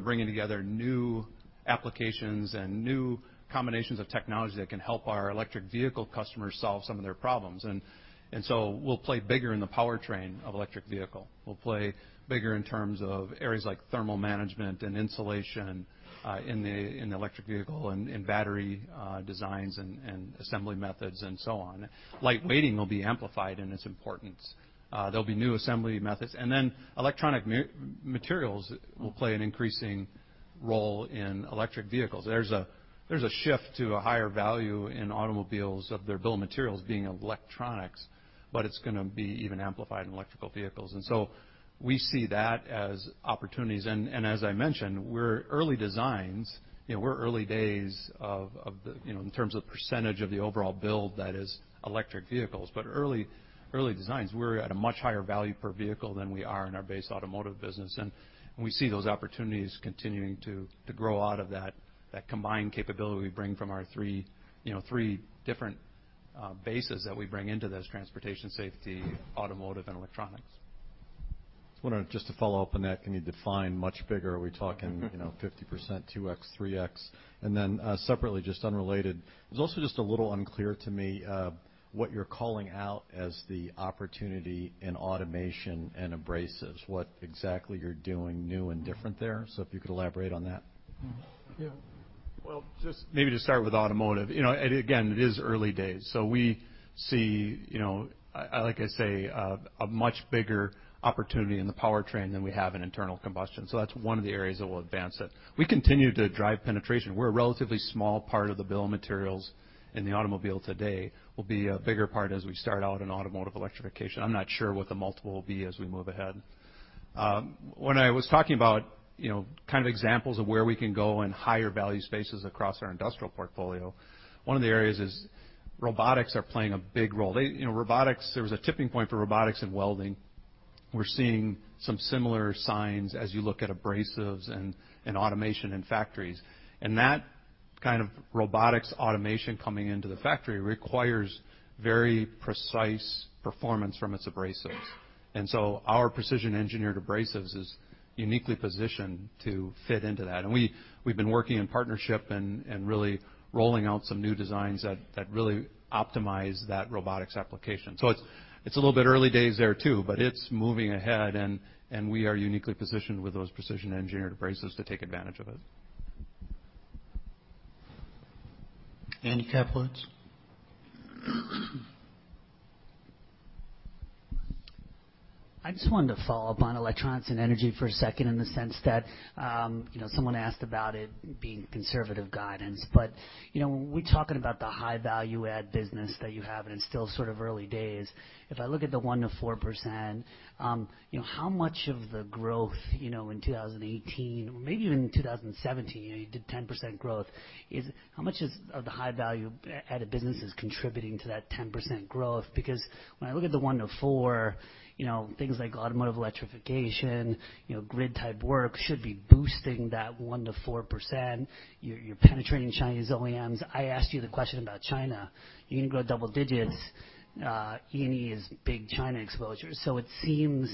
bringing together new applications and new combinations of technology that can help our electric vehicle customers solve some of their problems. We'll play bigger in the powertrain of electric vehicle. We'll play bigger in terms of areas like thermal management and insulation in the electric vehicle and in battery designs and assembly methods and so on. Light-weighting will be amplified in its importance. There'll be new assembly methods. Electronic materials will play an increasing role in electric vehicles. There's a shift to a higher value in automobiles of their bill of materials being electronics, but it's going to be even amplified in electrical vehicles. We see that as opportunities. As I mentioned, we're early designs. We're early days in terms of percentage of the overall build that is electric vehicles. But early designs, we're at a much higher value per vehicle than we are in our base automotive business. We see those opportunities continuing to grow out of that combined capability we bring from our three different bases that we bring into this: transportation safety, automotive, and electronics.
I just want to follow up on that. Can you define much bigger? Are we talking 50%, 2X, 3X? Separately, just unrelated, it was also just a little unclear to me what you're calling out as the opportunity in automation and abrasives, what exactly you're doing new and different there. If you could elaborate on that.
Just maybe to start with automotive. Again, it is early days. We see, like I say, a much bigger opportunity in the powertrain than we have in internal combustion. That's one of the areas that will advance it. We continue to drive penetration. We're a relatively small part of the bill of materials in the automobile today. We'll be a bigger part as we start out in automotive electrification. I'm not sure what the multiple will be as we move ahead. When I was talking about kind of examples of where we can go in higher value spaces across our industrial portfolio, one of the areas is robotics are playing a big role. There was a tipping point for robotics in welding. We're seeing some similar signs as you look at abrasives and automation in factories. That kind of robotics automation coming into the factory requires very precise performance from its abrasives. Our precision-engineered abrasives is uniquely positioned to fit into that. We've been working in partnership and really rolling out some new designs that really optimize that robotics application. It's a little bit early days there, too, but it's moving ahead, and we are uniquely positioned with those precision-engineered abrasives to take advantage of it.
Andy Kaplowitz.
I just wanted to follow up on Electronics & Energy for a second in the sense that someone asked about it being conservative guidance. When we're talking about the high value add business that you have, and it's still sort of early days, if I look at the 1%-4%, how much of the growth in 2018, maybe even 2017, you did 10% growth, how much of the high value added business is contributing to that 10% growth? When I look at the 1%-4%, things like automotive electrification, grid-type work should be boosting that 1%-4%. You're penetrating Chinese OEMs. I asked you the question about China. You're going to grow double digits. E&E is big China exposure. It seems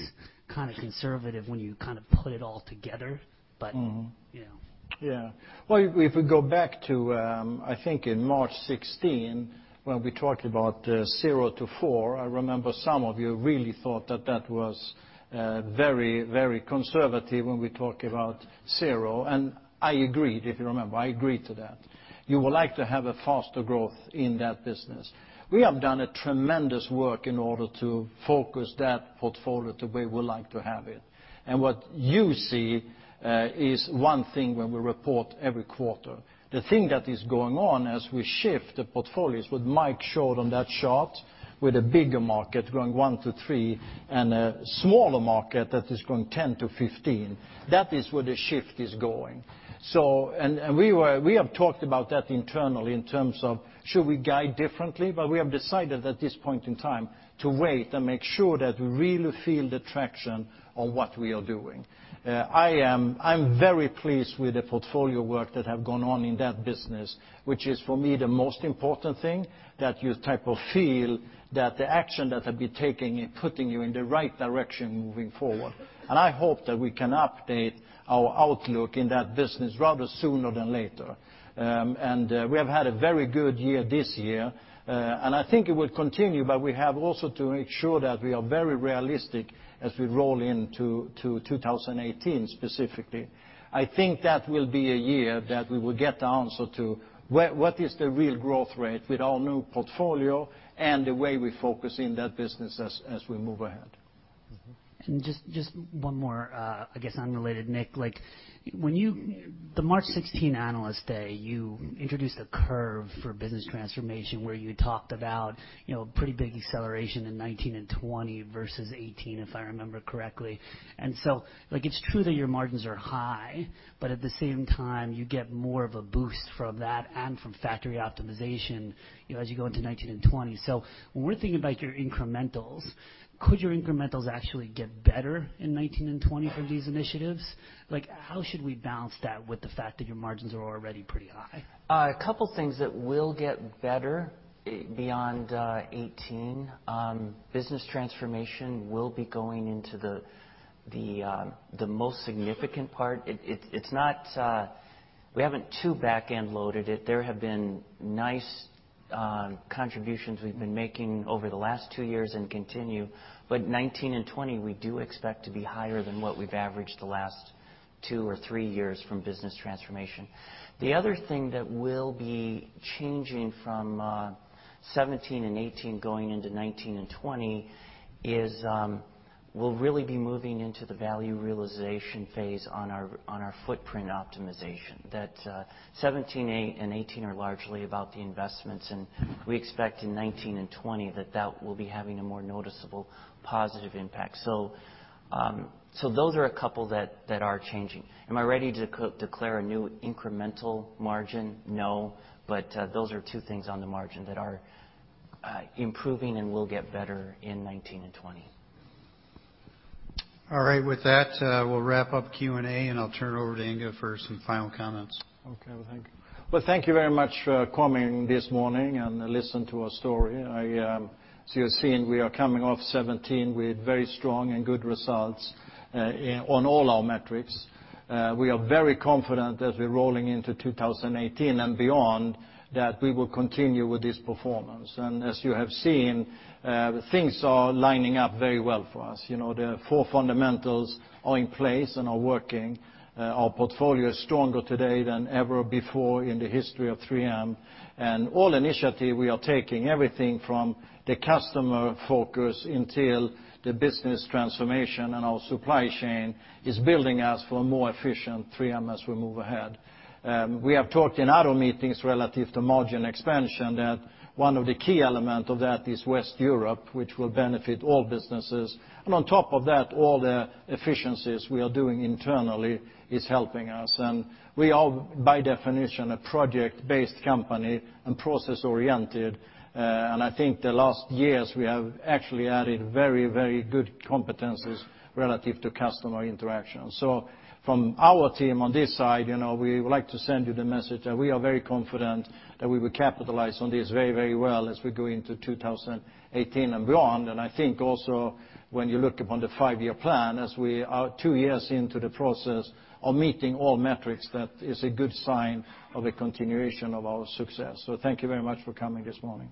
kind of conservative when you kind of put it all together. You know.
Yeah. Well, if we go back to, I think in March 2016, when we talked about 0%-4%, I remember some of you really thought that that was very conservative when we talked about 0. I agreed, if you remember. I agreed to that. You would like to have a faster growth in that business. We have done a tremendous work in order to focus that portfolio the way we like to have it. What you see is one thing when we report every quarter. The thing that is going on as we shift the portfolios, what Mike showed on that chart, with a bigger market growing 1%-3% and a smaller market that is growing 10%-15%, that is where the shift is going. We have talked about that internally in terms of should we guide differently? We have decided at this point in time to wait and make sure that we really feel the traction on what we are doing. I'm very pleased with the portfolio work that have gone on in that business, which is for me the most important thing, that you type of feel that the action that I've been taking and putting you in the right direction moving forward. I hope that we can update our outlook in that business rather sooner than later. We have had a very good year this year. I think it will continue, but we have also to make sure that we are very realistic as we roll into 2018 specifically. I think that will be a year that we will get the answer to what is the real growth rate with our new portfolio and the way we focus in that business as we move ahead.
Just one more, I guess, unrelated, Nick. The March 2016 Analyst Day, you introduced a curve for business transformation where you talked about a pretty big acceleration in 2019 and 2020 versus 2018, if I remember correctly. It's true that your margins are high, but at the same time, you get more of a boost from that and from factory optimization as you go into 2019 and 2020. When we're thinking about your incrementals, could your incrementals actually get better in 2019 and 2020 from these initiatives? How should we balance that with the fact that your margins are already pretty high?
A couple of things that will get better beyond 2018. Business transformation will be going into the most significant part. We haven't too back-end loaded it. There have been nice contributions we've been making over the last two years and continue, but 2019 and 2020, we do expect to be higher than what we've averaged the last two or three years from business transformation. The other thing that will be changing from 2017 and 2018 going into 2019 and 2020 is, we'll really be moving into the value realization phase on our footprint optimization, that 2017 and 2018 are largely about the investments, and we expect in 2019 and 2020 that that will be having a more noticeable positive impact. Those are a couple that are changing. Am I ready to declare a new incremental margin? No. Those are two things on the margin that are improving and will get better in 2019 and 2020.
All right. With that, we'll wrap up Q&A, and I'll turn it over to Inge for some final comments.
Okay, thank you. Thank you very much for coming this morning and listen to our story. As you have seen, we are coming off 2017 with very strong and good results on all our metrics. We are very confident as we're rolling into 2018 and beyond that we will continue with this performance. As you have seen, things are lining up very well for us. The four fundamentals are in place and are working. Our portfolio is stronger today than ever before in the history of 3M. All initiative we are taking, everything from the customer focus until the business transformation and our supply chain is building us for a more efficient 3M as we move ahead. We have talked in other meetings relative to margin expansion, that one of the key element of that is West Europe, which will benefit all businesses. On top of that, all the efficiencies we are doing internally is helping us. We are, by definition, a project-based company and process-oriented, and I think the last years, we have actually added very good competencies relative to customer interaction. From our team on this side, we would like to send you the message that we are very confident that we will capitalize on this very well as we go into 2018 and beyond. I think also when you look upon the five-year plan, as we are two years into the process of meeting all metrics, that is a good sign of a continuation of our success. Thank you very much for coming this morning.